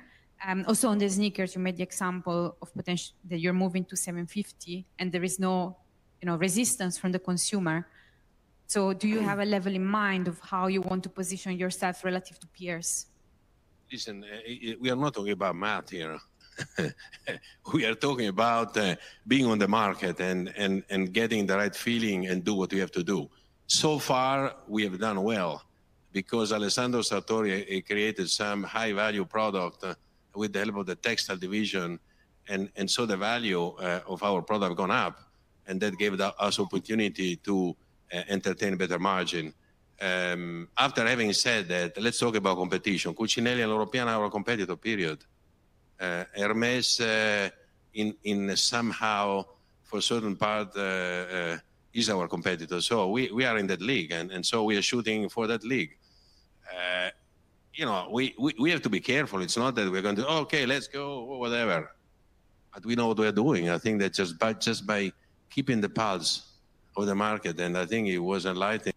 Also on the sneakers, you made the example of potential that you're moving to 750 and there is no, you know, resistance from the consumer. Do you have a level in mind of how you want to position yourself relative to peers? Listen, we are not talking about math here. We are talking about being on the market and getting the right feeling and do what we have to do. So far we have done well. Alessandro Sartori created some high-value product with the help of the textile division, so the value of our product gone up, and that gave us opportunity to entertain better margin. After having said that, let's talk about competition. Cucinelli and Loro Piana are our competitor, period. Hermès, in somehow for a certain part, is our competitor. We are in that league, so we are shooting for that league. You know, we have to be careful. It's not that we're going to, "Okay, let's go," or whatever, but we know what we are doing. I think that just by keeping the pulse of the market, and I think it was enlightening.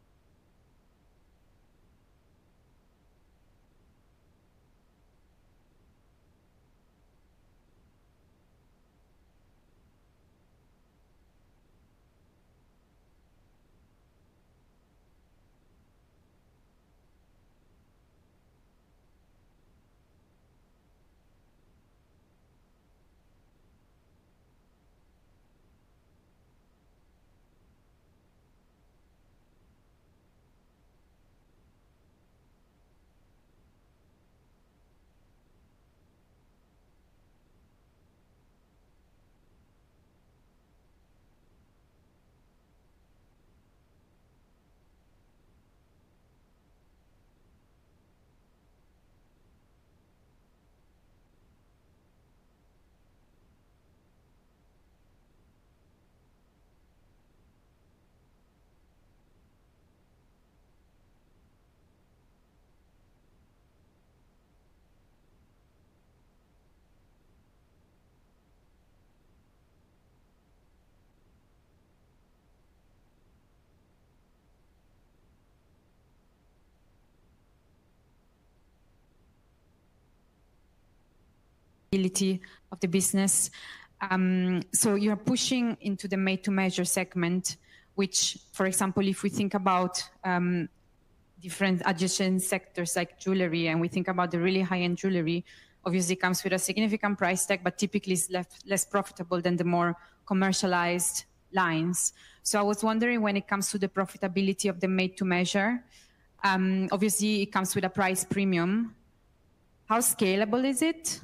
Ability of the business. You're pushing into the made-to-measure segment, which, for example, if we think about different adjacent sectors like jewelry and we think about the really high-end jewelry, obviously it comes with a significant price tag, but typically it's less profitable than the more commercialized lines. I was wondering when it comes to the profitability of the made to measure, obviously it comes with a price premium. How scalable is it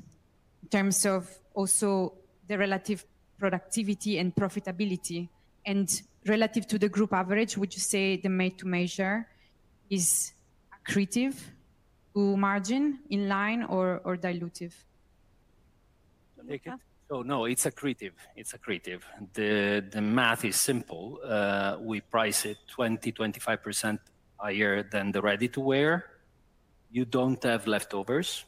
in terms of also the relative productivity and profitability? Relative to the group average, would you say the made to measure is accretive to margin, in line, or dilutive? Take it. Oh, no, it's accretive. The math is simple. We price it 20%-25% higher than the ready-to-wear. You don't have leftovers.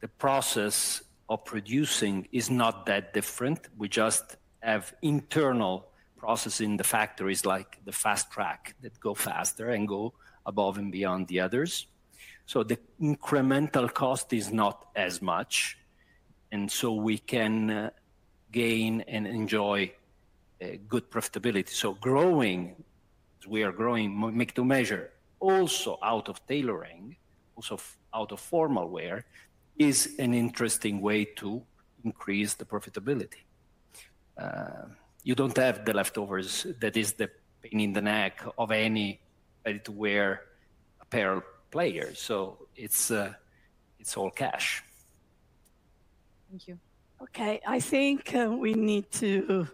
The process of producing is not that different. We just have internal process in the factories like the fast track that go faster and go above and beyond the others. The incremental cost is not as much, and we can gain and enjoy good profitability. Growing, as we are growing made-to-measure, also out of tailoring, also out of formal wear, is an interesting way to increase the profitability. You don't have the leftovers that is the pain in the neck of any ready-to-wear apparel player. It's all cash. Thank you. Okay. I think we need to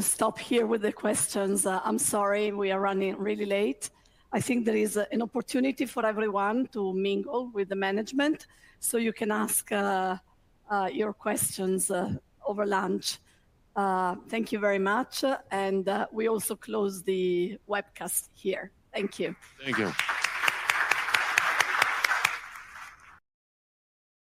stop here with the questions. I'm sorry, we are running really late. I think there is an opportunity for everyone to mingle with the management, so you can ask your questions over lunch. Thank you very much, and we also close the webcast here. Thank you. Thank you.